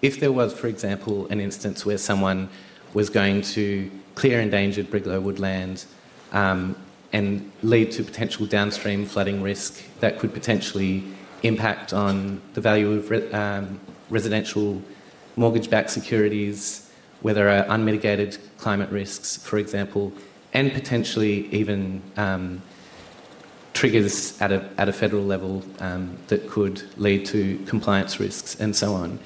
if there was, for example, an instance where someone was going to clear endangered brigalow woodland and lead to potential downstream flooding risk that could potentially impact on the value of residential mortgage-backed securities, whether unmitigated climate risks, for example, and potentially even triggers at a federal level that could lead to compliance risks and so on.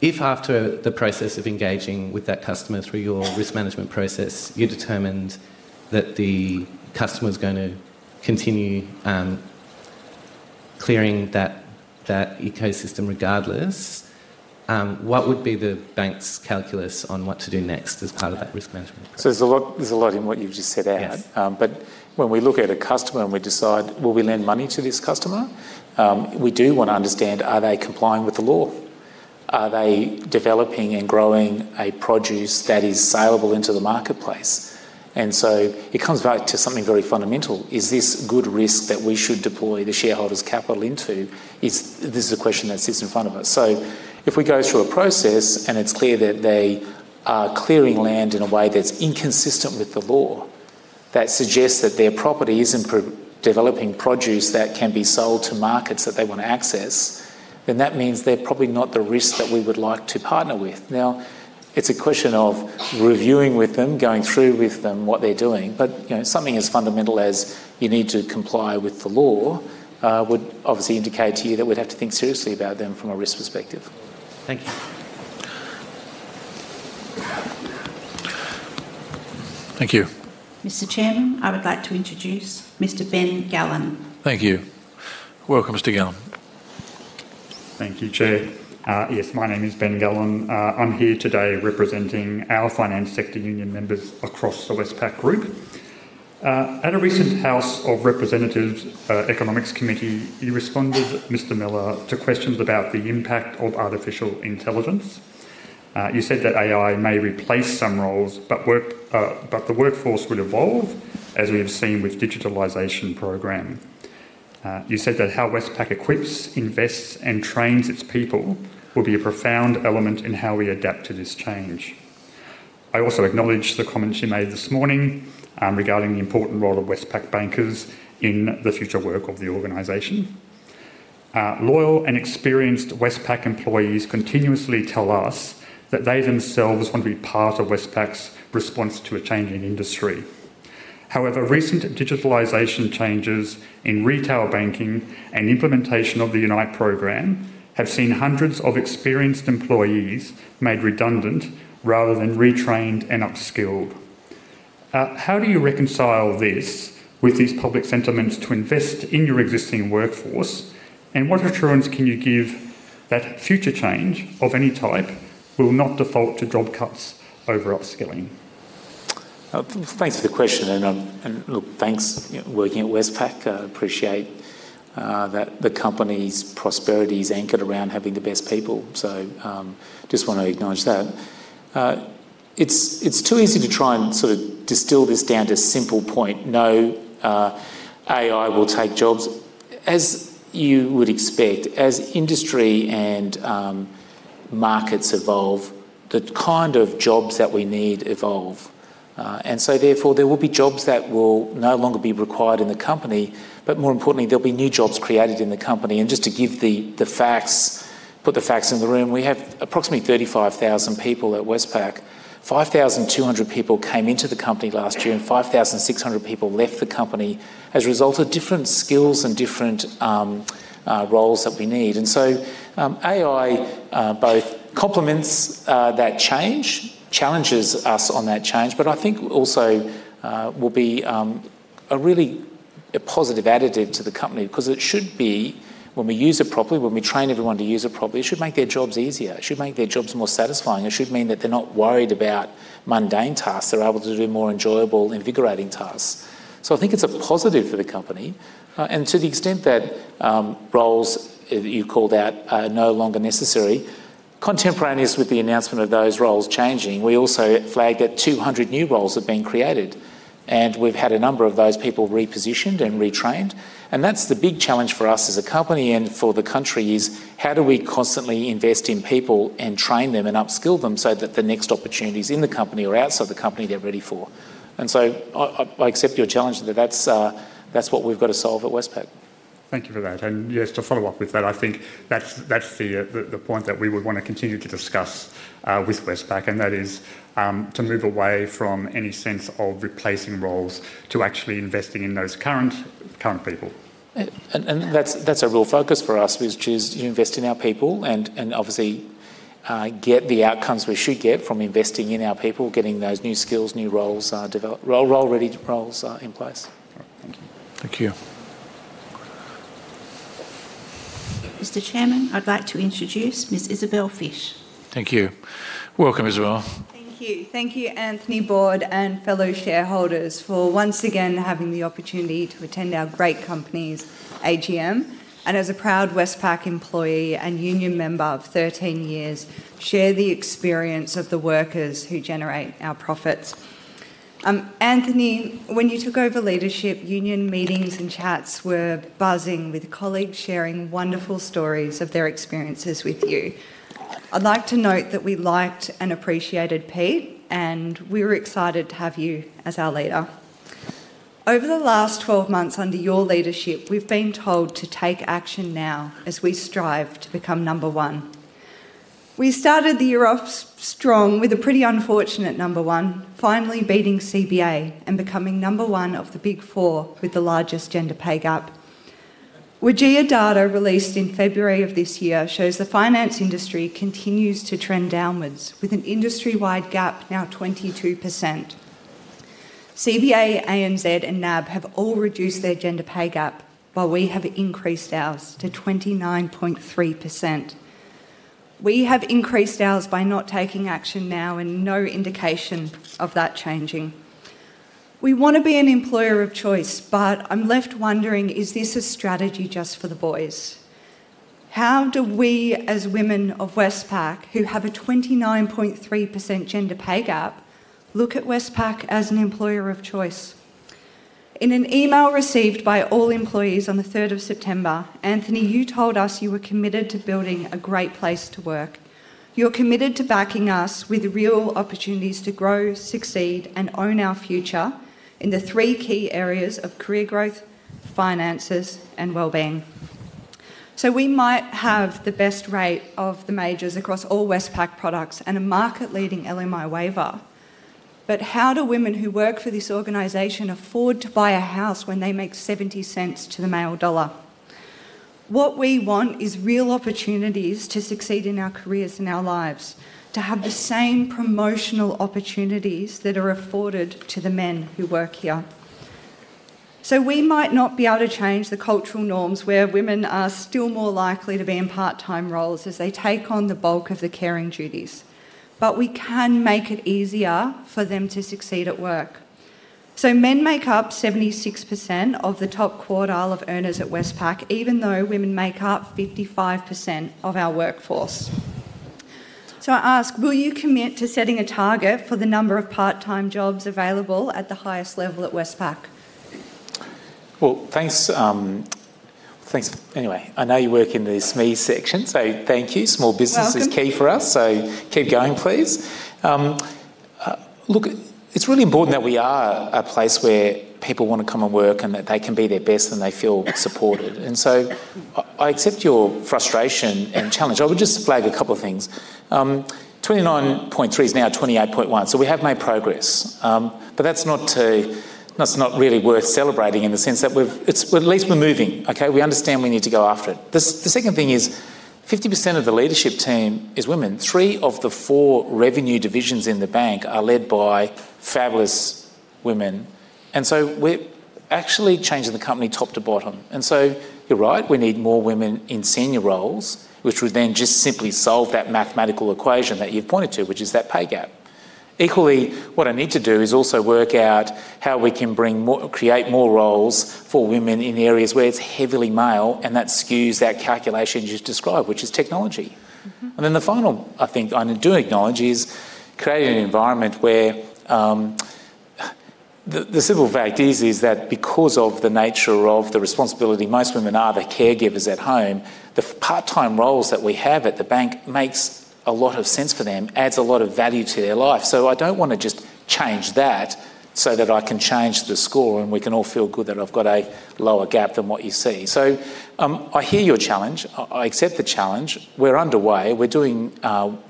If after the process of engaging with that customer through your risk management process, you determined that the customer is going to continue clearing that ecosystem regardless, what would be the bank's calculus on what to do next as part of that risk management process? So there's a lot in what you've just said there. But when we look at a customer and we decide, will we lend money to this customer, we do want to understand, are they complying with the law? Are they developing and growing a produce that is salable into the marketplace? And so it comes back to something very fundamental. Is this good risk that we should deploy the shareholders' capital into? This is a question that sits in front of us. So if we go through a process and it's clear that they are clearing land in a way that's inconsistent with the law that suggests that their property isn't developing produce that can be sold to markets that they want to access, then that means they're probably not the risk that we would like to partner with. Now, it's a question of reviewing with them, going through with them what they're doing. But something as fundamental as you need to comply with the law would obviously indicate to you that we'd have to think seriously about them from a risk perspective. Thank you. Thank you. Mr. Chairman, I would like to introduce Mr. Ben Gallen. Thank you. Welcome, Mr. Gallen. Thank you, Chair. Yes, my name is Ben Gallen. I'm here today representing our Finance Sector Union members across the Westpac Group. At a recent House of Representatives Economics Committee, you responded, Mr. Miller, to questions about the impact of artificial intelligence. You said that AI may replace some roles, but the workforce will evolve as we have seen with digitalization program. You said that how Westpac equips, invests, and trains its people will be a profound element in how we adapt to this change. I also acknowledge the comments you made this morning regarding the important role of Westpac bankers in the future work of the organization. Loyal and experienced Westpac employees continuously tell us that they themselves want to be part of Westpac's response to a changing industry. However, recent digitalization changes in retail banking and implementation of the UNITE program have seen hundreds of experienced employees made redundant rather than retrained and upskilled. How do you reconcile this with these public sentiments to invest in your existing workforce? And what assurance can you give that future change of any type will not default to job cuts over upskilling? Thanks for the question. And look, thanks for working at Westpac. I appreciate that the company's prosperity is anchored around having the best people. So I just want to acknowledge that. It's too easy to try and sort of distill this down to a simple point. No, AI will take jobs. As you would expect, as industry and markets evolve, the kind of jobs that we need evolve. And so therefore, there will be jobs that will no longer be required in the company. But more importantly, there'll be new jobs created in the company. And just to give the facts, put the facts in the room, we have approximately 35,000 people at Westpac. 5,200 people came into the company last year, and 5,600 people left the company as a result of different skills and different roles that we need. And so AI both complements that change, challenges us on that change, but I think also will be a really positive additive to the company because it should be, when we use it properly, when we train everyone to use it properly, it should make their jobs easier. It should make their jobs more satisfying. It should mean that they're not worried about mundane tasks. They're able to do more enjoyable, invigorating tasks. So I think it's a positive for the company. And to the extent that roles that you called out are no longer necessary, contemporaneous with the announcement of those roles changing, we also flagged that 200 new roles have been created. And we've had a number of those people repositioned and retrained. And that's the big challenge for us as a company and for the country is how do we constantly invest in people and train them and upskill them so that the next opportunities in the company or outside the company they're ready for. And so I accept your challenge that that's what we've got to solve at Westpac. Thank you for that. And yes, to follow up with that, I think that's the point that we would want to continue to discuss with Westpac. And that is to move away from any sense of replacing roles to actually investing in those current people. And that's a real focus for us, which is to invest in our people and obviously get the outcomes we should get from investing in our people, getting those new skills, new roles, role-ready roles in place. Thank you. Thank you. Mr. Chairman, I'd like to introduce Ms. Isabel Fish. Thank you. Welcome as well. Thank you. Thank you, Anthony, board and fellow shareholders for once again having the opportunity to attend our great company AGM and as a proud Westpac employee and union member of 13 years share the experience of the workers who generate our profits. Anthony, when you took over leadership, union meetings and chats were buzzing with colleagues sharing wonderful stories of their experiences with you. I'd like to note that we liked and appreciated Pete, and we were excited to have you as our leader. Over the last 12 months under your leadership, we've been told to take action now as we strive to become number one. We started the year off strong with a pretty unfortunate number one, finally beating CBA and becoming number one of the Big Four with the largest gender pay gap. WGEA data released in February of this year shows the finance industry continues to trend downwards with an industry-wide gap now 22%. CBA, ANZ, and NAB have all reduced their gender pay gap, while we have increased ours to 29.3%. We have increased ours by not taking action now and no indication of that changing. We want to be an employer of choice, but I'm left wondering, is this a strategy just for the boys? How do we as women of Westpac, who have a 29.3% gender pay gap, look at Westpac as an employer of choice? In an email received by all employees on the 3rd of September, Anthony, you told us you were committed to building a great place to work. You're committed to backing us with real opportunities to grow, succeed, and own our future in the three key areas of career growth, finances, and well-being. So we might have the best rate of the majors across all Westpac products and a market-leading LMI waiver. But how do women who work for this organization afford to buy a house when they make 70 cents to the male dollar? What we want is real opportunities to succeed in our careers and our lives, to have the same promotional opportunities that are afforded to the men who work here. So we might not be able to change the cultural norms where women are still more likely to be in part-time roles as they take on the bulk of the caring duties. But we can make it easier for them to succeed at work. So men make up 76% of the top quartile of earners at Westpac, even though women make up 55% of our workforce. So I ask, will you commit to setting a target for the number of part-time jobs available at the highest level at Westpac? Well, thanks. Anyway, I know you work in the SME section, so thank you. Small business is key for us. So keep going, please. Look, it's really important that we are a place where people want to come and work and that they can be their best and they feel supported. And so I accept your frustration and challenge. I would just flag a couple of things. 29.3 is now 28.1. So we have made progress. But that's not really worth celebrating in the sense that at least we're moving. We understand we need to go after it. The second thing is 50% of the leadership team is women. Three of the four revenue divisions in the bank are led by fabulous women. And so we're actually changing the company top to bottom. And so you're right, we need more women in senior roles, which would then just simply solve that mathematical equation that you've pointed to, which is that pay gap. Equally, what I need to do is also work out how we can create more roles for women in areas where it's heavily male and that skews that calculation you've described, which is technology. And then the final, I think, I do acknowledge is creating an environment where the simple fact is that because of the nature of the responsibility, most women are the caregivers at home, the part-time roles that we have at the bank make a lot of sense for them, add a lot of value to their life. So I don't want to just change that so that I can change the score and we can all feel good that I've got a lower gap than what you see. So I hear your challenge. I accept the challenge. We're underway. We're doing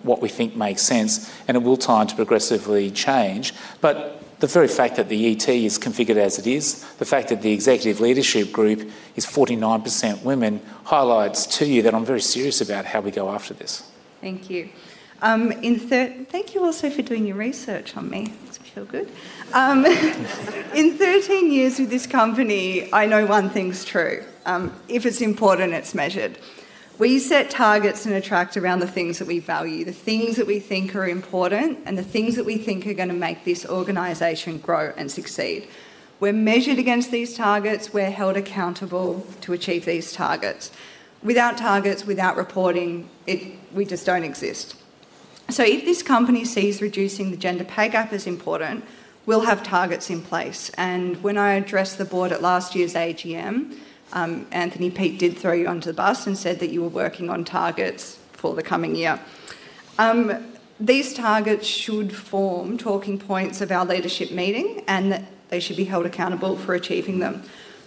what we think makes sense, and it will take time to progressively change. But the very fact that the ET is configured as it is, the fact that the executive leadership group is 49% women, highlights to you that I'm very serious about how we go after this. Thank you. Thank you also for doing your research on me. It makes me feel good. In 13 years with this company, I know one thing's true. If it's important, it's measured. We set targets and attract around the things that we value, the things that we think are important, and the things that we think are going to make this organization grow and succeed. We're measured against these targets. We're held accountable to achieve these targets. Without targets, without reporting, we just don't exist. So if this company sees reducing the gender pay gap as important, we'll have targets in place. And when I addressed the board at last year's AGM, Anthony Miller did throw you under the bus and said that you were working on targets for the coming year. These targets should form talking points of our leadership meeting, and they should be held accountable for achieving them.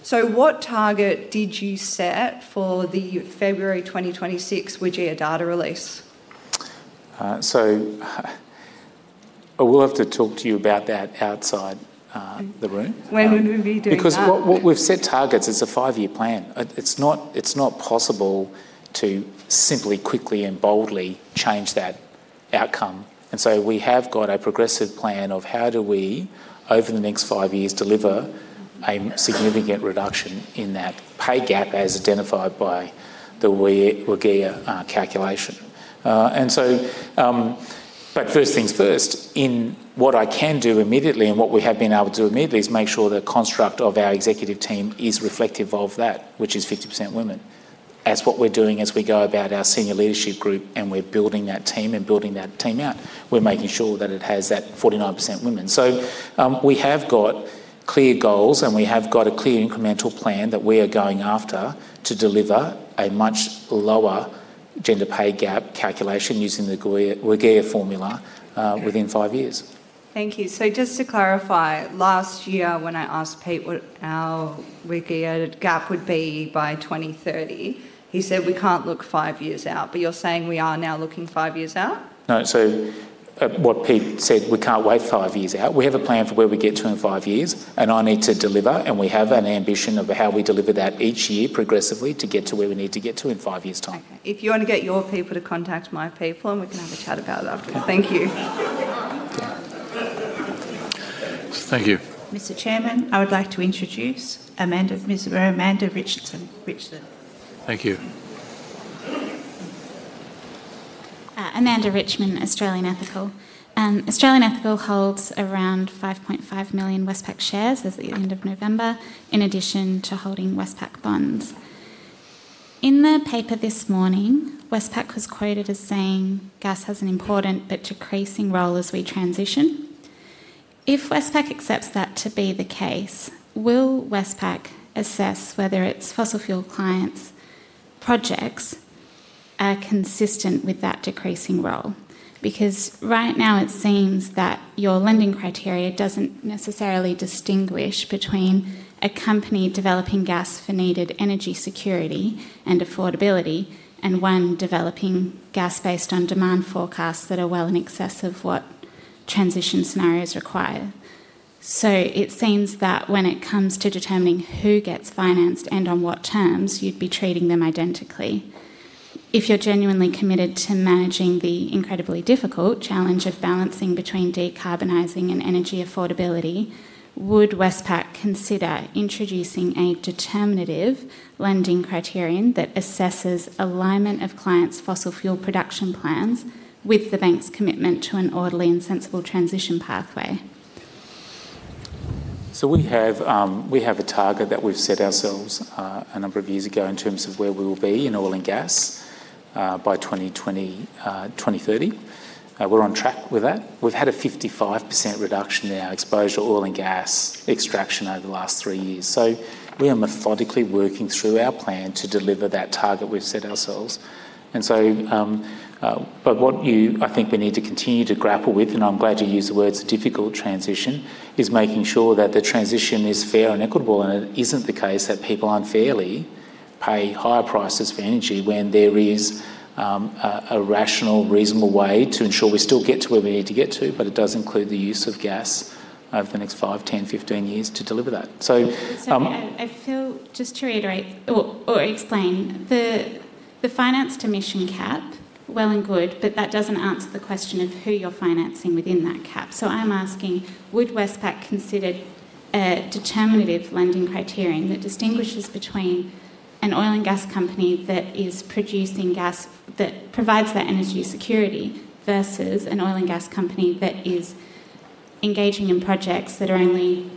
So what target did you set for the February 2026 WGEA data release? So we'll have to talk to you about that outside the room. When will we be doing that? Because what we've set targets is a five-year plan. It's not possible to simply quickly and boldly change that outcome. And so we have got a progressive plan of how do we, over the next five years, deliver a significant reduction in that pay gap as identified by the WGEA calculation. And so, but first things first, in what I can do immediately and what we have been able to do immediately is make sure the construct of our executive team is reflective of that, which is 50% women. That's what we're doing as we go about our senior leadership group, and we're building that team and building that team out. We're making sure that it has that 49% women. So we have got clear goals, and we have got a clear incremental plan that we are going after to deliver a much lower gender pay gap calculation using the WGEA formula within five years. Thank you. So just to clarify, last year when I asked Pete what our WGEA gap would be by 2030, he said, "We can't look five years out." But you're saying we are now looking five years out? No. So what Pete said, we can't wait five years out. We have a plan for where we get to in five years, and I need to deliver. And we have an ambition of how we deliver that each year progressively to get to where we need to get to in five years' time. Okay. If you want to get your people to contact my people, and we can have a chat about that. Thank you. Thank you. Mr. Chairman, I would like to introduce Amanda Richardson. Thank you. Amanda Richardson, Australian Ethical. Australian Ethical holds around 5.5 million Westpac shares at the end of November, in addition to holding Westpac bonds. In the paper this morning, Westpac was quoted as saying, "Gas has an important but decreasing role as we transition." If Westpac accepts that to be the case, will Westpac assess whether its fossil fuel clients' projects are consistent with that decreasing role? Because right now it seems that your lending criteria doesn't necessarily distinguish between a company developing gas for needed energy security and affordability and one developing gas based on demand forecasts that are well in excess of what transition scenarios require. So it seems that when it comes to determining who gets financed and on what terms, you'd be treating them identically. If you're genuinely committed to managing the incredibly difficult challenge of balancing between decarbonizing and energy affordability, would Westpac consider introducing a determinative lending criterion that assesses alignment of clients' fossil fuel production plans with the bank's commitment to an orderly and sensible transition pathway? So we have a target that we've set ourselves a number of years ago in terms of where we will be in oil and gas by 2030. We're on track with that. We've had a 55% reduction in our exposure to oil and gas extraction over the last three years. So we are methodically working through our plan to deliver that target we've set ourselves. And so, but what I think we need to continue to grapple with, and I'm glad you use the words of difficult transition, is making sure that the transition is fair and equitable, and it isn't the case that people unfairly pay higher prices for energy when there is a rational, reasonable way to ensure we still get to where we need to get to, but it does include the use of gas over the next five, 10, 15 years to deliver that. So I feel, just to reiterate or explain, the financing to emission cap, well and good, but that doesn't answer the question of who you're financing within that cap. So I'm asking, would Westpac consider a determinative lending criterion that distinguishes between an oil and gas company that is producing gas that provides that energy security versus an oil and gas company that is engaging in projects that are only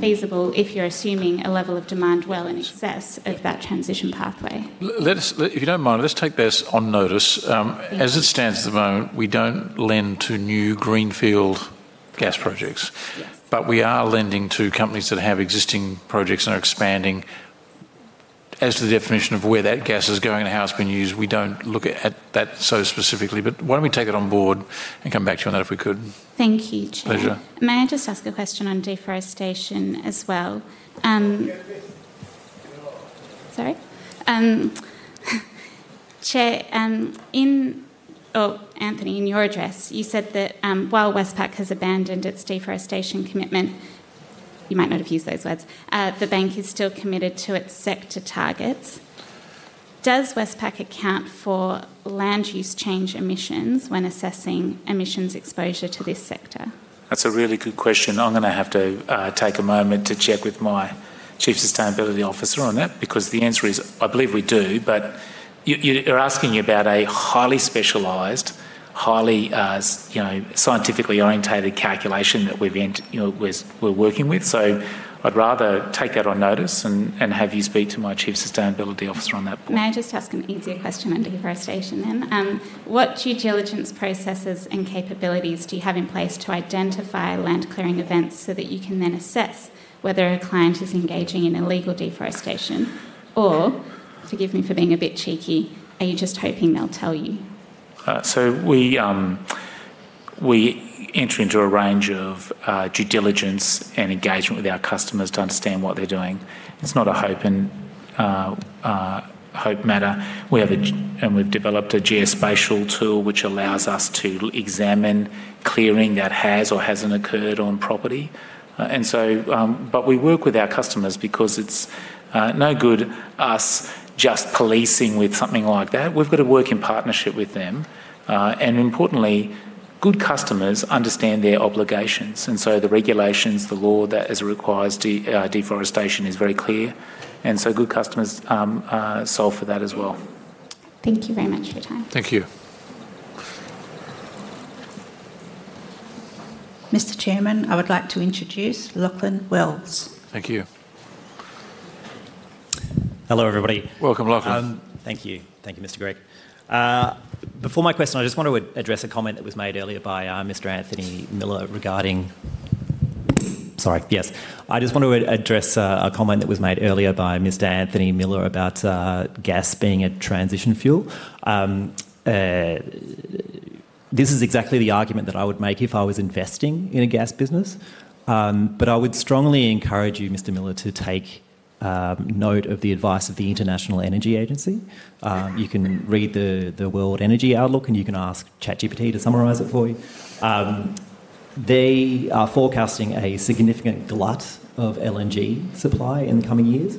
feasible if you're assuming a level of demand well in excess of that transition pathway? If you don't mind, let's take this on notice. As it stands at the moment, we don't lend to new greenfield gas projects. But we are lending to companies that have existing projects and are expanding. As to the definition of where that gas is going and how it's being used, we don't look at that so specifically. But why don't we take it on board and come back to you on that if we could? Thank you, Chair. Pleasure. May I just ask a question on deforestation as well? Sorry. Oh, Anthony, in your address, you said that while Westpac has abandoned its deforestation commitment, you might not have used those words, the bank is still committed to its sector targets. Does Westpac account for land use change emissions when assessing emissions exposure to this sector? That's a really good question. I'm going to have to take a moment to check with my chief sustainability officer on that, because the answer is, I believe we do, but you're asking about a highly specialized, highly scientifically orientated calculation that we're working with. So I'd rather take that on notice and have you speak to my chief sustainability officer on that point. May I just ask an easier question on deforestation then? What due diligence processes and capabilities do you have in place to identify land clearing events so that you can then assess whether a client is engaging in illegal deforestation? Or, forgive me for being a bit cheeky, are you just hoping they'll tell you? So we enter into a range of due diligence and engagement with our customers to understand what they're doing. It's not a hope matter. We have, and we've developed a geospatial tool which allows us to examine clearing that has or hasn't occurred on property. And so, but we work with our customers because it's no good us just policing with something like that. We've got to work in partnership with them. And importantly, good customers understand their obligations. And so, the regulations, the law that requires deforestation, is very clear. And so good customers solve for that as well. Thank you very much for your time. Thank you. Mr. Chairman, I would like to introduce Lachlan Wells. Thank you. Hello, everybody. Welcome, Lachlan. Thank you. Thank you, Mr. Gregg. Before my question, I just want to address a comment that was made earlier by Mr. Anthony Miller about gas being a transition fuel. This is exactly the argument that I would make if I was investing in a gas business. But I would strongly encourage you, Mr. Miller, to take note of the advice of the International Energy Agency. You can read the World Energy Outlook, and you can ask ChatGPT to summarize it for you. They are forecasting a significant glut of LNG supply in the coming years.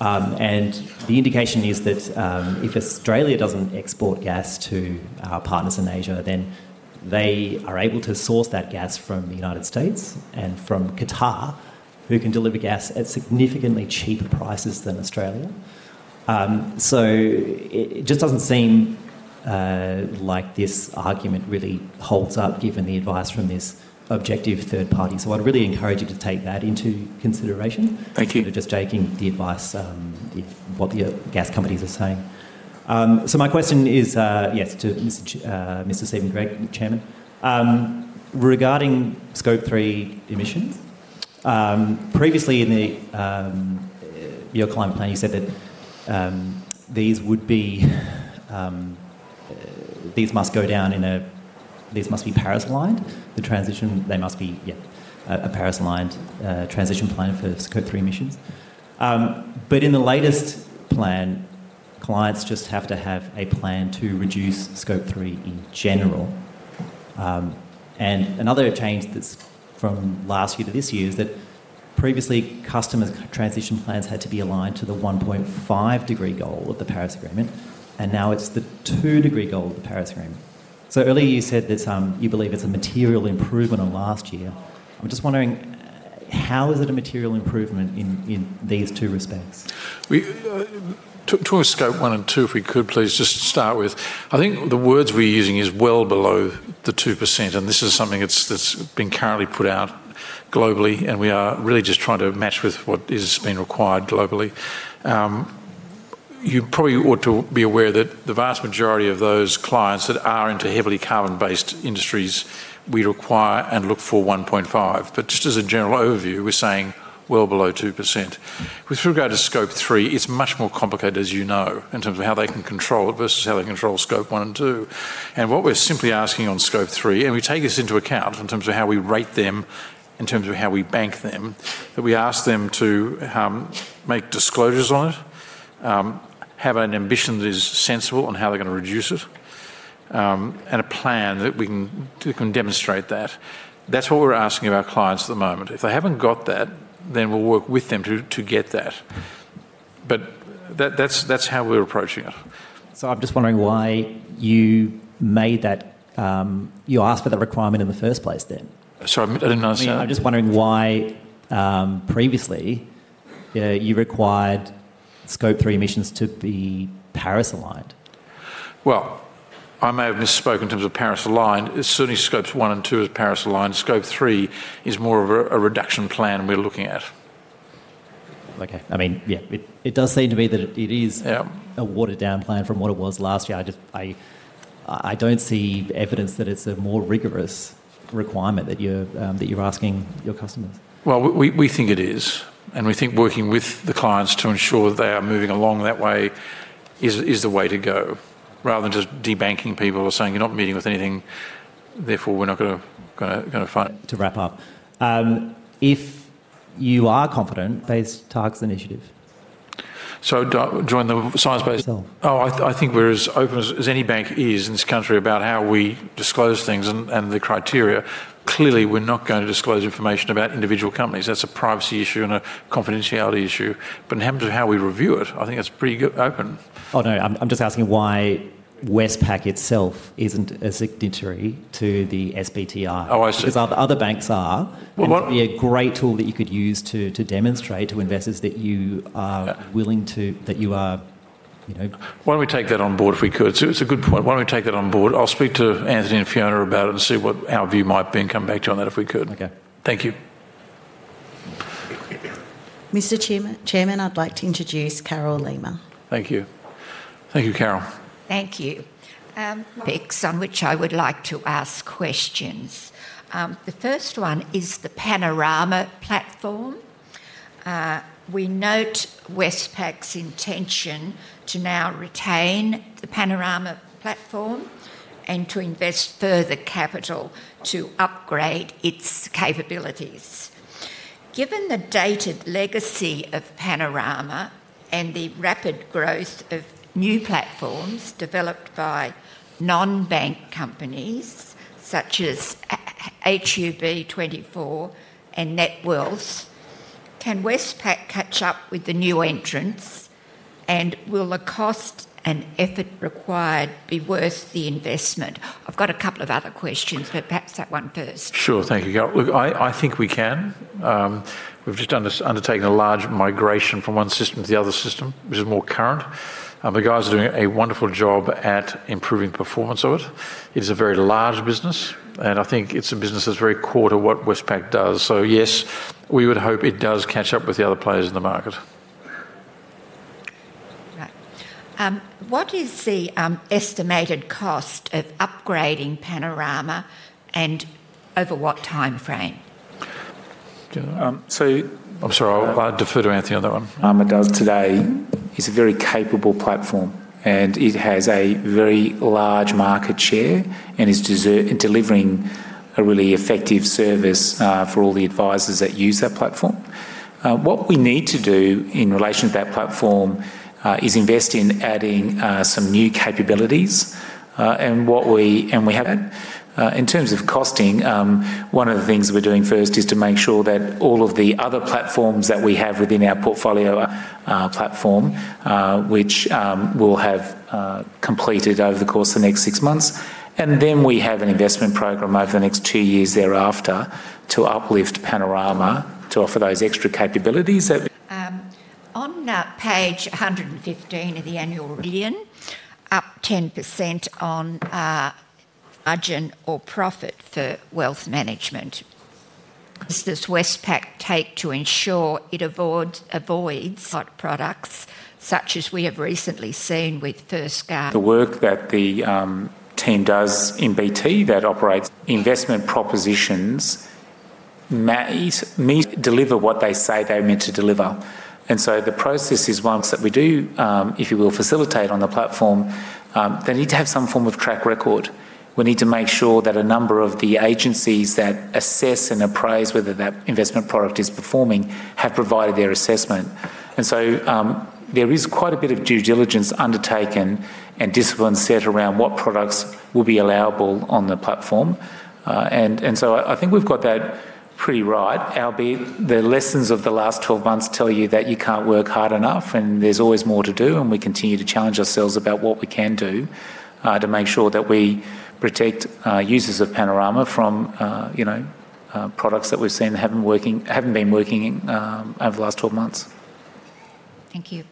And the indication is that if Australia doesn't export gas to our partners in Asia, then they are able to source that gas from the United States and from Qatar, who can deliver gas at significantly cheaper prices than Australia. So it just doesn't seem like this argument really holds up given the advice from this objective third party. So I'd really encourage you to take that into consideration. Thank you. Instead of just taking the advice of what the gas companies are saying. So my question is, yes, to Mr. Steven Gregg, Chairman, regarding Scope 3 emissions. Previously, in your climate plan, you said that these would be, these must go down in a, these must be parallel lined. The transition, they must be, yeah, a parallel lined transition plan for Scope 3 emissions. But in the latest plan, clients just have to have a plan to reduce Scope 3 in general. And another change that's from last year to this year is that previously customers' transition plans had to be aligned to the 1.5 degree goal of the Paris Agreement, and now it's the 2 degree goal of the Paris Agreement. So earlier you said that you believe it's a material improvement on last year. I'm just wondering, how is it a material improvement in these two respects? To Scope 1 and 2, if we could, please just start with, I think the words we're using is well below the 2%, and this is something that's been currently put out globally, and we are really just trying to match with what has been required globally. You probably ought to be aware that the vast majority of those clients that are into heavily carbon-based industries, we require and look for 1.5. But just as a general overview, we're saying well below 2%. With regard to Scope 3, it's much more complicated, as you know, in terms of how they can control it versus how they control Scope 1 and 2. And what we're simply asking on Scope 3, and we take this into account in terms of how we rate them, in terms of how we bank them, that we ask them to make disclosures on it, have an ambition that is sensible on how they're going to reduce it, and a plan that can demonstrate that. That's what we're asking of our clients at the moment. If they haven't got that, then we'll work with them to get that. But that's how we're approaching it. So I'm just wondering why you made that, you asked for that requirement in the first place then? Sorry, I didn't understand. I'm just wondering why previously you required Scope 3 emissions to be Paris-aligned. Well, I may have misspoken in terms of parallel lined. Certainly, Scope 1 and 2 are parallel lined. Scope 3 is more of a reduction plan we're looking at. Okay. I mean, yeah, it does seem to be that it is a watered-down plan from what it was last year. I don't see evidence that it's a more rigorous requirement that you're asking your customers. Well, we think it is. And we think working with the clients to ensure that they are moving along that way is the way to go, rather than just debanking people or saying, "You're not meeting with anything, therefore we're not going to." To wrap up, if you are confident. SBTI initiative? So join the science. Myself. Oh, I think we're as open as any bank is in this country about how we disclose things and the criteria. Clearly, we're not going to disclose information about individual companies. That's a privacy issue and a confidentiality issue. But in terms of how we review it, I think that's pretty open. Oh, no. I'm just asking why Westpac itself isn't a signatory to the SBTI. Oh, I see. Because other banks are. It would be a great tool that you could use to demonstrate to investors that you are willing to, that you are. Why don't we take that on board if we could? It's a good point. Why don't we take that on board? I'll speak to Anthony and Fiona about it and see what our view might be and come back to you on that if we could. Okay. Thank you. Mr. Chairman, I'd like to introduce Carol Limmer. Thank you. Thank you, Carol. Thank you. Based on which I would like to ask questions. The first one is the Panorama Platform. We note Westpac's intention to now retain the Panorama Platform and to invest further capital to upgrade its capabilities. Given the dated legacy of Panorama and the rapid growth of new platforms developed by non-bank companies such as HUB24 and Netwealth, can Westpac catch up with the new entrants? And will the cost and effort required be worth the investment? I've got a couple of other questions, but perhaps that one first. Sure. Thank you, Carol. Look, I think we can. We've just undertaken a large migration from one system to the other system, which is more current. The guys are doing a wonderful job at improving performance of it. It is a very large business, and I think it's a business that's very core to what Westpac does. So yes, we would hope it does catch up with the other players in the market. Right. What is the estimated cost of upgrading Panorama and over what timeframe? So I'm sorry, I'll defer to Anthony on that one. Panorama does today is a very capable platform, and it has a very large market share and is delivering a really effective service for all the advisors that use that platform. What we need to do in relation to that platform is invest in adding some new capabilities. And we have that. In terms of costing, one of the things we're doing first is to make sure that all of the other platforms that we have within our portfolio platform, which we'll have completed over the course of the next six months. And then we have an investment program over the next two years thereafter to uplift Panorama to offer those extra capabilities. On page 115 of the annual million, up 10% on margin or profit for wealth management. What does Westpac take to ensure it avoids hot products such as we have recently seen with First? The work that the team does in BT that operates investment propositions may deliver what they say they're meant to deliver. And so the process is once that we do, if you will, facilitate on the platform, they need to have some form of track record. We need to make sure that a number of the agencies that assess and appraise whether that investment product is performing have provided their assessment. And so there is quite a bit of due diligence undertaken and discipline set around what products will be allowable on the platform. And so I think we've got that pretty right, albeit the lessons of the last 12 months tell you that you can't work hard enough and there's always more to do. And we continue to challenge ourselves about what we can do to make sure that we protect users of Panorama from products that we've seen haven't been working over the last 12 months. Thank you.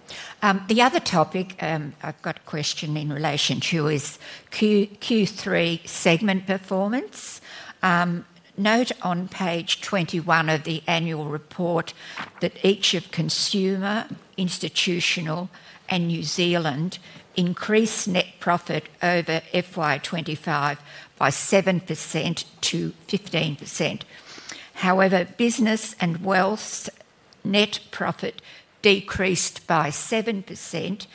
The other topic I've got a question in relation to is Q3 segment performance. Note on page 21 of the annual report that each of Consumer, Institutional, and New Zealand increased net profit over FY25 by 7%-15%. However, Business and Wealth's net profit decreased by 7%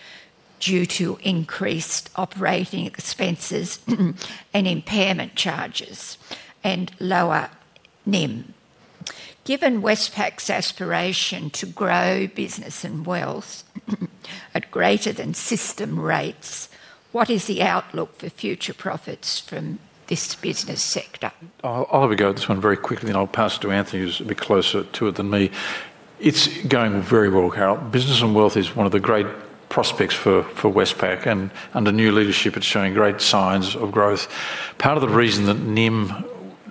due to increased operating expenses and impairment charges and lower NIM. Given Westpac's aspiration to grow Business and Wealth at greater than system rates, what is the outlook for future profits from this business sector? I'll have a go at this one very quickly, and I'll pass to Anthony who's a bit closer to it than me. It's going very well, Carol. Business and wealth is one of the great prospects for Westpac, and under new leadership, it's showing great signs of growth. Part of the reason that NIM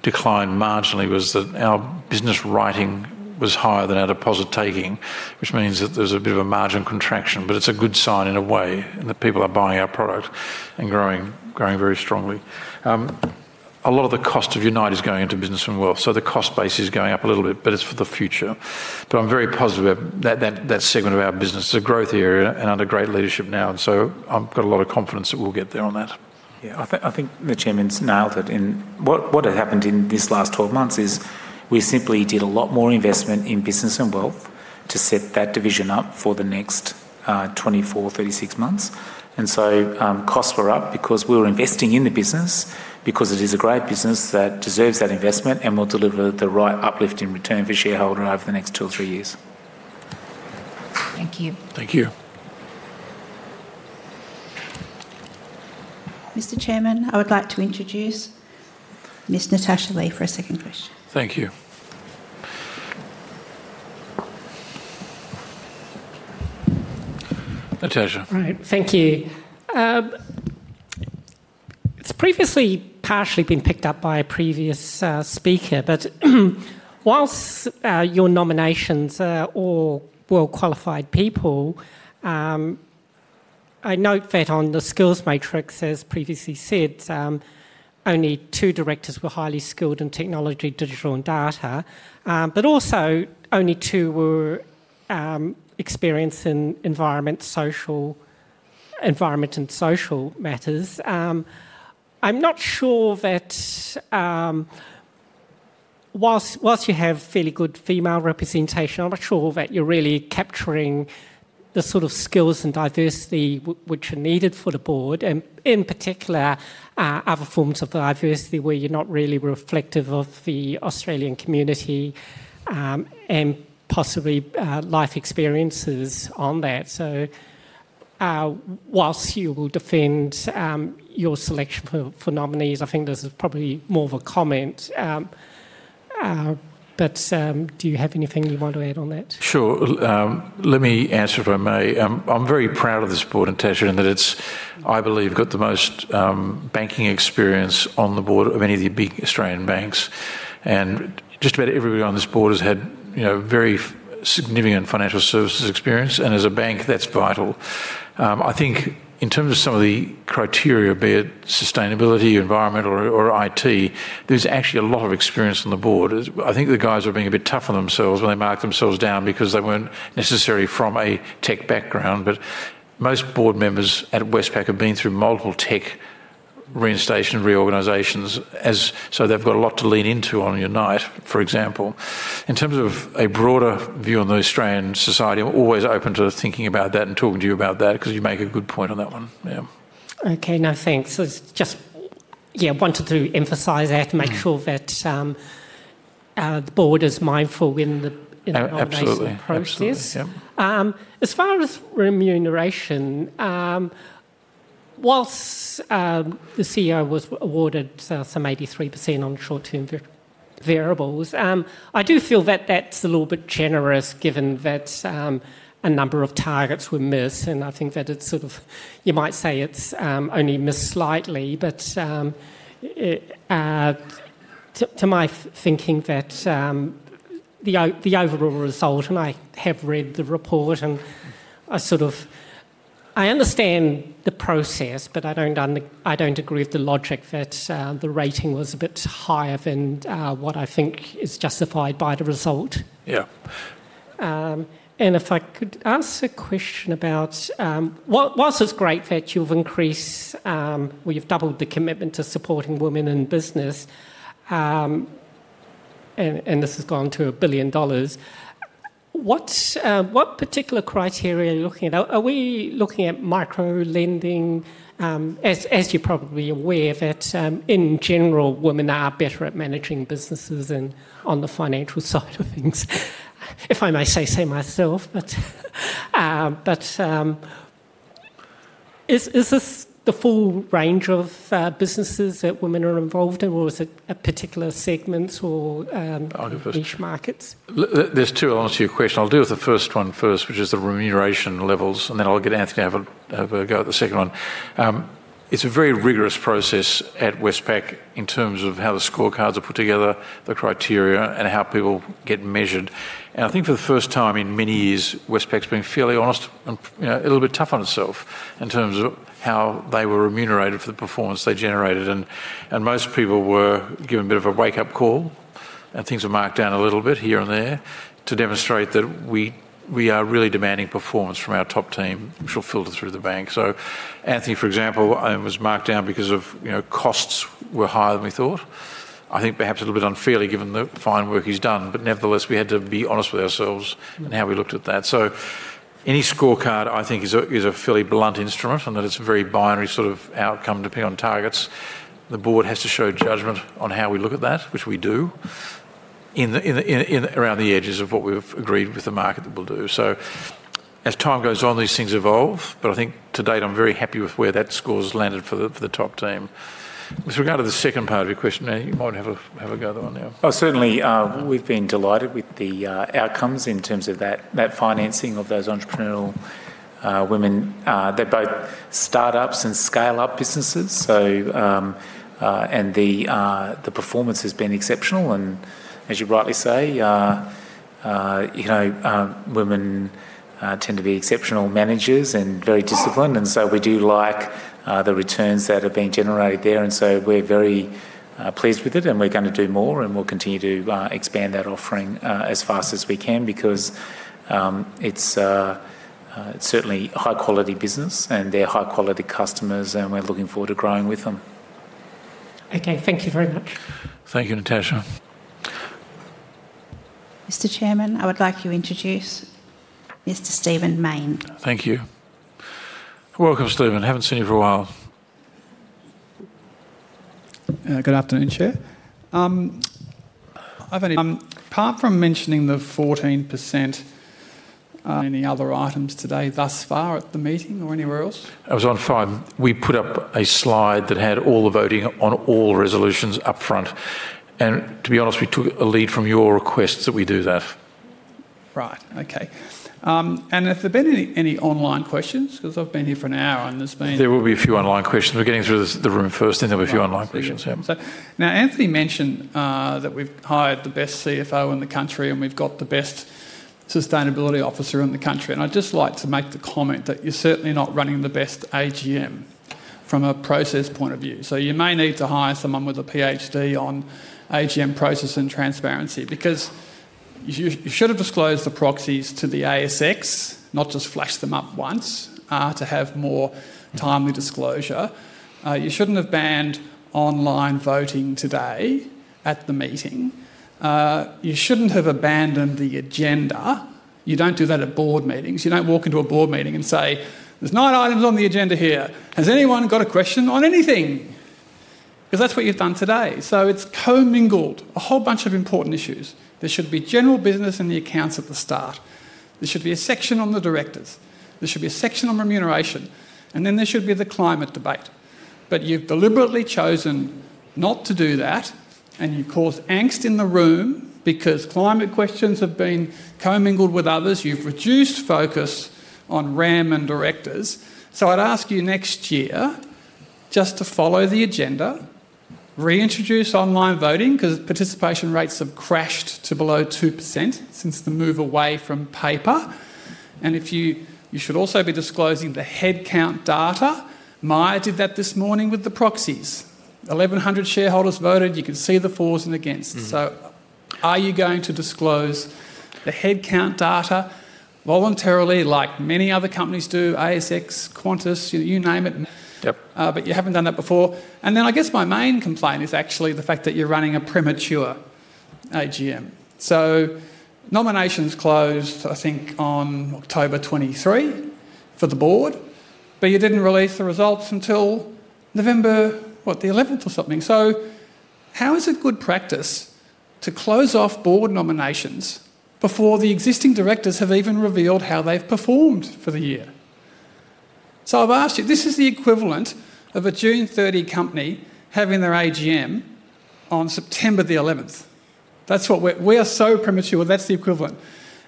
declined marginally was that our business lending was higher than our deposit taking, which means that there's a bit of a margin contraction, but it's a good sign in a way that people are buying our product and growing very strongly. A lot of the cost of UNITE is going into business and wealth, so the cost base is going up a little bit, but it's for the future, but I'm very positive about that segment of our business. It's a growth area and under great leadership now, and so I've got a lot of confidence that we'll get there on that. Yeah, I think the Chairman's nailed it, and what has happened in this last 12 months is we simply did a lot more investment in business and wealth to set that division up for the next 24, 36 months, and so costs were up because we were investing in the business, because it is a great business that deserves that investment, and we'll deliver the right uplift in return for shareholders over the next two or three years. Thank you. Thank you. Mr. Chairman, I would like to introduce Ms. Natasha Lee for a second question. Thank you. Natasha. All right. Thank you. It’s previously partially been picked up by a previous speaker, but whilst your nominations are all well-qualified people, I note that on the skills matrix, as previously said, only two directors were highly skilled in technology, digital, and data, but also only two were experienced in environment and social matters. I’m not sure that whilst you have fairly good female representation, I’m not sure that you’re really capturing the sort of skills and diversity which are needed for the board, and in particular, other forms of diversity where you’re not really reflective of the Australian community and possibly life experiences on that. So whilst you will defend your selection for nominees, I think this is probably more of a comment, but do you have anything you want to add on that? Sure. Let me answer if I may. I'm very proud of this board, Natasha, in that it's, I believe, got the most banking experience on the board of any of the big Australian banks, and just about everybody on this board has had very significant financial services experience, and as a bank, that's vital. I think in terms of some of the criteria, be it sustainability, environmental, or IT, there's actually a lot of experience on the board. I think the guys were being a bit tough on themselves when they marked themselves down because they weren't necessarily from a tech background, but most board members at Westpac have been through multiple tech reinvention and reorganizations, so they've got a lot to lean into on UNITE, for example. In terms of a broader view on the Australian society, I'm always open to thinking about that and talking to you about that because you make a good point on that one. Yeah. Okay. No, thanks. Just, yeah, wanted to emphasize that, make sure that the board is mindful in the approaches. Absolutely. Absolutely. As far as remuneration, while the CEO was awarded some 83% on short-term variables, I do feel that that's a little bit generous given that a number of targets were missed, and I think that it's sort of, you might say it's only missed slightly, but to my thinking that the overall result, and I have read the report, and I sort of, I understand the process, but I don't agree with the logic that the rating was a bit higher than what I think is justified by the result. Yeah. And if I could ask a question about, whilst it's great that you've increased, well, you've doubled the commitment to supporting women in business, and this has gone to 1 billion dollars, what particular criteria are you looking at? Are we looking at microlending? As you're probably aware, that in general, women are better at managing businesses on the financial side of things, if I may say so myself. But is this the full range of businesses that women are involved in, or is it particular segments or niche markets? I'll go first. There's two. I'll answer your question. I'll deal with the first one first, which is the remuneration levels, and then I'll get Anthony to have a go at the second one. It's a very rigorous process at Westpac in terms of how the scorecards are put together, the criteria, and how people get measured. And I think for the first time in many years, Westpac's been fairly honest and a little bit tough on itself in terms of how they were remunerated for the performance they generated. And most people were given a bit of a wake-up call, and things were marked down a little bit here and there to demonstrate that we are really demanding performance from our top team, which will filter through the bank. So Anthony, for example, was marked down because costs were higher than we thought. I think perhaps a little bit unfairly given the fine work he's done, but nevertheless, we had to be honest with ourselves in how we looked at that. So any scorecard, I think, is a fairly blunt instrument, and that it's a very binary sort of outcome depending on targets. The board has to show judgment on how we look at that, which we do, around the edges of what we've agreed with the market that we'll do. So as time goes on, these things evolve, but I think to date, I'm very happy with where that score's landed for the top team. With regard to the second part of your question, you might have a go at the one now. Oh, certainly. We've been delighted with the outcomes in terms of that financing of those entrepreneurial women. They're both start-ups and scale-up businesses, and the performance has been exceptional. And as you rightly say, women tend to be exceptional managers and very disciplined, and so we do like the returns that are being generated there. And so we're very pleased with it, and we're going to do more, and we'll continue to expand that offering as fast as we can because it's certainly high-quality business, and they're high-quality customers, and we're looking forward to growing with them. Okay. Thank you very much. Thank you, Natasha. Mr. Chairman, I would like you to introduce Mr. Stephen Mayne. Thank you. Welcome, Stephen. Haven't seen you for a while. Good afternoon, Chair. Apart from mentioning the 14%, any other items today thus far at the meeting or anywhere else? I was on five. We put up a slide that had all the voting on all resolutions upfront. And to be honest, we took a lead from your request that we do that. Right. Okay. And have there been any online questions? Because I've been here for an hour, and there's been. There will be a few online questions. We're getting through the room first, and there'll be a few online questions. Now, Anthony mentioned that we've hired the best CFO in the country, and we've got the best sustainability officer in the country. And I'd just like to make the comment that you're certainly not running the best AGM from a process point of view. So you may need to hire someone with a PhD on AGM process and transparency because you should have disclosed the proxies to the ASX, not just flashed them up once to have more timely disclosure. You shouldn't have banned online voting today at the meeting. You shouldn't have abandoned the agenda. You don't do that at board meetings. You don't walk into a board meeting and say, "There's nine items on the agenda here. Has anyone got a question on anything?" Because that's what you've done today. So it's commingled a whole bunch of important issues. There should be general business in the accounts at the start. There should be a section on the directors. There should be a section on remuneration. And then there should be the climate debate. But you've deliberately chosen not to do that, and you've caused angst in the room because climate questions have been commingled with others. You've reduced focus on RAM and directors. So I'd ask you next year, just to follow the agenda, reintroduce online voting because participation rates have crashed to below 2% since the move away from paper. And you should also be disclosing the headcount data. Maya did that this morning with the proxies. 1,100 shareholders voted. You can see the fors and against. So are you going to disclose the headcount data voluntarily, like many other companies do, ASX, Qantas? You name it. Yep. But you haven't done that before. And then I guess my main complaint is actually the fact that you're running a premature AGM. So nominations closed, I think, on October 23 for the board, but you didn't release the results until November, what, the 11th or something. So how is it good practice to close off board nominations before the existing directors have even revealed how they've performed for the year? So I've asked you, this is the equivalent of a June 30 company having their AGM on September the 11th. We are so premature. That's the equivalent.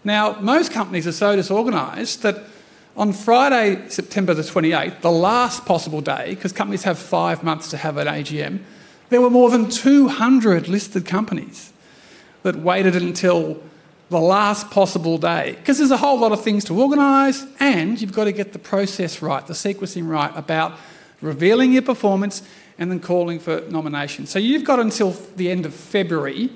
Now, most companies are so disorganized that on Friday, September the 28th, the last possible day, because companies have five months to have an AGM, there were more than 200 listed companies that waited until the last possible day. Because there's a whole lot of things to organise, and you've got to get the process right, the sequencing right about revealing your performance and then calling for nominations. So you've got until the end of February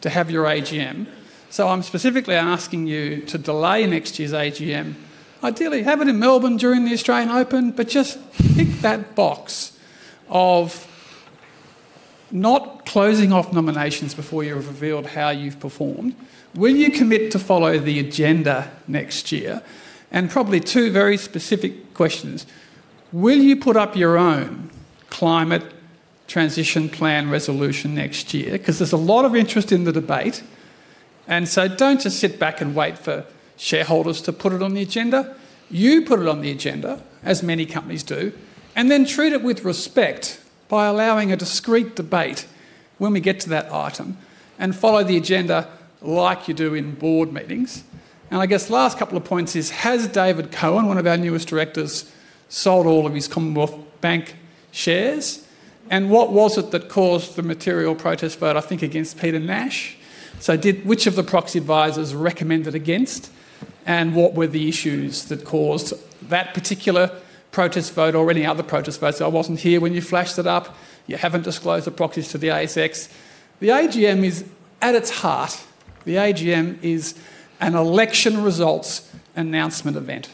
to have your AGM. So I'm specifically asking you to delay next year's AGM. Ideally, have it in Melbourne during the Australian Open, but just tick that box of not closing off nominations before you've revealed how you've performed. Will you commit to follow the agenda next year? And probably two very specific questions. Will you put up your own climate transition plan resolution next year? Because there's a lot of interest in the debate. And so don't just sit back and wait for shareholders to put it on the agenda. You put it on the agenda, as many companies do, and then treat it with respect by allowing a discreet debate when we get to that item and follow the agenda like you do in board meetings. And I guess last couple of points is, has David Cohen, one of our newest directors, sold all of his Commonwealth Bank shares? And what was it that caused the material protest vote, I think, against Peter Nash? So which of the proxy advisors recommended against? And what were the issues that caused that particular protest vote or any other protest vote? So I wasn't here when you flashed it up. You haven't disclosed the proxies to the ASX. The AGM is at its heart. The AGM is an election results announcement event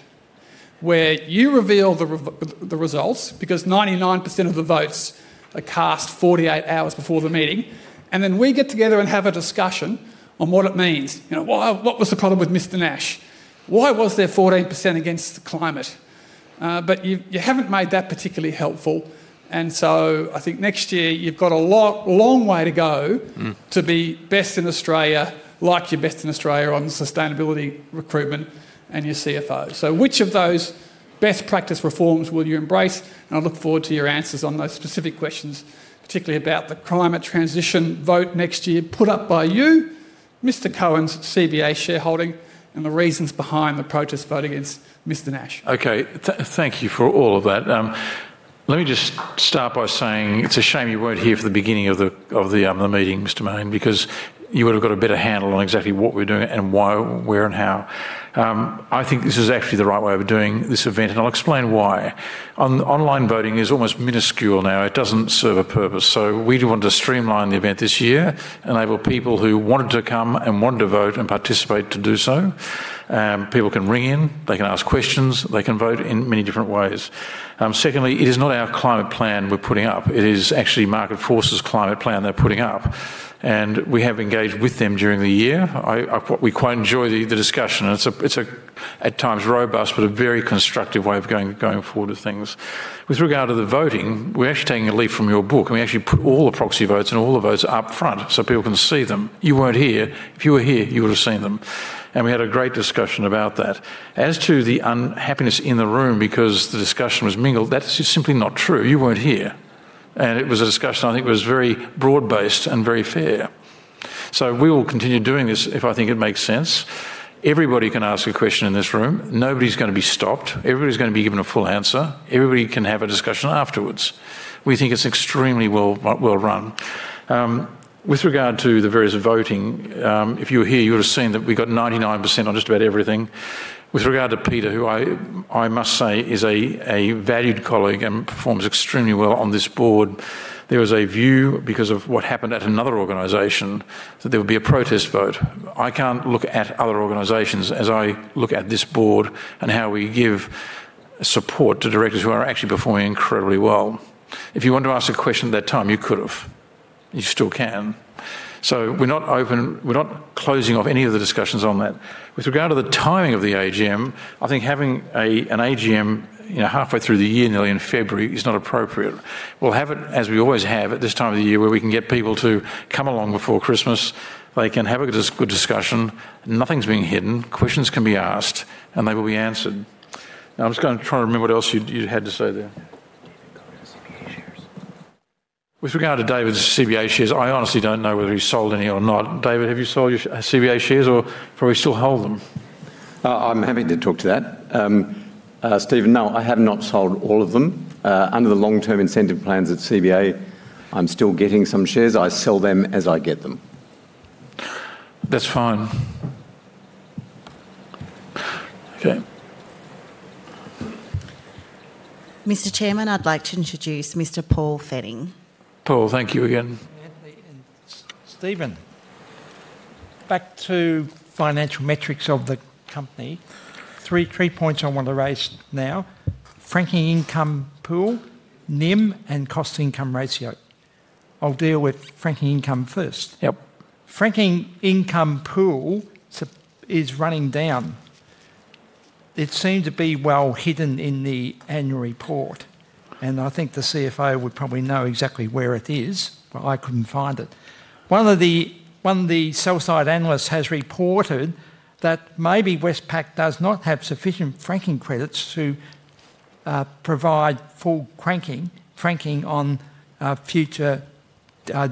where you reveal the results because 99% of the votes are cast 48 hours before the meeting, and then we get together and have a discussion on what it means. What was the problem with Mr. Nash? Why was there 14% against climate? But you haven't made that particularly helpful. And so I think next year you've got a long way to go to be best in Australia, like you're best in Australia on sustainability recruitment and your CFO. So which of those best practice reforms will you embrace? And I look forward to your answers on those specific questions, particularly about the climate transition vote next year put up by you, Mr. Cohen's CBA shareholding, and the reasons behind the protest vote against Mr. Nash. Okay. Thank you for all of that. Let me just start by saying it's a shame you weren't here for the beginning of the meeting, Mr. Mayne, because you would have got a better handle on exactly what we're doing and why, where, and how. I think this is actually the right way of doing this event, and I'll explain why. Online voting is almost minuscule now. It doesn't serve a purpose. So we do want to streamline the event this year, enable people who wanted to come and wanted to vote and participate to do so. People can ring in. They can ask questions. They can vote in many different ways. Secondly, it is not our climate plan we're putting up. It is actually Market Forces' climate plan they're putting up. And we have engaged with them during the year. We quite enjoy the discussion. It's, at times, robust, but a very constructive way of going forward with things. With regard to the voting, we're actually taking a leaf from your book. We actually put all the proxy votes and all the votes upfront so people can see them. You weren't here. If you were here, you would have seen them, and we had a great discussion about that. As to the unhappiness in the room because the discussion was mingled, that is simply not true. You weren't here, and it was a discussion, I think, that was very broad-based and very fair, so we will continue doing this if I think it makes sense. Everybody can ask a question in this room. Nobody's going to be stopped. Everybody's going to be given a full answer. Everybody can have a discussion afterwards. We think it's extremely well-run. With regard to the various voting, if you were here, you would have seen that we got 99% on just about everything. With regard to Peter, who I must say is a valued colleague and performs extremely well on this board, there was a view, because of what happened at another organization, that there would be a protest vote. I can't look at other organizations as I look at this board and how we give support to directors who are actually performing incredibly well. If you wanted to ask a question at that time, you could have. You still can. So we're not closing off any of the discussions on that. With regard to the timing of the AGM, I think having an AGM halfway through the year, nearly in February, is not appropriate. We'll have it, as we always have, at this time of the year where we can get people to come along before Christmas. They can have a good discussion. Nothing's being hidden. Questions can be asked, and they will be answered. I'm just going to try to remember what else you had to say there. David Cohen's CBA shares. With regard to David's CBA shares, I honestly don't know whether he sold any or not. David, have you sold your CBA shares, or do we still hold them? I'm happy to talk to that. Stephen, no, I have not sold all of them. Under the long-term incentive plans at CBA, I'm still getting some shares. I sell them as I get them. That's fine. Okay. Mr. Chairman, I'd like to introduce Mr. Paul Fenning. Paul, thank you again. Stephen, back to financial metrics of the company. Three points I want to raise now: franking income pool, NIM, and cost-to-income ratio. I'll deal with franking income first. Franking income pool is running down. It seemed to be well hidden in the annual report, and I think the CFO would probably know exactly where it is, but I couldn't find it. One of the sell-side analysts has reported that maybe Westpac does not have sufficient franking credits to provide full franking on future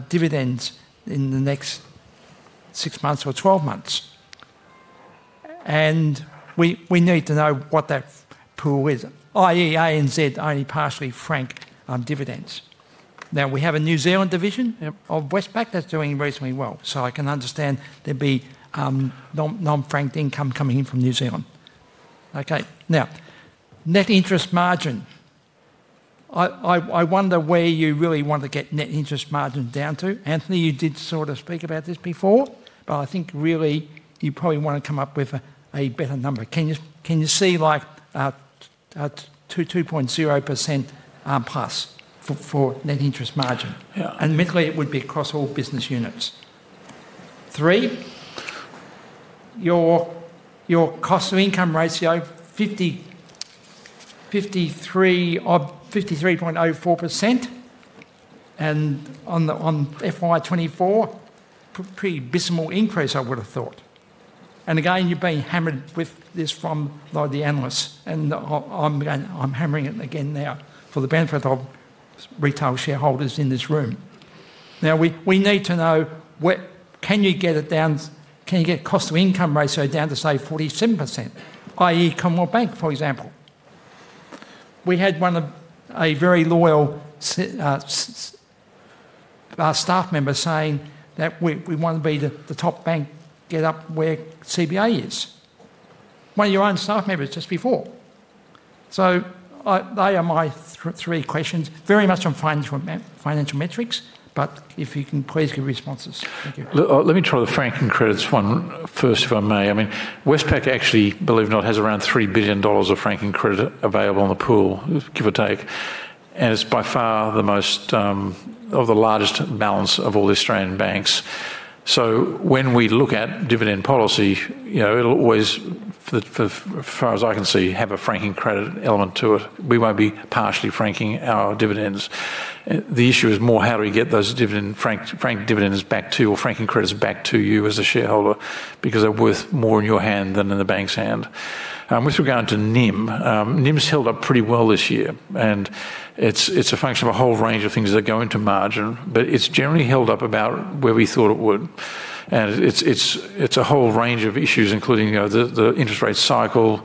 dividends in the next six months or 12 months, and we need to know what that pool is, i.e., ANZ only partially frank dividends. Now, we have a New Zealand division of Westpac that's doing reasonably well. So I can understand there'd be non-franked income coming in from New Zealand. Okay. Now, net interest margin. I wonder where you really want to get net interest margin down to. Anthony, you did sort of speak about this before, but I think really you probably want to come up with a better number. Can you see 2.0% plus for net interest margin? And admittedly, it would be across all business units. Three, your cost-to-income ratio, 53.04%. And on FY24, pretty abysmal increase, I would have thought. And again, you've been hammered with this from the analysts. And I'm hammering it again now for the benefit of retail shareholders in this room. Now, we need to know, can you get it down? Can you get cost-to-income ratio down to, say, 47%, i.e., Commonwealth Bank, for example? We had a very loyal staff member saying that we want to be the top bank, get up where CBA is. One of your own staff members just before. So they are my three questions, very much on financial metrics, but if you can please give responses. Thank you. Let me try the franking credits one first, if I may. I mean, Westpac actually, believe it or not, has around 3 billion dollars of franking credit available in the pool, give or take. And it's by far the most of the largest balance of all the Australian banks. So when we look at dividend policy, it'll always, as far as I can see, have a franking credit element to it. We won't be partially franking our dividends. The issue is more, how do we get those frank dividends back to you or franking credits back to you as a shareholder because they're worth more in your hand than in the bank's hand. With regard to NIM, NIM's held up pretty well this year. And it's a function of a whole range of things that go into margin, but it's generally held up about where we thought it would. And it's a whole range of issues, including the interest rate cycle,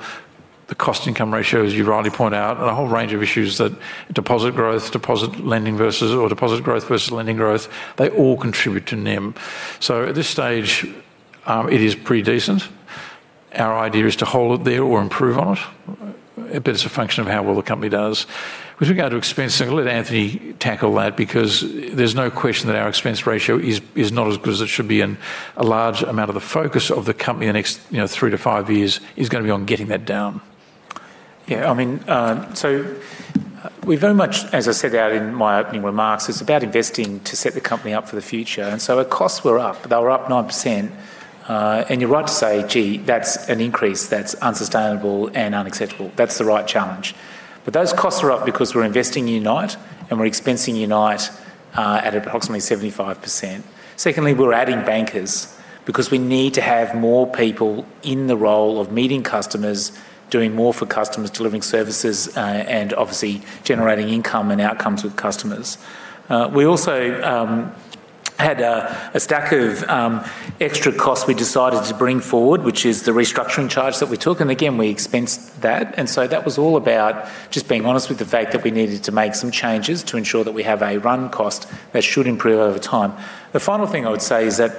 the cost-to-income ratios you rightly point out, and a whole range of issues that deposit growth, deposit growth versus lending growth, they all contribute to NIM. So at this stage, it is pretty decent. Our idea is to hold it there or improve on it, but it's a function of how well the company does. With regard to expense, I'll let Anthony tackle that because there's no question that our expense ratio is not as good as it should be. And a large amount of the focus of the company the next three to five years is going to be on getting that down. Yeah. I mean, so we very much, as I said out in my opening remarks, it's about investing to set the company up for the future. And so our costs were up. They were up 9%. And you're right to say, "Gee, that's an increase that's unsustainable and unacceptable." That's the right challenge. But those costs are up because we're investing UNITE and we're expensing UNITE at approximately 75%. Secondly, we're adding bankers because we need to have more people in the role of meeting customers, doing more for customers, delivering services, and obviously generating income and outcomes with customers. We also had a stack of extra costs we decided to bring forward, which is the restructuring charge that we took. And again, we expensed that. And so that was all about just being honest with the fact that we needed to make some changes to ensure that we have a run cost that should improve over time. The final thing I would say is that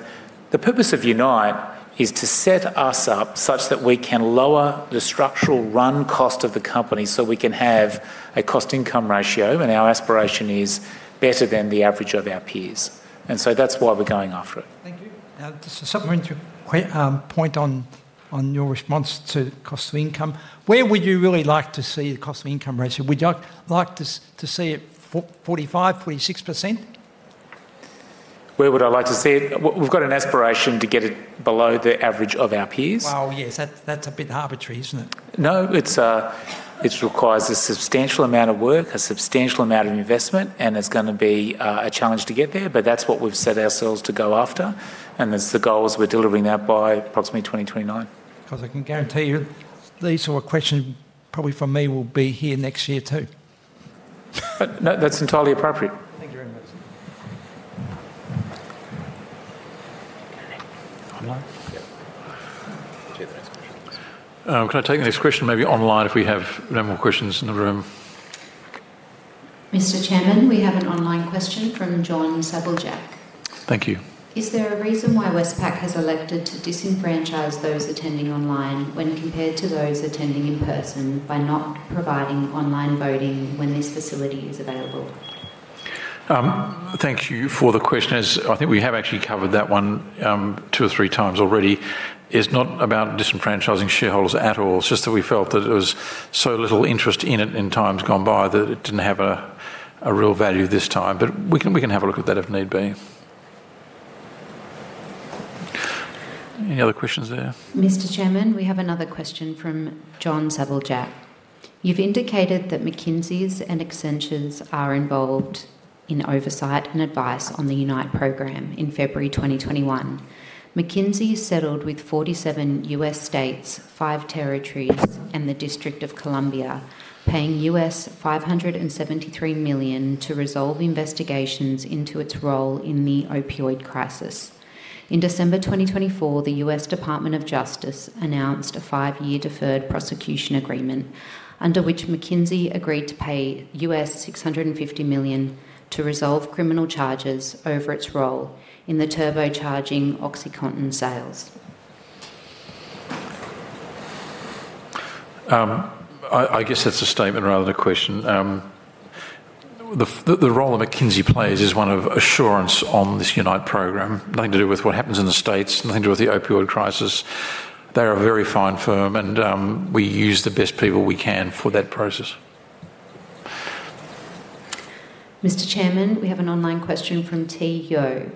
the purpose of UNITE is to set us up such that we can lower the structural run cost of the company so we can have a cost income ratio, and our aspiration is better than the average of our peers. And so that's why we're going after it. Thank you. Just a substantive point on your response to cost of income. Where would you really like to see the cost of income ratio? Would you like to see it 45%-46%? Where would I like to see it? We've got an aspiration to get it below the average of our peers. Well, yes, that's a bit arbitrary, isn't it? No, it requires a substantial amount of work, a substantial amount of investment, and it's going to be a challenge to get there. But that's what we've set ourselves to go after. And the goal is we're delivering that by approximately 2029. Because I can guarantee you these are questions probably for me will be here next year too. That's entirely appropriate. Thank you very much. Can I take the next question? Can I take the next question? Maybe online if we have no more questions in the room. Mr. Chairman, we have an online question from John Sabeljak. Thank you. Is there a reason why Westpac has elected to disenfranchise those attending online when compared to those attending in person by not providing online voting when this facility is available? Thank you for the question. I think we have actually covered that one two or three times already. It's not about disenfranchising shareholders at all. It's just that we felt that there was so little interest in it in times gone by that it didn't have a real value this time. But we can have a look at that if need be. Any other questions there? Mr. Chairman, we have another question from John Sabeljak. You've indicated that McKinsey's and Accenture's are involved in oversight and advice on the UNITE program in February 2021. McKinsey settled with 47 U.S. states, five territories, and the District of Columbia, paying $573 million to resolve investigations into its role in the opioid crisis. In December 2024, the U.S. Department of Justice announced a five-year deferred prosecution agreement under which McKinsey agreed to pay $650 million to resolve criminal charges over its role in the turbocharging OxyContin sales. I guess that's a statement rather than a question. The role that McKinsey plays is one of assurance on this UNITE program, nothing to do with what happens in the States, nothing to do with the opioid crisis. They're a very fine firm, and we use the best people we can for that process. Mr. Chairman, we have an online question from T. Yo.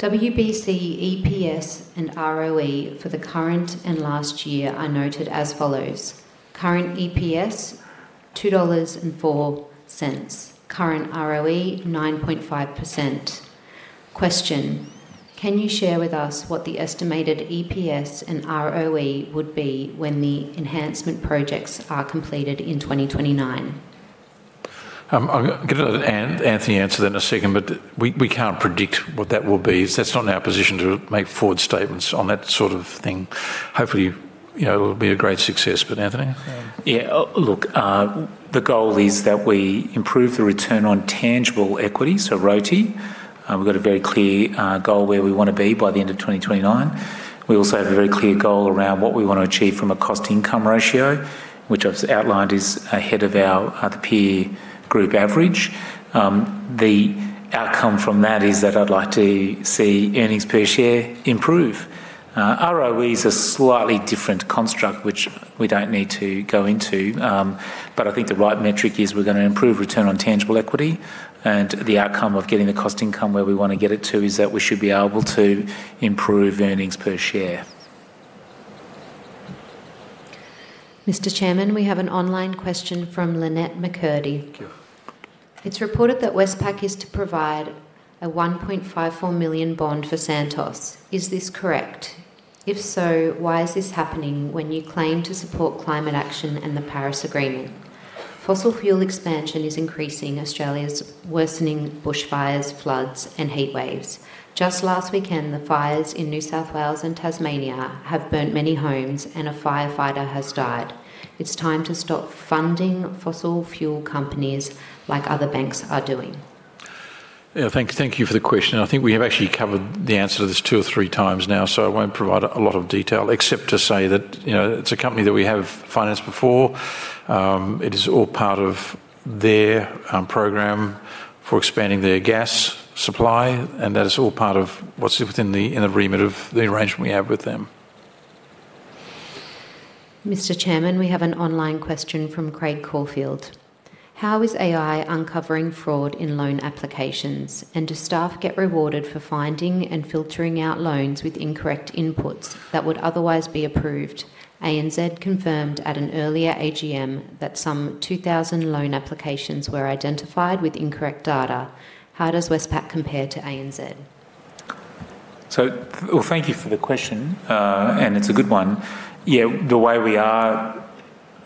WBC EPS and ROE for the current and last year are noted as follows. Current EPS, 2.04 dollars. Current ROE, 9.5%. Question, can you share with us what the estimated EPS and ROE would be when the enhancement projects are completed in 2029? I'll give Anthony the answer then in a second, but we can't predict what that will be. That's not in our position to make forward statements on that sort of thing. Hopefully, it'll be a great success, but Anthony? Yeah. Look, the goal is that we improve the return on tangible equity, so ROTE. We've got a very clear goal where we want to be by the end of 2029. We also have a very clear goal around what we want to achieve from a cost-to-income ratio, which I've outlined is ahead of the peer group average. The outcome from that is that I'd like to see earnings per share improve. ROE is a slightly different construct, which we don't need to go into. But I think the right metric is we're going to improve return on tangible equity. And the outcome of getting the cost-to-income where we want to get it to is that we should be able to improve earnings per share. Mr. Chairman, we have an online question from Lynette McCurdy. Thank you. It's reported that Westpac is to provide a 1.54 million bond for Santos. Is this correct? If so, why is this happening when you claim to support climate action and the Paris Agreement? Fossil fuel expansion is increasing Australia's worsening bushfires, floods, and heat waves. Just last weekend, the fires in New South Wales and Tasmania have burnt many homes, and a firefighter has died. It's time to stop funding fossil fuel companies like other banks are doing. Yeah. Thank you for the question. I think we have actually covered the answer to this two or three times now, so I won't provide a lot of detail except to say that it's a company that we have financed before. It is all part of their program for expanding their gas supply, and that is all part of what's within the remit of the arrangement we have with them. Mr. Chairman, we have an online question from Craig Caulfield. How is AI uncovering fraud in loan applications? And do staff get rewarded for finding and filtering out loans with incorrect inputs that would otherwise be approved? ANZ confirmed at an earlier AGM that some 2,000 loan applications were identified with incorrect data. How does Westpac compare to ANZ? So, well, thank you for the question, and it's a good one. Yeah, the way we are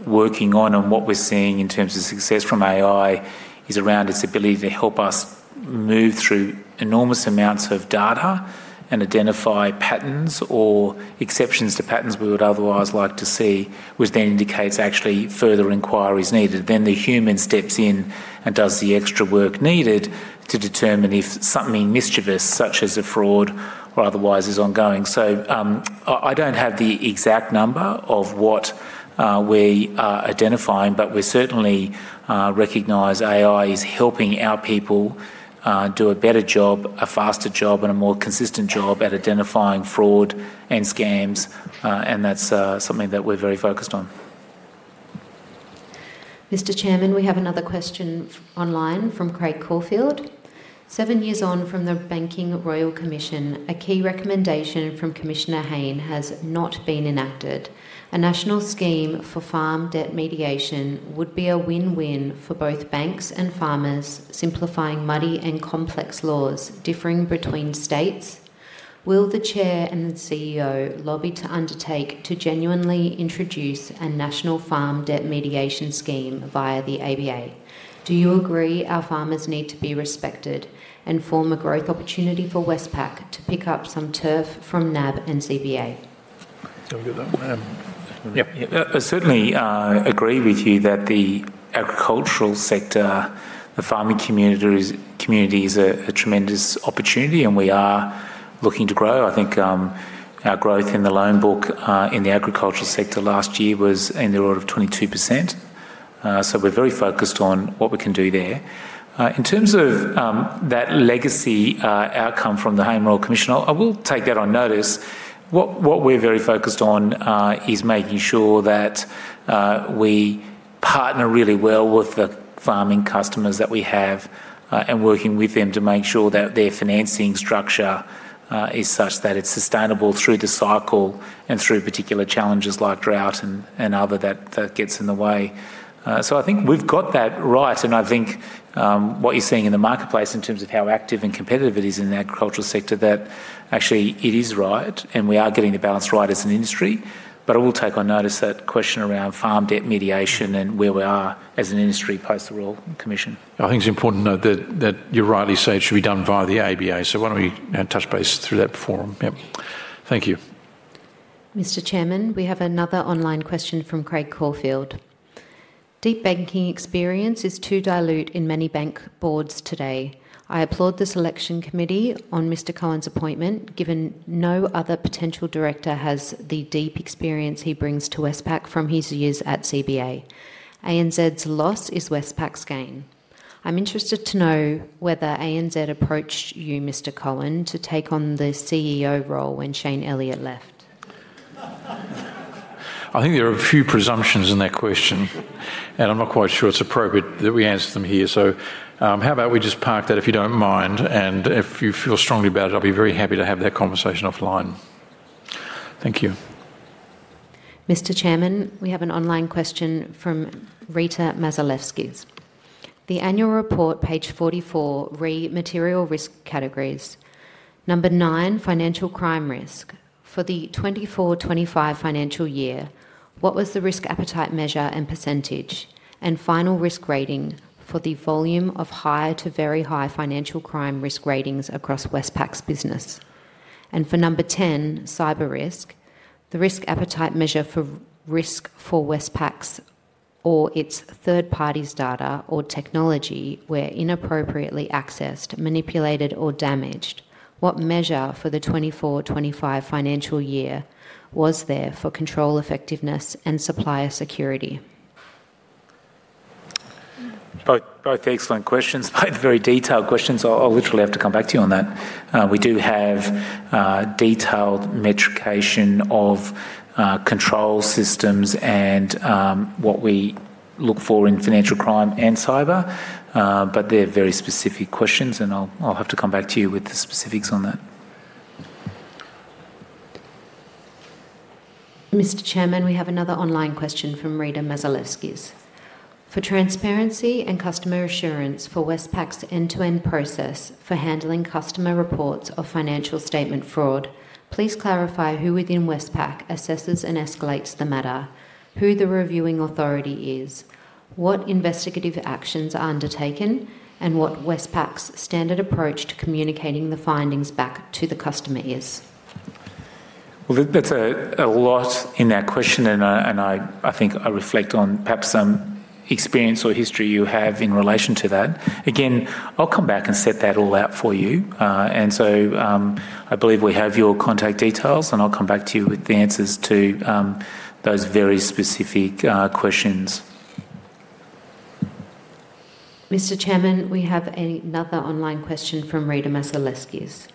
working on and what we're seeing in terms of success from AI is around its ability to help us move through enormous amounts of data and identify patterns or exceptions to patterns we would otherwise like to see, which then indicates actually further inquiries needed. Then the human steps in and does the extra work needed to determine if something mischievous, such as a fraud or otherwise, is ongoing. So I don't have the exact number of what we are identifying, but we certainly recognize AI is helping our people do a better job, a faster job, and a more consistent job at identifying fraud and scams, and that's something that we're very focused on. Mr. Chairman, we have another question online from Craig Caulfield. Seven years on from the Banking Royal Commission, a key recommendation from Commissioner Hayne has not been enacted. A national scheme for farm debt mediation would be a win-win for both banks and farmers, simplifying muddy and complex laws differing between states. Will the Chair and the CEO lobby to undertake to genuinely introduce a national farm debt mediation scheme via the ABA? Do you agree our farmers need to be respected and form a growth opportunity for Westpac to pick up some turf from NAB and CBA? Certainly agree with you that the agricultural sector, the farming community, is a tremendous opportunity, and we are looking to grow. I think our growth in the loan book in the agricultural sector last year was in the order of 22%, so we're very focused on what we can do there. In terms of that legacy outcome from the Hayne Royal Commission, I will take that on notice. What we're very focused on is making sure that we partner really well with the farming customers that we have and working with them to make sure that their financing structure is such that it's sustainable through the cycle and through particular challenges like drought and others that get in the way, so I think we've got that right. And I think what you're seeing in the marketplace in terms of how active and competitive it is in the agricultural sector, that actually it is right, and we are getting the balance right as an industry. But I will take on notice that question around farm debt mediation and where we are as an industry post the Royal Commission. I think it's important to note that you rightly said it should be done via the ABA. So why don't we touch base through that forum? Yep. Thank you. Mr. Chairman, we have another online question from Craig Caulfield. Deep banking experience is too dilute in many bank boards today. I applaud the selection committee on Mr. Cohen's appointment, given no other potential director has the deep experience he brings to Westpac from his years at CBA. ANZ's loss is Westpac's gain. I'm interested to know whether ANZ approached you, Mr. Cohen, to take on the CEO role when Shane Elliott left. I think there are a few presumptions in that question, and I'm not quite sure it's appropriate that we answer them here. So how about we just park that if you don't mind, and if you feel strongly about it, I'll be very happy to have that conversation offline. Thank you. Mr. Chairman, we have an online question from Rita Mazilewski. The annual report, page 44, read material risk categories. Number nine, financial crime risk. For the 2024-25 financial year, what was the risk appetite measure and percentage and final risk rating for the volume of high to very high financial crime risk ratings across Westpac's business? And for number 10, cyber risk, the risk appetite measure for risk for Westpac's or its third party's data or technology were inappropriately accessed, manipulated, or damaged. What measure for the 24-25 financial year was there for control effectiveness and supplier security? Both excellent questions. Both very detailed questions. I'll literally have to come back to you on that. We do have detailed metrication of control systems and what we look for in financial crime and cyber, but they're very specific questions, and I'll have to come back to you with the specifics on that. Mr. Chairman, we have another online question from Rita Mazilewski. For transparency and customer assurance for Westpac's end-to-end process for handling customer reports of financial statement fraud, please clarify who within Westpac assesses and escalates the matter, who the reviewing authority is, what investigative actions are undertaken, and what Westpac's standard approach to communicating the findings back to the customer is? Well, there's a lot in that question, and I think I reflect on perhaps some experience or history you have in relation to that. Again, I'll come back and set that all out for you. And so I believe we have your contact details, and I'll come back to you with the answers to those very specific questions. Mr. Chairman, we have another online question from Rita Mazilewski.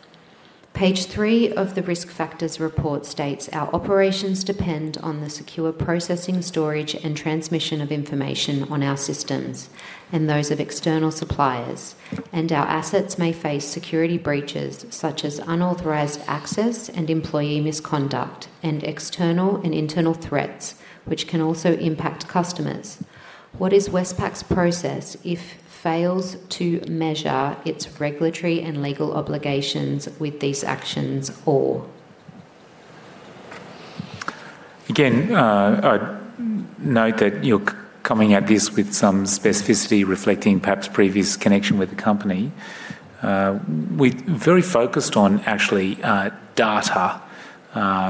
Page three of the risk factors report states our operations depend on the secure processing, storage, and transmission of information on our systems and those of external suppliers, and our assets may face security breaches such as unauthorized access and employee misconduct and external and internal threats, which can also impact customers. What is Westpac's process if it fails to meet its regulatory and legal obligations with these actions or? Again, I note that you're coming at this with some specificity reflecting perhaps previous connection with the company. We're very focused on actual data,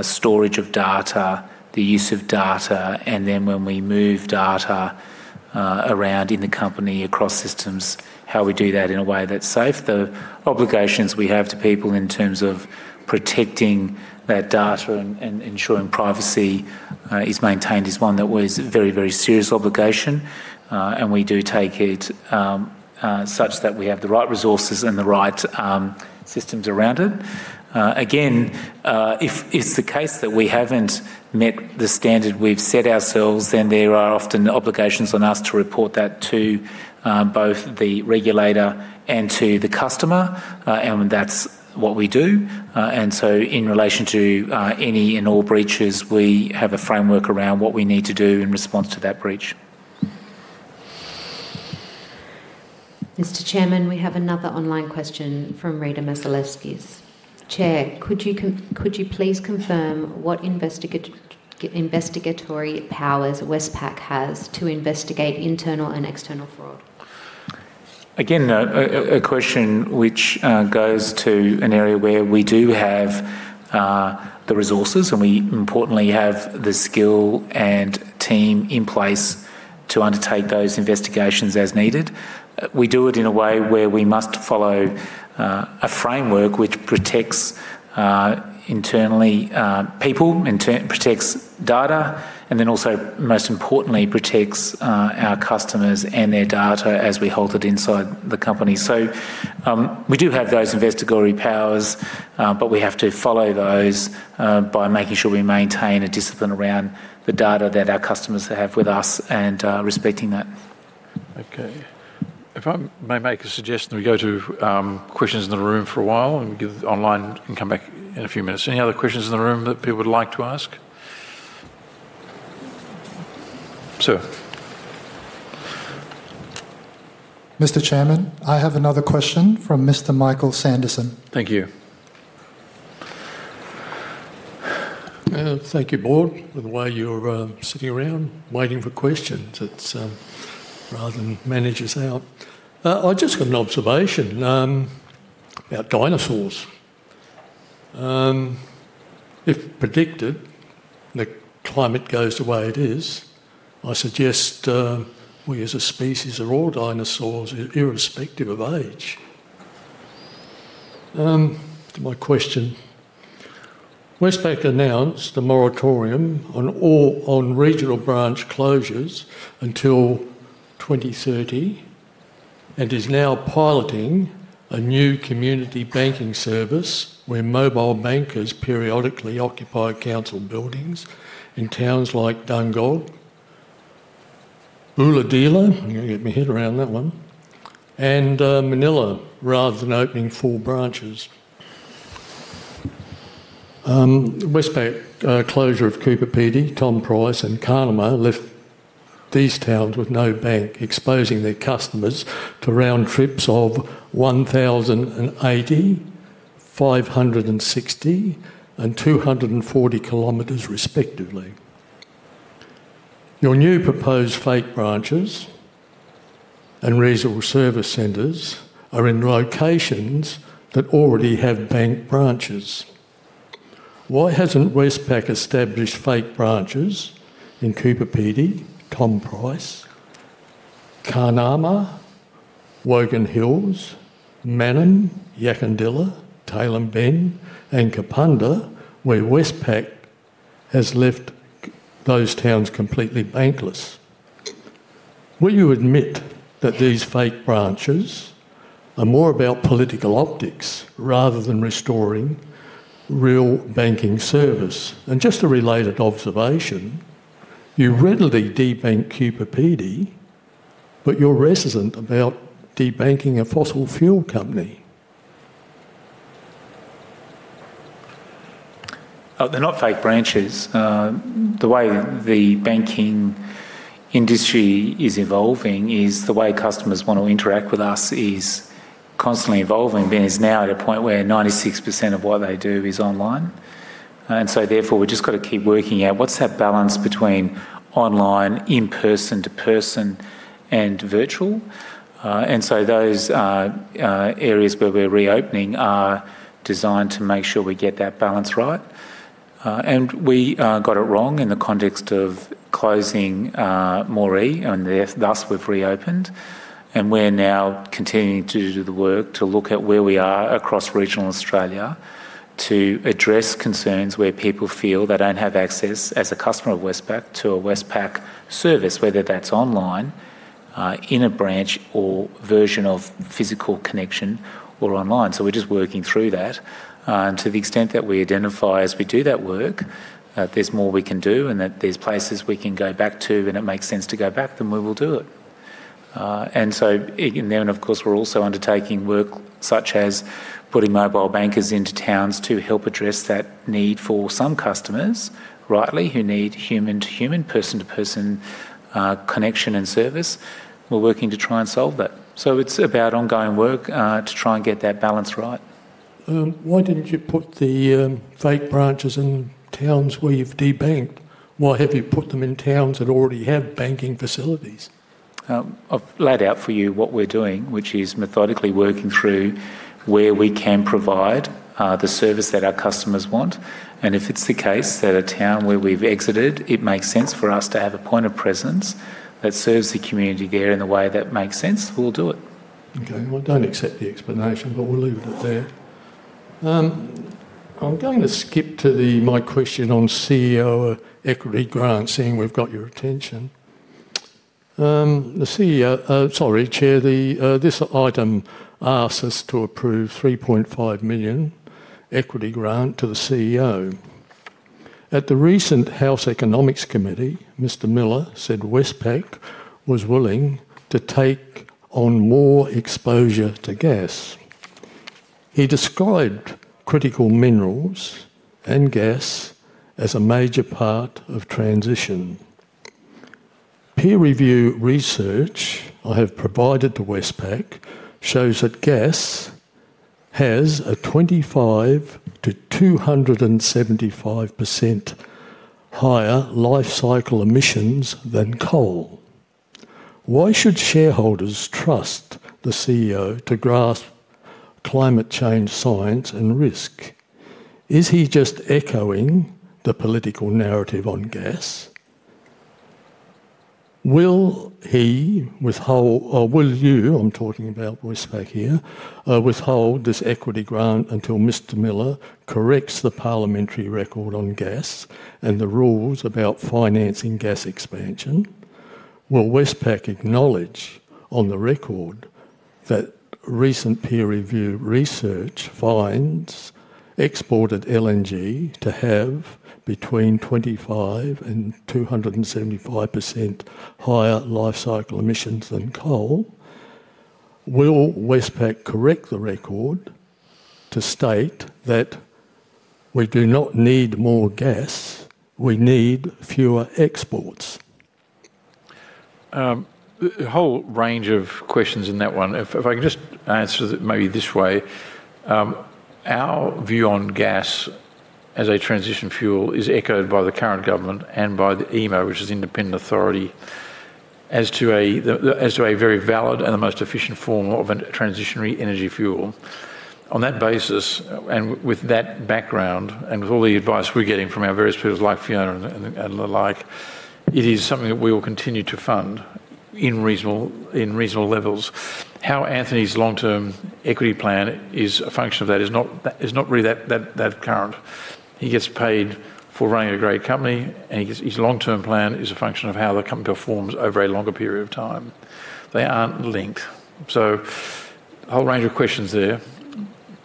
storage of data, the use of data, and then when we move data around in the company across systems, how we do that in a way that's safe. The obligations we have to people in terms of protecting that data and ensuring privacy is maintained is one that was a very, very serious obligation, and we do take it such that we have the right resources and the right systems around it. Again, if it's the case that we haven't met the standard we've set ourselves, then there are often obligations on us to report that to both the regulator and to the customer, and that's what we do. And so in relation to any and all breaches, we have a framework around what we need to do in response to that breach. Mr. Chairman, we have another online question from Rita Mazilewski. Chair, could you please confirm what investigatory powers Westpac has to investigate internal and external fraud? Again, a question which goes to an area where we do have the resources and we importantly have the skill and team in place to undertake those investigations as needed. We do it in a way where we must follow a framework which protects internally people, protects data, and then also, most importantly, protects our customers and their data as we hold it inside the company. So we do have those investigatory powers, but we have to follow those by making sure we maintain a discipline around the data that our customers have with us and respecting that. Okay. If I may make a suggestion, we go to questions in the room for a while and online can come back in a few minutes. Any other questions in the room that people would like to ask? Sir. Mr. Chairman, I have another question from Mr. Michael Sanderson. Thank you. Thank you, Board, for the way you're sitting around waiting for questions. It's rather than manage us out. I just got an observation about dinosaurs. If predicted the climate goes the way it is, I suggest we as a species are all dinosaurs irrespective of age. To my question, Westpac announced a moratorium on regional branch closures until 2030 and is now piloting a new community banking service where mobile bankers periodically occupy council buildings in towns like Dungog, Bulahdelah, I'm going to get my head around that one, and Manilla rather than opening full branches. Westpac closure of Coober Pedy, Tom Price, and Carnamah left these towns with no bank, exposing their customers to round trips of 1,080 km, 560 km, and 240 km respectively. Your new proposed fake branches and resource service centers are in locations that already have bank branches. Why hasn't Westpac established fake branches in Coober Pedy, Tom Price, Carnamah, Wongan Hills, Manning, Yackandandah, Tailem Bend, and Kapunda where Westpac has left those towns completely bankless? Will you admit that these fake branches are more about political optics rather than restoring real banking service? And just a related observation, you readily debank Coober Pedy, but you're reticent about debanking a fossil fuel company. They're not fake branches. The way the banking industry is evolving is the way customers want to interact with us is constantly evolving. It's now at a point where 96% of what they do is online. And so therefore, we've just got to keep working out what's that balance between online, in-person, to-person, and virtual. And so those areas where we're reopening are designed to make sure we get that balance right. And we got it wrong in the context of closing Moree, and thus we've reopened. And we're now continuing to do the work to look at where we are across regional Australia to address concerns where people feel they don't have access as a customer of Westpac to a Westpac service, whether that's online, in a branch, or a version of physical connection, or online. So we're just working through that. To the extent that we identify as we do that work, there's more we can do, and that there's places we can go back to, and it makes sense to go back, then we will do it. And then, of course, we're also undertaking work such as putting mobile bankers into towns to help address that need for some customers rightly who need human-to-human, person-to-person connection and service. We're working to try and solve that. So it's about ongoing work to try and get that balance right. Why didn't you put the fake branches in towns where you've debanked? Why have you put them in towns that already have banking facilities? I've laid out for you what we're doing, which is methodically working through where we can provide the service that our customers want. And if it's the case that a town where we've exited, it makes sense for us to have a point of presence that serves the community there in the way that makes sense, we'll do it. Okay. I don't accept the explanation, but we'll leave it at that. I'm going to skip to my question on CEO equity grants, seeing we've got your attention. The CEO, sorry, Chair, this item asks us to approve 3.5 million equity grant to the CEO. At the recent House Economics Committee, Mr. Miller said Westpac was willing to take on more exposure to gas. He described critical minerals and gas as a major part of transition. Peer review research I have provided to Westpac shows that gas has 25%-275% higher life cycle emissions than coal. Why should shareholders trust the CEO to grasp climate change science and risk? Is he just echoing the political narrative on gas? Will he withhold, or will you, I'm talking about Westpac here, withhold this equity grant until Mr. Miller corrects the parliamentary record on gas and the rules about financing gas expansion? Will Westpac acknowledge on the record that recent peer review research finds exported LNG to have between 25% and 275% higher life cycle emissions than coal? Will Westpac correct the record to state that we do not need more gas, we need fewer exports? The whole range of questions in that one, if I can just answer maybe this way, our view on gas as a transition fuel is echoed by the current government and by the AEMO, which is an independent authority, as to a very valid and the most efficient form of a transitionary energy fuel. On that basis, and with that background, and with all the advice we're getting from our various peers like Fiona and the like, it is something that we will continue to fund in reasonable levels. How Anthony's long-term equity plan is a function of that is not really that current. He gets paid for running a great company, and his long-term plan is a function of how the company performs over a longer period of time. They aren't linked. So a whole range of questions there,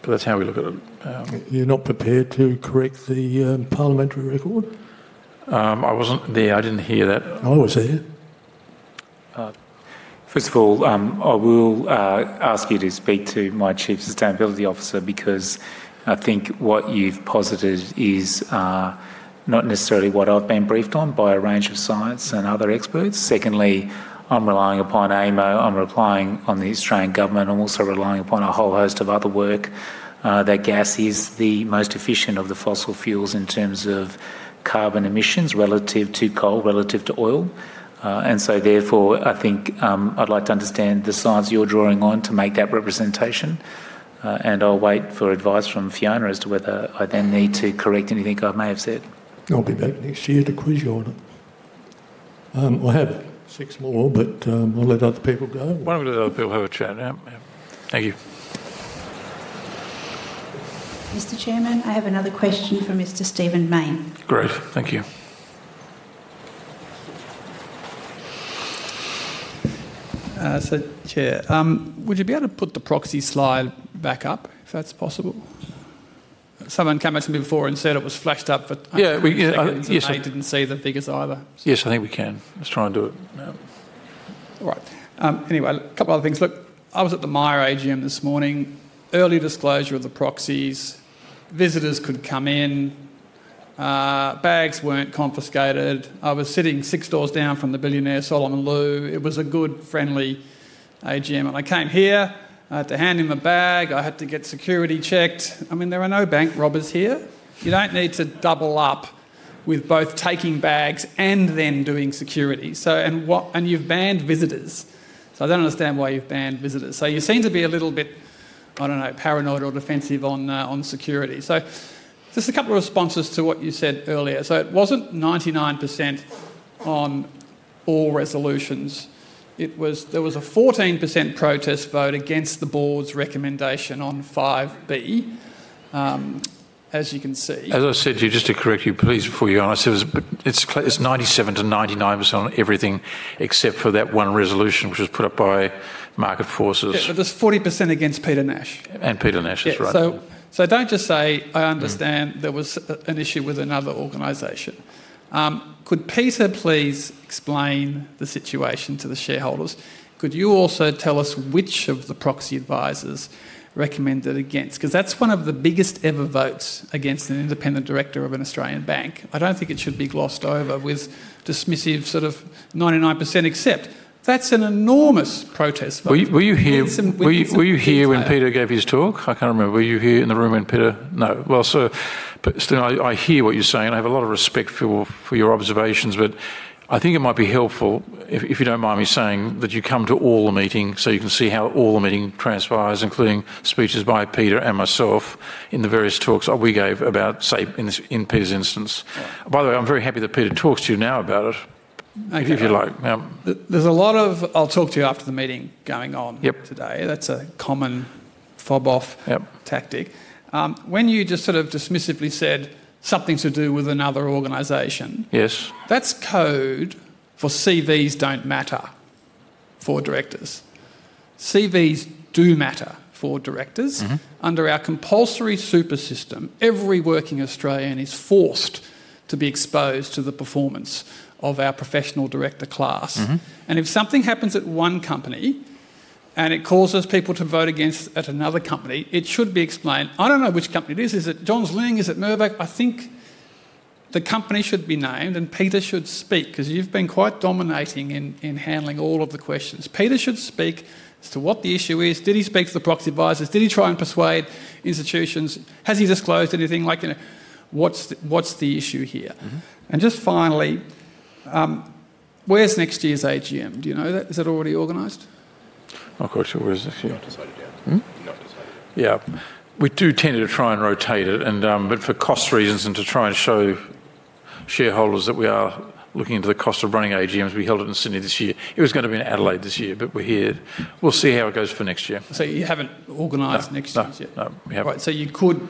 but that's how we look at it. You're not prepared to correct the parliamentary record? I wasn't there. I didn't hear that. I was there. First of all, I will ask you to speak to my chief sustainability officer because I think what you've posited is not necessarily what I've been briefed on by a range of science and other experts. Secondly, I'm relying upon AEMO. I'm relying on the Australian government. I'm also relying upon a whole host of other work that gas is the most efficient of the fossil fuels in terms of carbon emissions relative to coal, relative to oil. And so therefore, I think I'd like to understand the science you're drawing on to make that representation, and I'll wait for advice from Fiona as to whether I then need to correct anything I may have said. I'll be back next year to quiz you on it. I have six more, but I'll let other people go. Why don't we let other people have a chat now? Thank you. Mr. Chairman, I have another question from Mr. Stephen Mayne. Great. Thank you. So, Chair, would you be able to put the proxy slide back up if that's possible? Someone came up to me before and said it was flashed up, but I didn't see the figures either. Yes, I think we can. Let's try and do it now. All right. Anyway, a couple of other things. Look, I was at the Myer AGM this morning. Early disclosure of the proxies. Visitors could come in. Bags weren't confiscated. I was sitting six doors down from the billionaire Solomon Lew. It was a good, friendly AGM. And I came here, I had to hand in a bag, I had to get security checked. I mean, there are no bank robbers here. You don't need to double up with both taking bags and then doing security. And you've banned visitors. So I don't understand why you've banned visitors. So you seem to be a little bit, I don't know, paranoid or defensive on security. So just a couple of responses to what you said earlier. So it wasn't 99% on all resolutions. There was a 14% protest vote against the board's recommendation on 5B, as you can see. As I said to you, just to correct you, please, before you answer, it's 97%-99% on everything except for that one resolution which was put up by Market Forces. There's 40% against Peter Nash. And Peter Nash is right. So don't just say, "I understand there was an issue with another organization." Could Peter, please, explain the situation to the shareholders? Could you also tell us which of the proxy advisers recommended against? Because that's one of the biggest ever votes against an independent director of an Australian bank. I don't think it should be glossed over with dismissive sort of 99% except that's an enormous protest vote. Were you here when Peter gave his talk? I can't remember. Were you here in the room when Peter? No. Well, so I hear what you're saying. I have a lot of respect for your observations, but I think it might be helpful, if you don't mind me saying, that you come to all the meetings so you can see how all the meeting transpires, including speeches by Peter and myself in the various talks we gave about, say, in Peter's instance. By the way, I'm very happy that Peter talks to you now about it, if you like. There's a lot of, "I'll talk to you after the meeting," going on today. That's a common fob-off tactic. When you just sort of dismissively said something to do with another organization, that's code for CVs don't matter for directors. CVs do matter for directors. Under our compulsory super system, every working Australian is forced to be exposed to the performance of our professional director class, and if something happens at one company and it causes people to vote against at another company, it should be explained. I don't know which company it is. Is it Johns Lyng? Is it Murdoch? I think the company should be named and Peter should speak because you've been quite dominating in handling all of the questions. Peter should speak as to what the issue is. Did he speak to the proxy advisers? Did he try and persuade institutions? Has he disclosed anything? What's the issue here? And just finally, where's next year's AGM? Do you know that? Is it already organized? I've got to ask you. Not decided yet. Yeah. We do tend to try and rotate it, but for cost reasons and to try and show shareholders that we are looking into the cost of running AGMs, we held it in Sydney this year. It was going to be in Adelaide this year, but we're here. We'll see how it goes for next year. So you haven't organized next year's yet? No. Right. So you could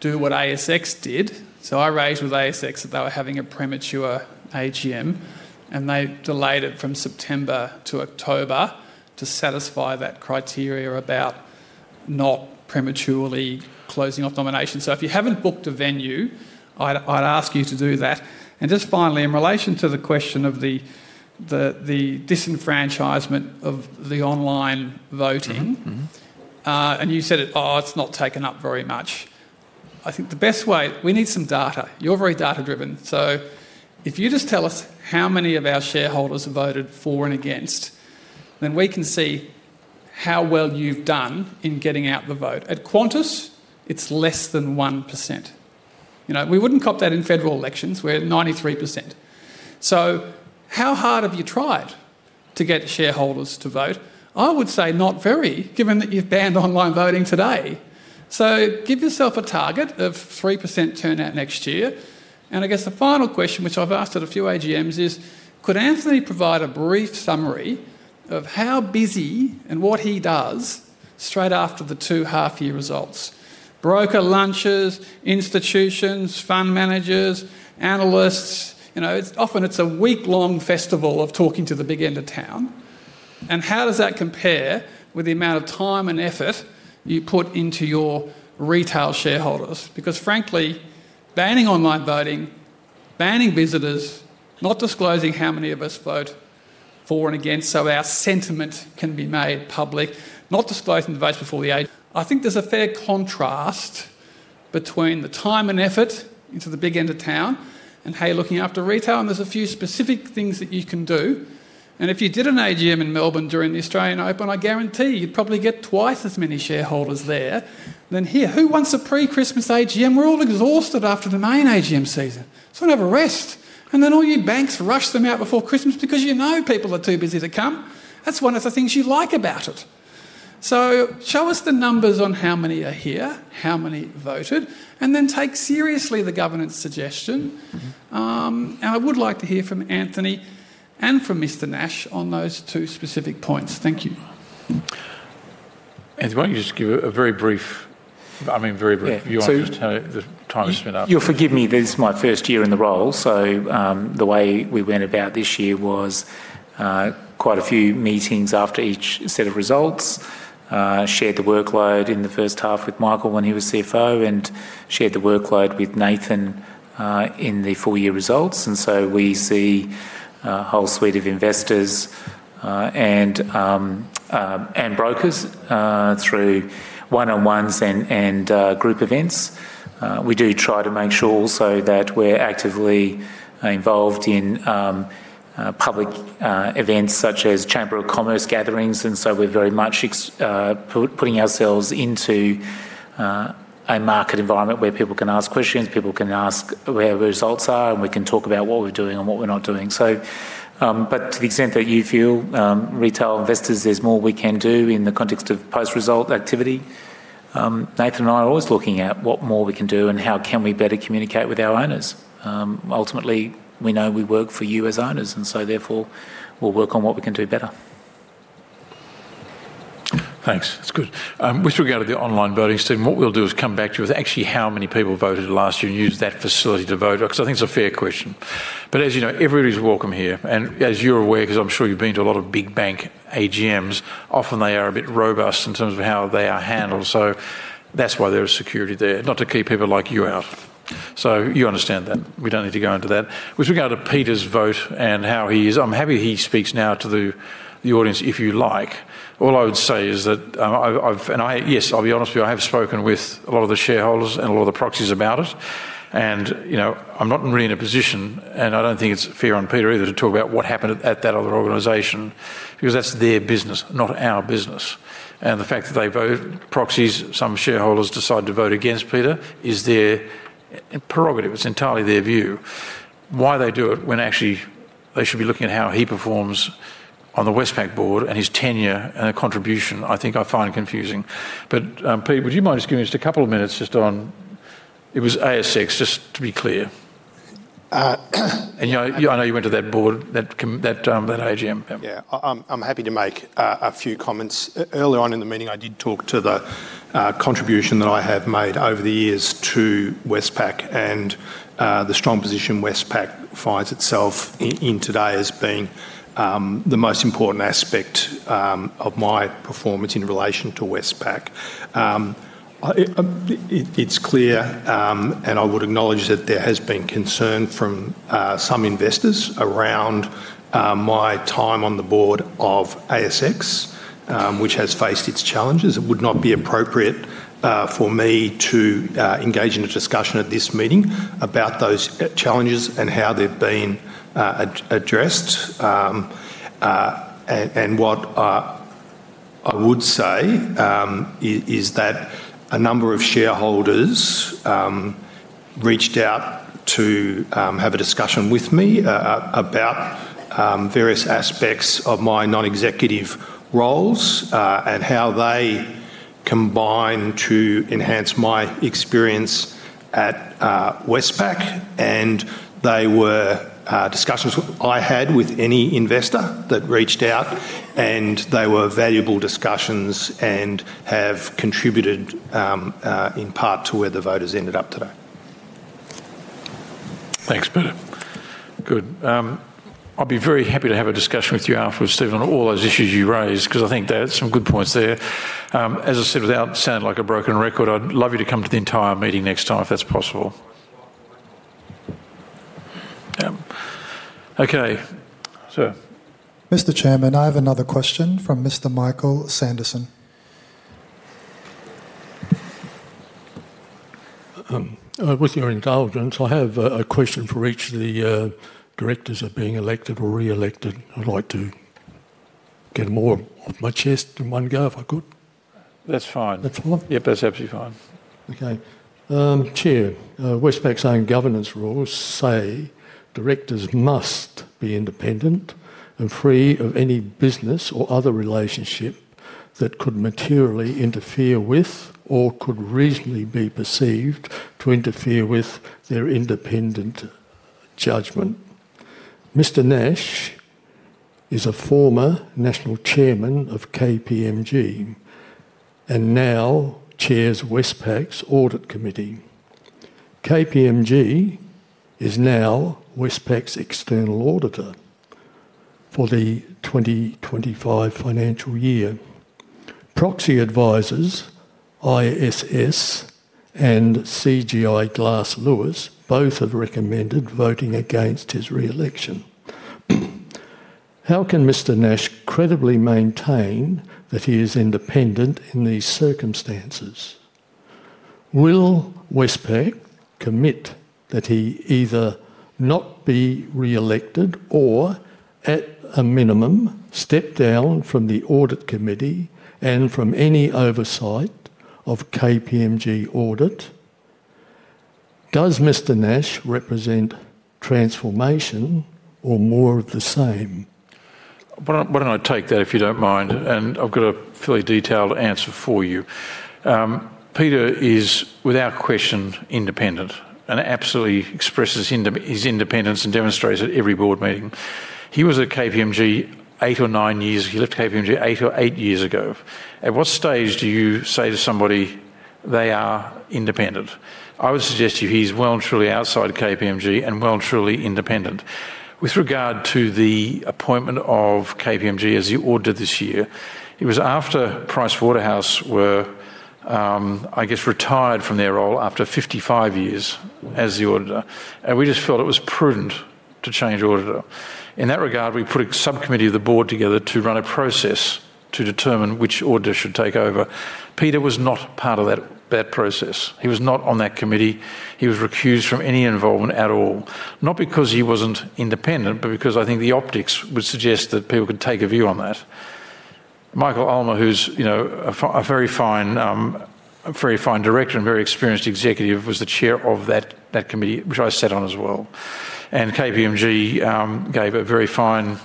do what ASX did. So I raised with ASX that they were having a premature AGM, and they delayed it from September to October to satisfy that criteria about not prematurely closing off nominations. So if you haven't booked a venue, I'd ask you to do that. And just finally, in relation to the question of the disenfranchisement of the online voting, and you said, "Oh, it's not taken up very much." I think the best way we need some data. You're very data-driven. So if you just tell us how many of our shareholders have voted for and against, then we can see how well you've done in getting out the vote. At Qantas, it's less than 1%. We wouldn't cop that in federal elections. We're at 93%. So how hard have you tried to get shareholders to vote? I would say not very, given that you've banned online voting today. So give yourself a target of 3% turnout next year. And I guess the final question, which I've asked at a few AGMs, is could Anthony provide a brief summary of how busy and what he does straight after the two half-year results? Broker lunches, institutions, fund managers, analysts. Often, it's a week-long festival of talking to the big end of town. And how does that compare with the amount of time and effort you put into your retail shareholders? Because frankly, banning online voting, banning visitors, not disclosing how many of us vote for and against so our sentiment can be made public, not disclosing the votes before the. I think there's a fair contrast between the time and effort into the big end of town and how you're looking after retail, and there's a few specific things that you can do. And if you did an AGM in Melbourne during the Australian Open, I guarantee you'd probably get twice as many shareholders there. Then here, who wants a pre-Christmas AGM? We're all exhausted after the main AGM season. So we'll have a rest. And then all you banks rush them out before Christmas because you know people are too busy to come. That's one of the things you like about it. So show us the numbers on how many are here, how many voted, and then take seriously the governance suggestion. And I would like to hear from Anthony and from Mr. Nash on those two specific points. Thank you. Anthony, why don't you just give a very brief, I mean, very brief. You understood how the time has spun up. You'll forgive me that it's my first year in the role. So the way we went about this year was quite a few meetings after each set of results, shared the workload in the first half with Michael when he was CFO, and shared the workload with Nathan in the full-year results. And so we see a whole suite of investors and brokers through one-on-ones and group events. We do try to make sure also that we're actively involved in public events such as Chamber of Commerce gatherings. And so we're very much putting ourselves into a market environment where people can ask questions, people can ask where results are, and we can talk about what we're doing and what we're not doing. But to the extent that you feel, retail investors, there's more we can do in the context of post-result activity. Nathan and I are always looking at what more we can do and how can we better communicate with our owners. Ultimately, we know we work for you as owners, and so therefore, we'll work on what we can do better. Thanks. That's good. With regard to the online voting, Stephen, what we'll do is come back to you with actually how many people voted last year and use that facility to vote, because I think it's a fair question, but as you know, everybody's welcome here, and as you're aware, because I'm sure you've been to a lot of big bank AGMs, often they are a bit robust in terms of how they are handled, so that's why there is security there, not to keep people like you out, so you understand that. We don't need to go into that. With regard to Peter's vote and how he is, I'm happy he speaks now to the audience if you like. All I would say is that, yes, I'll be honest with you, I have spoken with a lot of the shareholders and a lot of the proxies about it. And I'm not really in a position, and I don't think it's fair on Peter either to talk about what happened at that other organization because that's their business, not our business. And the fact that they vote proxies, some shareholders decide to vote against Peter is their prerogative. It's entirely their view. Why they do it when actually they should be looking at how he performs on the Westpac board and his tenure and the contribution, I think I find confusing. But Peter, would you mind just giving us a couple of minutes just on it. It was ASX, just to be clear. And I know you went to that board, that AGM. Yeah. I'm happy to make a few comments. Earlier on in the meeting, I did talk to the contribution that I have made over the years to Westpac and the strong position Westpac finds itself in today as being the most important aspect of my performance in relation to Westpac. It's clear, and I would acknowledge that there has been concern from some investors around my time on the board of ASX, which has faced its challenges. It would not be appropriate for me to engage in a discussion at this meeting about those challenges and how they've been addressed. And what I would say is that a number of shareholders reached out to have a discussion with me about various aspects of my non-executive roles and how they combine to enhance my experience at Westpac. And they were discussions I had with any investor that reached out, and they were valuable discussions and have contributed in part to where the voters ended up today. Thanks, Peter. Good. I'll be very happy to have a discussion with you afterwards, Stephen, on all those issues you raised because I think there are some good points there. As I said, without sounding like a broken record, I'd love you to come to the entire meeting next time if that's possible. Okay. So. Mr. Chairman, I have another question from Mr. Michael Sanderson. With your indulgence, I have a question for each of the directors of being elected or re-elected. I'd like to get more off my chest in one go if I could. That's fine. That's all? Yep, that's absolutely fine. Okay. Chair, Westpac's own governance rules say directors must be independent and free of any business or other relationship that could materially interfere with or could reasonably be perceived to interfere with their independent judgment. Mr. Nash is a former national chairman of KPMG and now chairs Westpac's audit committee. KPMG is now Westpac's external auditor for the 2025 financial year. Proxy advisors ISS and CGI Glass Lewis both have recommended voting against his re-election. How can Mr. Nash credibly maintain that he is independent in these circumstances? Will Westpac commit that he either not be re-elected or, at a minimum, step down from the audit committee and from any oversight of KPMG audit? Does Mr. Nash represent transformation or more of the same? Why don't I take that, if you don't mind, and I've got a fairly detailed answer for you. Peter is, without question, independent and absolutely expresses his independence and demonstrates it at every board meeting. He was at KPMG eight or nine years ago. He left KPMG eight or eight years ago. At what stage do you say to somebody, "They are independent"? I would suggest to you he is well and truly outside KPMG and well and truly independent. With regard to the appointment of KPMG as the auditor this year, it was after PricewaterhouseCoopers were, I guess, retired from their role after 55 years as the auditor, and we just felt it was prudent to change auditor. In that regard, we put a subcommittee of the board together to run a process to determine which auditor should take over. Peter was not part of that process. He was not on that committee. He was recused from any involvement at all, not because he wasn't independent, but because I think the optics would suggest that people could take a view on that. Michael Ullmer, who's a very fine director and very experienced executive, was the chair of that committee, which I sat on as well, and KPMG gave a very fine,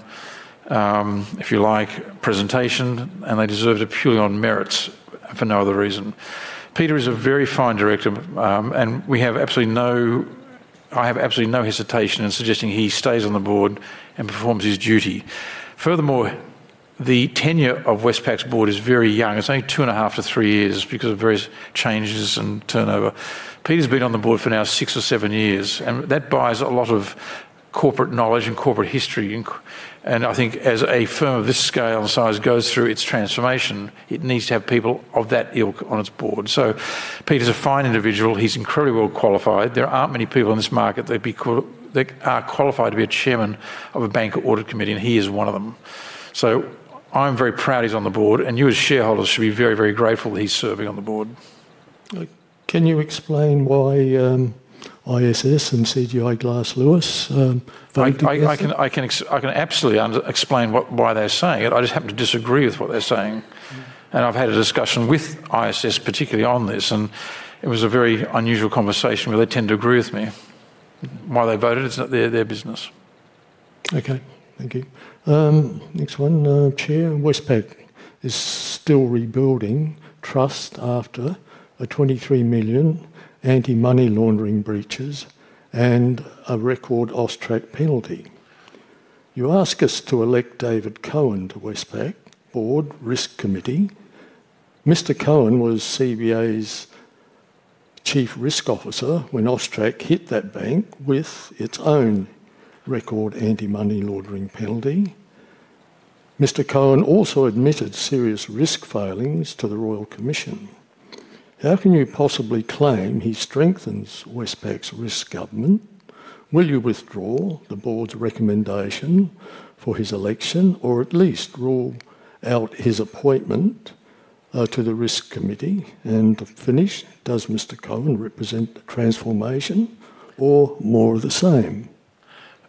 if you like, presentation, and they deserved it purely on merits for no other reason. Peter is a very fine director, and I have absolutely no hesitation in suggesting he stays on the board and performs his duty. Furthermore, the tenure of Westpac's board is very young. It's only two and a half to three years because of various changes and turnover. Peter's been on the board for now six or seven years, and that buys a lot of corporate knowledge and corporate history. I think as a firm of this scale and size goes through its transformation, it needs to have people of that ilk on its board. So Peter's a fine individual. He's incredibly well qualified. There aren't many people in this market that are qualified to be a chairman of a bank audit committee, and he is one of them. So I'm very proud he's on the board, and you as shareholders should be very, very grateful he's serving on the board. Can you explain why ISS and CGI Glass Lewis voted against? I can absolutely explain why they're saying it. I just happen to disagree with what they're saying. I've had a discussion with ISS, particularly on this, and it was a very unusual conversation where they tend to agree with me. Why they voted, it's not their business. Okay. Thank you. Next one. Chair, Westpac is still rebuilding trust after 23 million anti-money laundering breaches and a record AUSTRAC penalty. You ask us to elect David Cohen to Westpac Board risk committee. Mr. Cohen was CBA's chief risk officer when AUSTRAC hit that bank with its own record anti-money laundering penalty. Mr. Cohen also admitted serious risk failings to the Royal Commission. How can you possibly claim he strengthens Westpac's risk governance? Will you withdraw the board's recommendation for his election or at least rule out his appointment to the risk committee and finish? Does Mr. Cohen represent transformation or more of the same?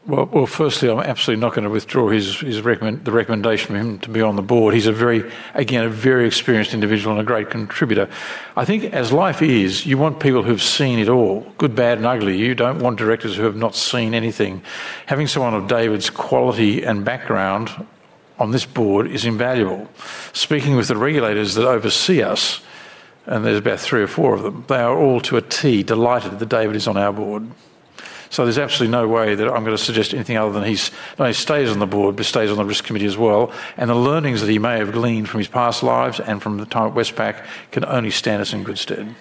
Well, firstly, I'm absolutely not going to withdraw the recommendation for him to be on the board. He's a very, again, a very experienced individual and a great contributor. I think as life is, you want people who've seen it all, good, bad, and ugly. You don't want directors who have not seen anything. Having someone of David's quality and background on this board is invaluable. Speaking with the regulators that oversee us, and there's about three or four of them, they are all to a T delighted that David is on our board. So there's absolutely no way that I'm going to suggest anything other than he stays on the board, but stays on the risk committee as well. And the learnings that he may have gleaned from his past lives and from the time at Westpac can only stand us in good stead.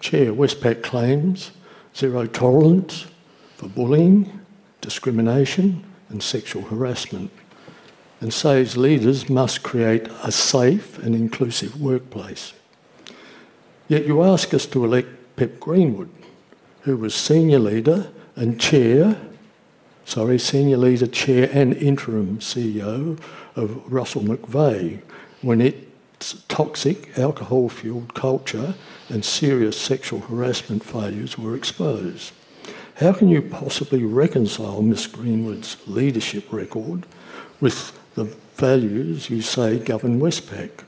Chair, Westpac claims zero tolerance for bullying, discrimination, and sexual harassment and says leaders must create a safe and inclusive workplace. Yet you ask us to elect Pip Greenwood, who was senior leader and chair-sorry, senior leader, chair, and interim CEO of Russell McVeagh-when its toxic alcohol-fueled culture and serious sexual harassment failures were exposed. How can you possibly reconcile Ms. Greenwood's leadership record with the values you say govern Westpac?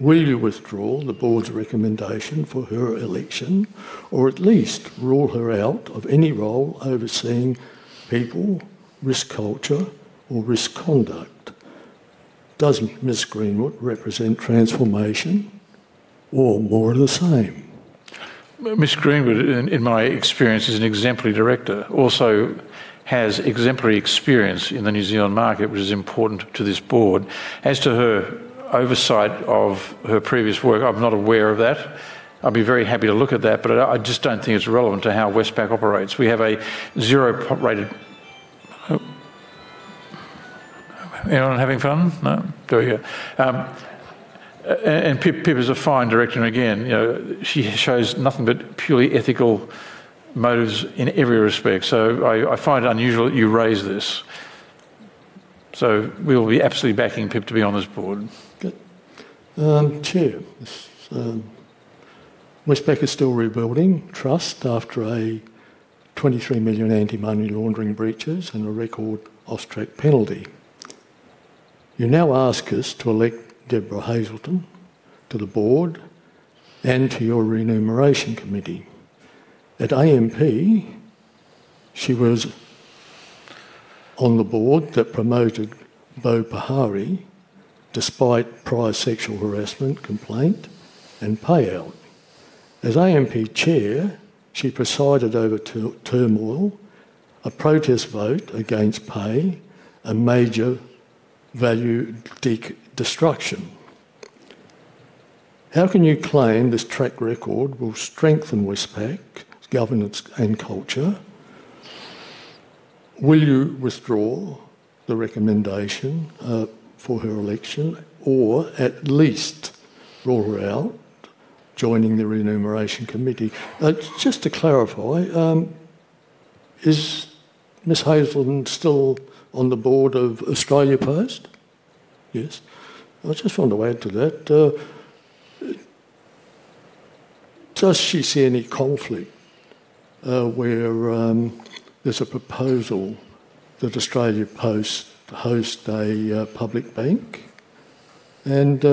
Will you withdraw the board's recommendation for her election or at least rule her out of any role overseeing people, risk culture, or risk conduct? Does Ms. Greenwood represent transformation or more of the same? Ms. Greenwood, in my experience as an exemplary director, also has exemplary experience in the New Zealand market, which is important to this board. As to her oversight of her previous work, I'm not aware of that. I'd be very happy to look at that, but I just don't think it's relevant to how Westpac operates. We have a zero-rated-anyone having fun? No? Go here. And Pip is a fine director. And again, she shows nothing but purely ethical motives in every respect. So I find it unusual that you raise this. So we will be absolutely backing Pip to be on this board. Chair, Westpac is still rebuilding trust after 23 million anti-money laundering breaches and a record AUSTRAC penalty. You now ask us to elect Deborah Hazleton to the board and to your remuneration committee. At AMP, she was on the board that promoted Boe Pahari despite prior sexual harassment complaint and payout. As AMP chair, she presided over turmoil, a protest vote against pay, and major value destruction. How can you claim this track record will strengthen Westpac's governance and culture? Will you withdraw the recommendation for her election or at least rule her out joining the remuneration committee? Just to clarify, is Ms. Hazleton still on the board of Australia Post? Yes. I just want to add to that. Does she see any conflict where there's a proposal that Australia Post hosts a public bank? And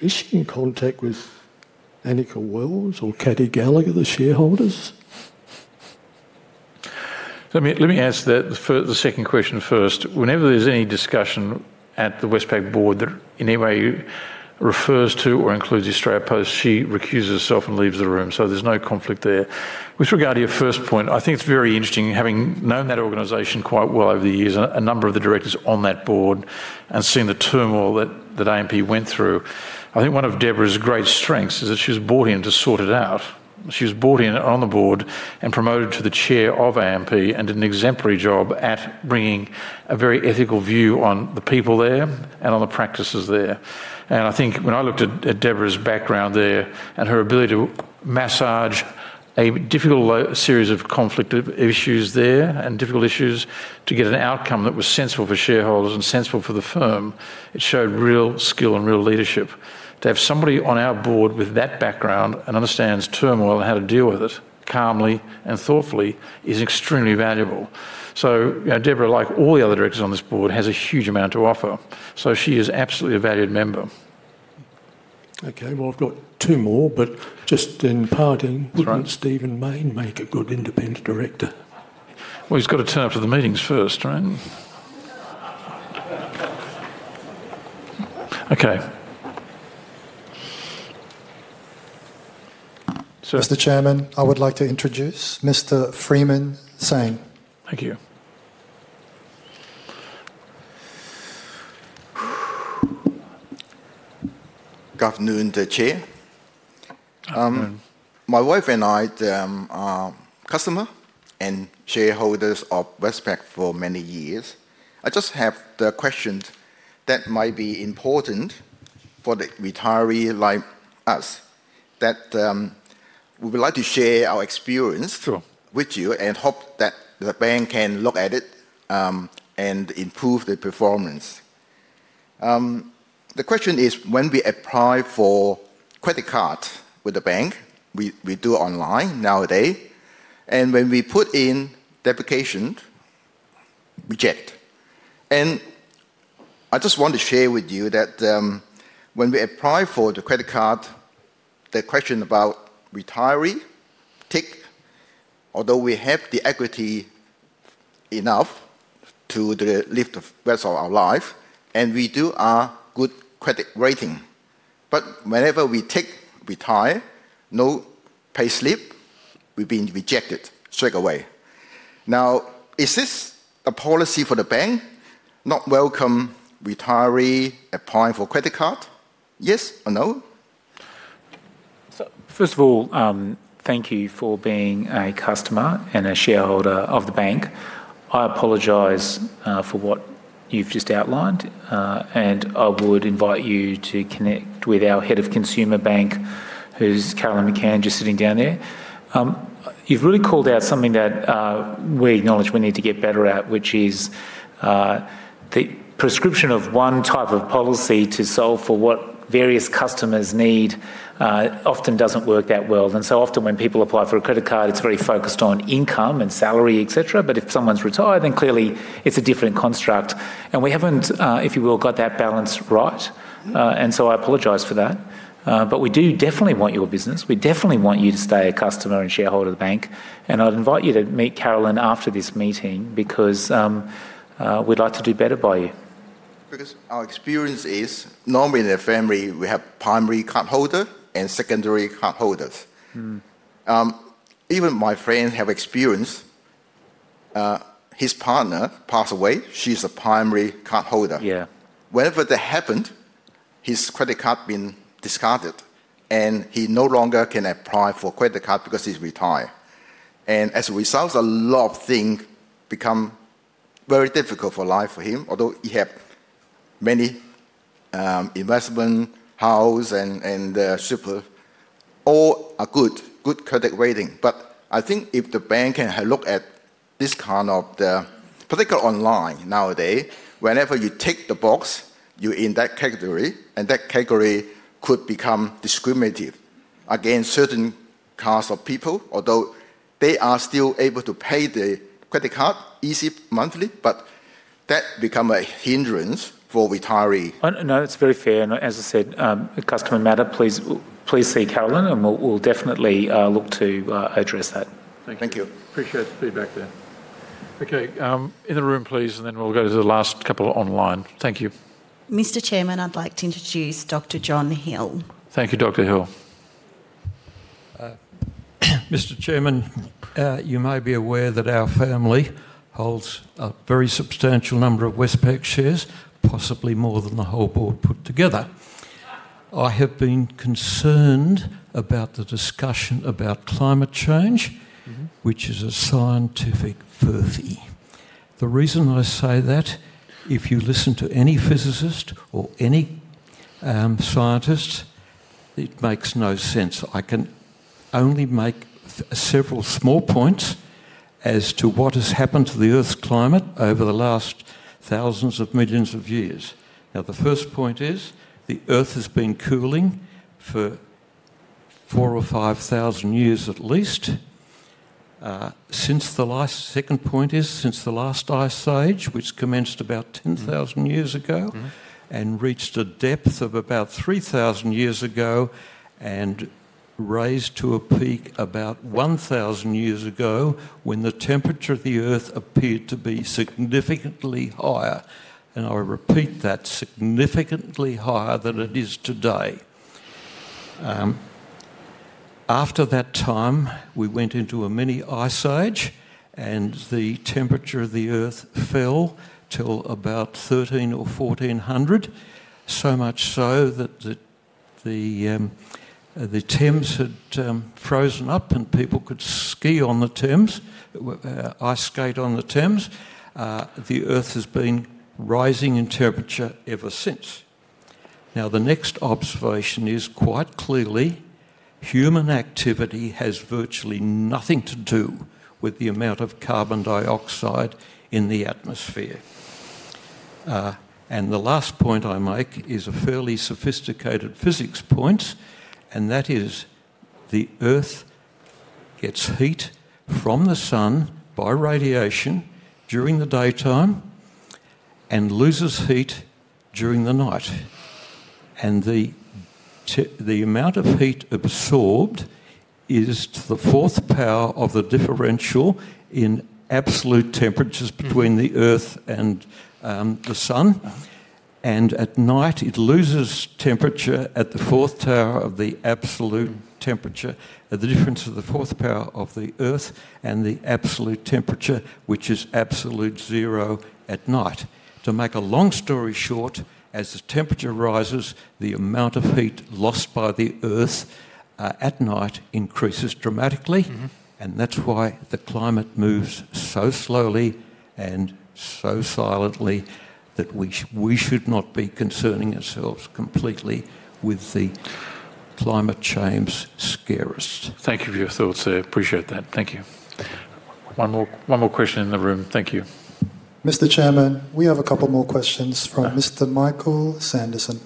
is she in contact with Annika Wells or Katy Gallagher, the shareholders? Let me ask the second question first. Whenever there's any discussion at the Westpac board that in any way refers to or includes Australia Post, she recuses herself and leaves the room. So there's no conflict there. With regard to your first point, I think it's very interesting, having known that organization quite well over the years, a number of the directors on that board, and seeing the turmoil that AMP went through. I think one of Deborah's great strengths is that she was brought in to sort it out. She was brought in on the board and promoted to the Chair of AMP and did an exemplary job at bringing a very ethical view on the people there and on the practices there. And I think when I looked at Deborah's background there and her ability to manage a difficult series of conflict issues there and difficult issues to get an outcome that was sensible for shareholders and sensible for the firm, it showed real skill and real leadership. To have somebody on our board with that background and understands turmoil and how to deal with it calmly and thoughtfully is extremely valuable. So Deborah, like all the other directors on this board, has a huge amount to offer. So she is absolutely a valued member. Okay. Well, I've got two more, but just in part, wouldn't Stephen Mayne make a good independent director? Well, he's got to turn up to the meetings first, right? Okay. Sir. Mr. Chairman, I would like to introduce Mr. Freeman Singh. Thank you. Good afternoon, Chair. My wife and I are customers and shareholders of Westpac for many years. I just have the questions that might be important for the retiree like us that we would like to share our experience with you and hope that the bank can look at it and improve the performance. The question is, when we apply for credit cards with the bank, we do it online nowadays. And when we put in the application, rejected. And I just want to share with you that when we apply for the credit card, the question about retiree tick, although we have the equity enough to live the rest of our life, and we do our good credit rating. But whenever we tick retire, no payslip, we've been rejected straight away. Now, is this a policy for the bank? Not welcome retiree applying for credit card? Yes or no? First of all, thank you for being a customer and a shareholder of the bank. I apologize for what you've just outlined, and I would invite you to connect with our head of consumer bank, who's Carolyn McCann, just sitting down there. You've really called out something that we acknowledge we need to get better at, which is the prescription of one type of policy to solve for what various customers need often doesn't work that well, and so often when people apply for a credit card, it's very focused on income and salary, etc., but if someone's retired, then clearly it's a different construct, and we haven't, if you will, got that balance right. And so I apologize for that. But we do definitely want your business. We definitely want you to stay a customer and shareholder of the bank. And I'd invite you to meet Carolyn after this meeting because we'd like to do better by you. Because our experience is normally in a family, we have primary cardholder and secondary cardholders. Even my friend has experienced his partner passed away. She's a primary cardholder. Whenever that happened, his credit card had been discarded, and he no longer can apply for a credit card because he's retired. And as a result, a lot of things become very difficult for life for him, although he had many investment, house, and super, all are good, good credit rating. But I think if the bank can look at this kind of the particular online nowadays, whenever you tick the box, you're in that category, and that category could become discriminative against certain castes of people, although they are still able to pay the credit card easily monthly, but that becomes a hindrance for retiree. No, it's very fair. And as I said, customers matter, please see Carolyn, and we'll definitely look to address that. Thank you. Appreciate the feedback there. Okay. In the room, please, and then we'll go to the last couple online. Thank you. Mr. Chairman, I'd like to introduce Dr. John Hill. Thank you, Dr. Hill. Mr. Chairman, you may be aware that our family holds a very substantial number of Westpac shares, possibly more than the whole board put together. I have been concerned about the discussion about climate change, which is a scientific furphy. The reason I say that, if you listen to any physicist or any scientist, it makes no sense. I can only make several small points as to what has happened to the Earth's climate over the last thousands of millions of years. Now, the first point is the Earth has been cooling for four or five thousand years at least. Second point is since the last ice age, which commenced about 10,000 years ago and reached a depth of about 3,000 years ago and raised to a peak about 1,000 years ago when the temperature of the Earth appeared to be significantly higher, and I repeat that, significantly higher than it is today. After that time, we went into a mini ice age, and the temperature of the Earth fell till about 1,300 or 1,400, so much so that the Thames had frozen up and people could ski on the Thames, ice skate on the Thames. The Earth has been rising in temperature ever since. Now, the next observation is quite clearly human activity has virtually nothing to do with the amount of carbon dioxide in the atmosphere. And the last point I make is a fairly sophisticated physics point, and that is the Earth gets heat from the sun by radiation during the daytime and loses heat during the night. And the amount of heat absorbed is to the fourth power of the differential in absolute temperatures between the Earth and the sun. At night, it loses temperature at the fourth power of the absolute temperature at the difference of the fourth power of the Earth and the absolute temperature, which is absolute zero at night. To make a long story short, as the temperature rises, the amount of heat lost by the Earth at night increases dramatically. That's why the climate moves so slowly and so silently that we should not be concerning ourselves completely with the climate change scares. Thank you for your thoughts. I appreciate that. Thank you. One more question in the room. Thank you. Mr. Chairman, we have a couple more questions from Mr. Michael Sanderson.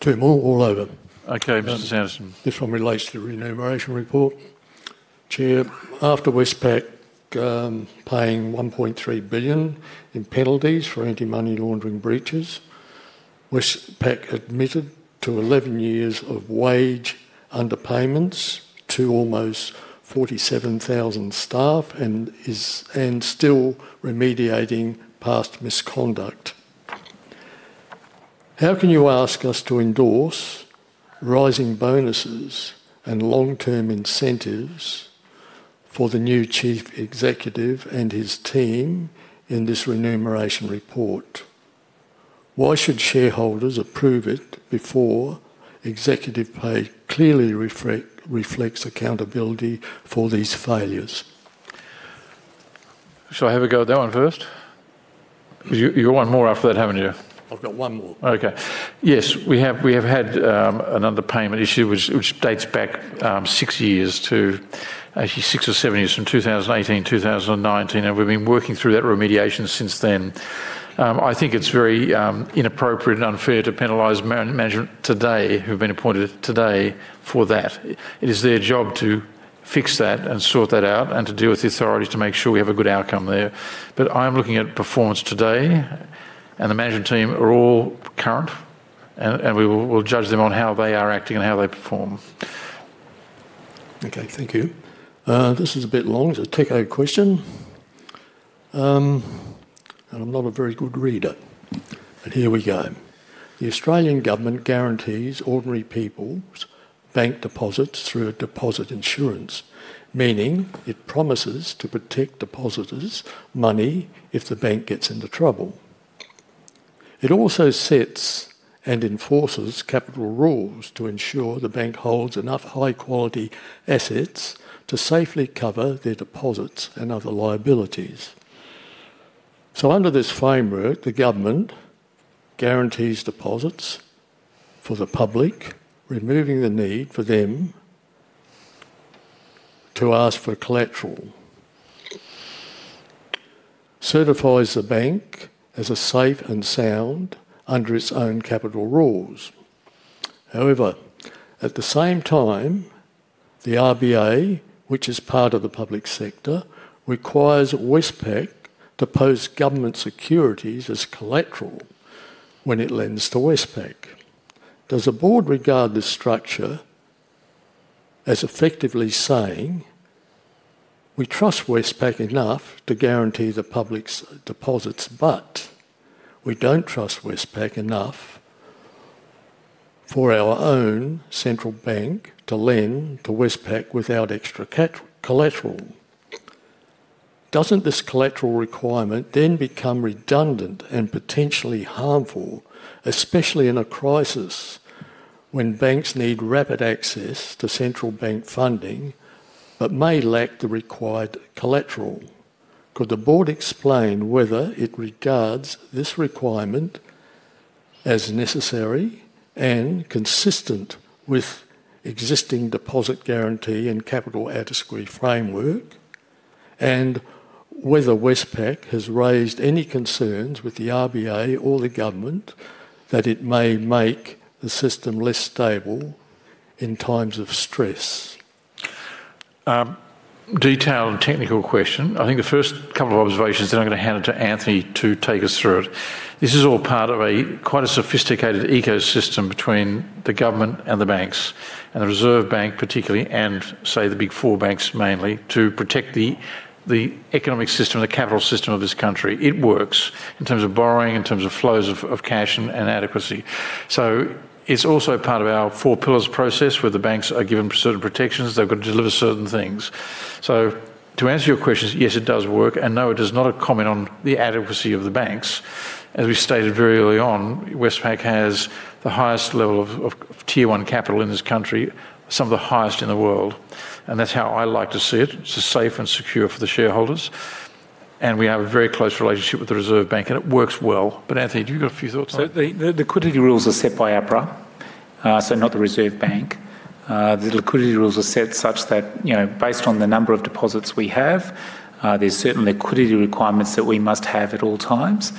Two more all over. Okay, Mr. Sanderson. This one relates to the remuneration report. Chair, after Westpac paying 1.3 billion in penalties for anti-money laundering breaches, Westpac admitted to 11 years of wage underpayments to almost 47,000 staff and is still remediating past misconduct. How can you ask us to endorse rising bonuses and long-term incentives for the new chief executive and his team in this remuneration report? Why should shareholders approve it before executive pay clearly reflects accountability for these failures? Shall I have a go at that one first? You want more after that, haven't you? I've got one more. Okay. Yes, we have had an underpayment issue which dates back six years to actually six or seven years from 2018, 2019, and we've been working through that remediation since then. I think it's very inappropriate and unfair to penalize management today who've been appointed today for that. It is their job to fix that and sort that out and to deal with the authorities to make sure we have a good outcome there. But I'm looking at performance today, and the management team are all current, and we will judge them on how they are acting and how they perform. Okay, thank you. This is a bit long. It's a takeover question. And I'm not a very good reader. But here we go. The Australian government guarantees ordinary people's bank deposits through a deposit insurance, meaning it promises to protect depositors' money if the bank gets into trouble. It also sets and enforces capital rules to ensure the bank holds enough high-quality assets to safely cover their deposits and other liabilities. So under this framework, the government guarantees deposits for the public, removing the need for them to ask for collateral, certifies the bank as a safe and sound under its own capital rules. However, at the same time, the RBA, which is part of the public sector, requires Westpac to post government securities as collateral when it lends to Westpac. Does the board regard this structure as effectively saying, "We trust Westpac enough to guarantee the public's deposits, but we don't trust Westpac enough for our own central bank to lend to Westpac without extra collateral"? Doesn't this collateral requirement then become redundant and potentially harmful, especially in a crisis when banks need rapid access to central bank funding but may lack the required collateral? Could the board explain whether it regards this requirement as necessary and consistent with existing deposit guarantee and capital adequacy framework, and whether Westpac has raised any concerns with the RBA or the government that it may make the system less stable in times of stress? Detailed technical question. I think the first couple of observations, then I'm going to hand it to Anthony to take us through it. This is all part of quite a sophisticated ecosystem between the government and the banks, and the Reserve Bank particularly, and say the big four banks mainly, to protect the economic system and the capital system of this country. It works in terms of borrowing, in terms of flows of cash and adequacy. So it's also part of our four pillars process where the banks are given certain protections. They've got to deliver certain things. To answer your questions, yes, it does work. And no, it is not a comment on the adequacy of the banks. As we stated very early on, Westpac has the highest level of Tier 1 capital in this country, some of the highest in the world. And that's how I like to see it. It's safe and secure for the shareholders. And we have a very close relationship with the Reserve Bank, and it works well. But Anthony, do you have a few thoughts on that? The liquidity rules are set by APRA, so not the Reserve Bank. The liquidity rules are set such that, based on the number of deposits we have, there's certain liquidity requirements that we must have at all times.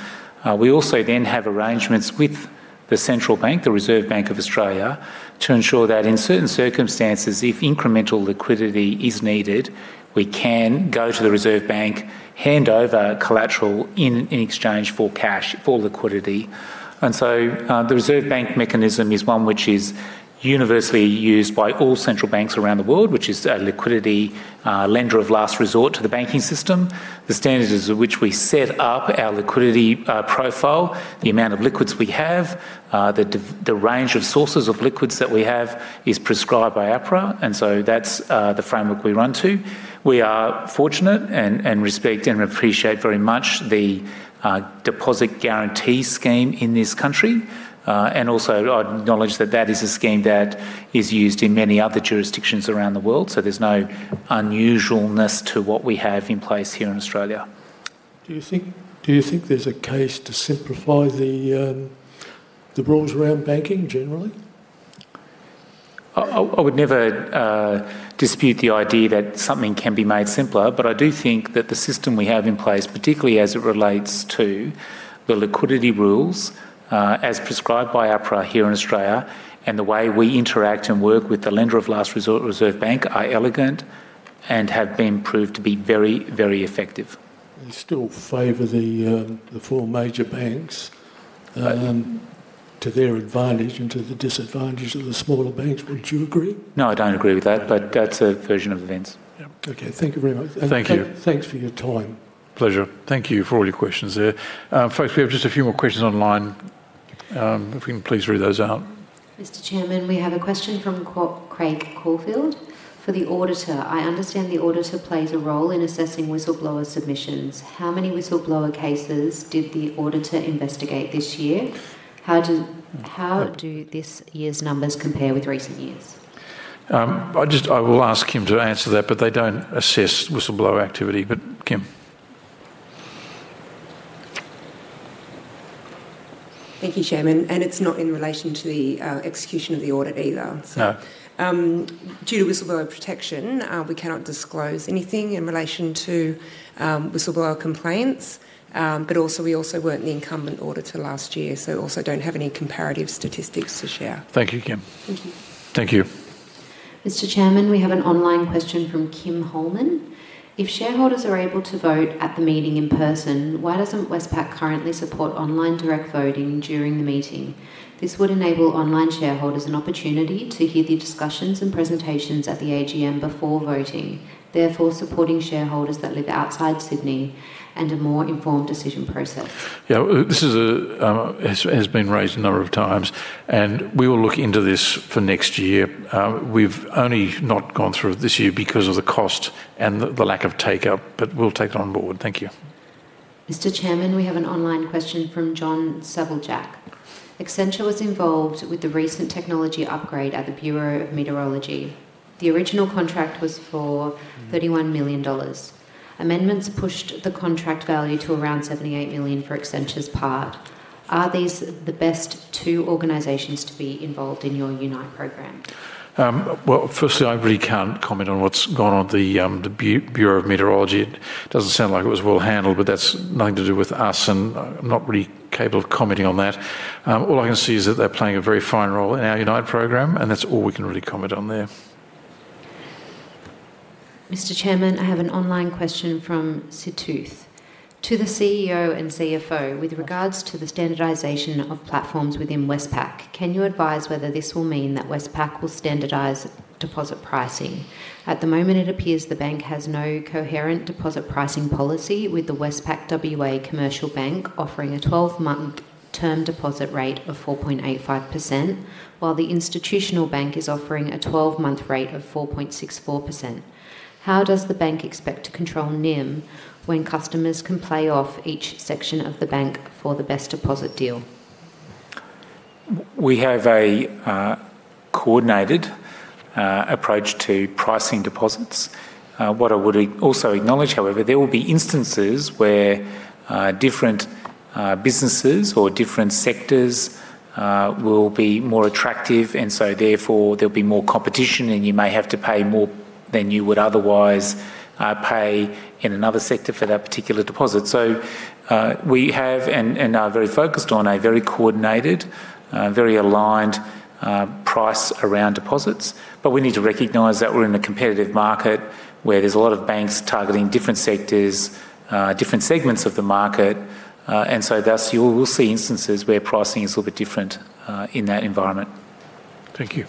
We also then have arrangements with the central bank, the Reserve Bank of Australia, to ensure that in certain circumstances, if incremental liquidity is needed, we can go to the Reserve Bank, hand over collateral in exchange for cash, for liquidity. And so the Reserve Bank mechanism is one which is universally used by all central banks around the world, which is a liquidity lender of last resort to the banking system. The standards of which we set up our liquidity profile, the amount of liquids we have, the range of sources of liquids that we have is prescribed by APRA. And so that's the framework we run to. We are fortunate and respect and appreciate very much the deposit guarantee scheme in this country. And also I acknowledge that that is a scheme that is used in many other jurisdictions around the world. So there's no unusualness to what we have in place here in Australia. Do you think there's a case to simplify the rules around banking generally? I would never dispute the idea that something can be made simpler, but I do think that the system we have in place, particularly as it relates to the liquidity rules as prescribed by APRA here in Australia and the way we interact and work with the lender of last resort, Reserve Bank, are elegant and have been proved to be very, very effective. You still favor the four major banks to their advantage and to the disadvantage of the smaller banks. Would you agree? No, I don't agree with that, but that's a version of events. Okay. Thank you very much. Thank you. Thanks for your time. Pleasure. Thank you for all your questions there. Folks, we have just a few more questions online. If we can please read those out. Mr. Chairman, we have a question from Craig Caulfield for the auditor. I understand the auditor plays a role in assessing whistleblower submissions. How many whistleblower cases did the auditor investigate this year? How do this year's numbers compare with recent years? I will ask Kim to answer that, but they don't assess whistleblower activity. But Kim. Thank you, Chairman. And it's not in relation to the execution of the audit either. Due to whistleblower protection, we cannot disclose anything in relation to whistleblower complaints, but we also weren't the incumbent auditor last year, so also don't have any comparative statistics to share. Thank you, Kim. Thank you. Thank you. Mr. Chairman, we have an online question from Kim Holman. If shareholders are able to vote at the meeting in person, why doesn't Westpac currently support online direct voting during the meeting? This would enable online shareholders an opportunity to hear the discussions and presentations at the AGM before voting, therefore supporting shareholders that live outside Sydney and a more informed decision process. Yeah, this has been raised a number of times, and we will look into this for next year. We've only not gone through it this year because of the cost and the lack of take-up, but we'll take it on board. Thank you. Mr. Chairman, we have an online question from John Sabeljak. Accenture was involved with the recent technology upgrade at the Bureau of Meteorology. The original contract was for 31 million dollars. Amendments pushed the contract value to around 78 million for Accenture's part. Are these the best two organizations to be involved in your UNITE program? Well, firstly, I really can't comment on what's gone on the Bureau of Meteorology. It doesn't sound like it was well handled, but that's nothing to do with us, and I'm not really capable of commenting on that. All I can see is that they're playing a very fine role in our UNITE program, and that's all we can really comment on there. Mr. Chairman, I have an online question from Situth. To the CEO and CFO, with regards to the standardization of platforms within Westpac, can you advise whether this will mean that Westpac will standardize deposit pricing? At the moment, it appears the bank has no coherent deposit pricing policy with the Westpac WA commercial bank offering a 12-month term deposit rate of 4.85%, while the institutional bank is offering a 12-month rate of 4.64%. How does the bank expect to control NIM when customers can play off each section of the bank for the best deposit deal? We have a coordinated approach to pricing deposits. What I would also acknowledge, however, there will be instances where different businesses or different sectors will be more attractive, and so therefore there'll be more competition, and you may have to pay more than you would otherwise pay in another sector for that particular deposit. So we have and are very focused on a very coordinated, very aligned price around deposits, but we need to recognize that we're in a competitive market where there's a lot of banks targeting different sectors, different segments of the market, and so thus you will see instances where pricing is a little bit different in that environment. Thank you.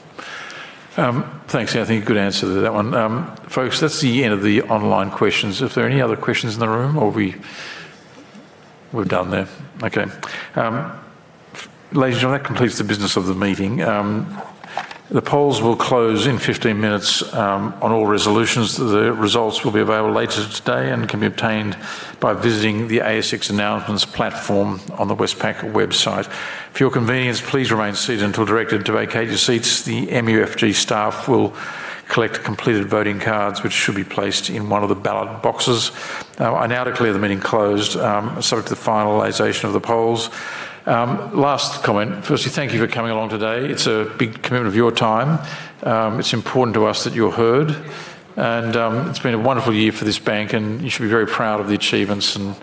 Thanks. I think a good answer to that one. Folks, that's the end of the online questions. If there are any other questions in the room, or we've done there. Okay. Ladies and gentlemen, that completes the business of the meeting. The polls will close in 15 minutes on all resolutions. The results will be available later today and can be obtained by visiting the ASX announcements platform on the Westpac website. For your convenience, please remain seated until directed to vacate your seats. The MUFG staff will collect completed voting cards, which should be placed in one of the ballot boxes. I now declare the meeting closed, subject to the finalization of the polls. Last comment. Firstly, thank you for coming along today. It's a big commitment of your time. It's important to us that you're heard, and it's been a wonderful year for this bank, and you should be very proud of the achievements, and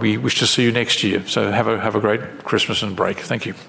we wish to see you next year. So have a great Christmas and break. Thank you.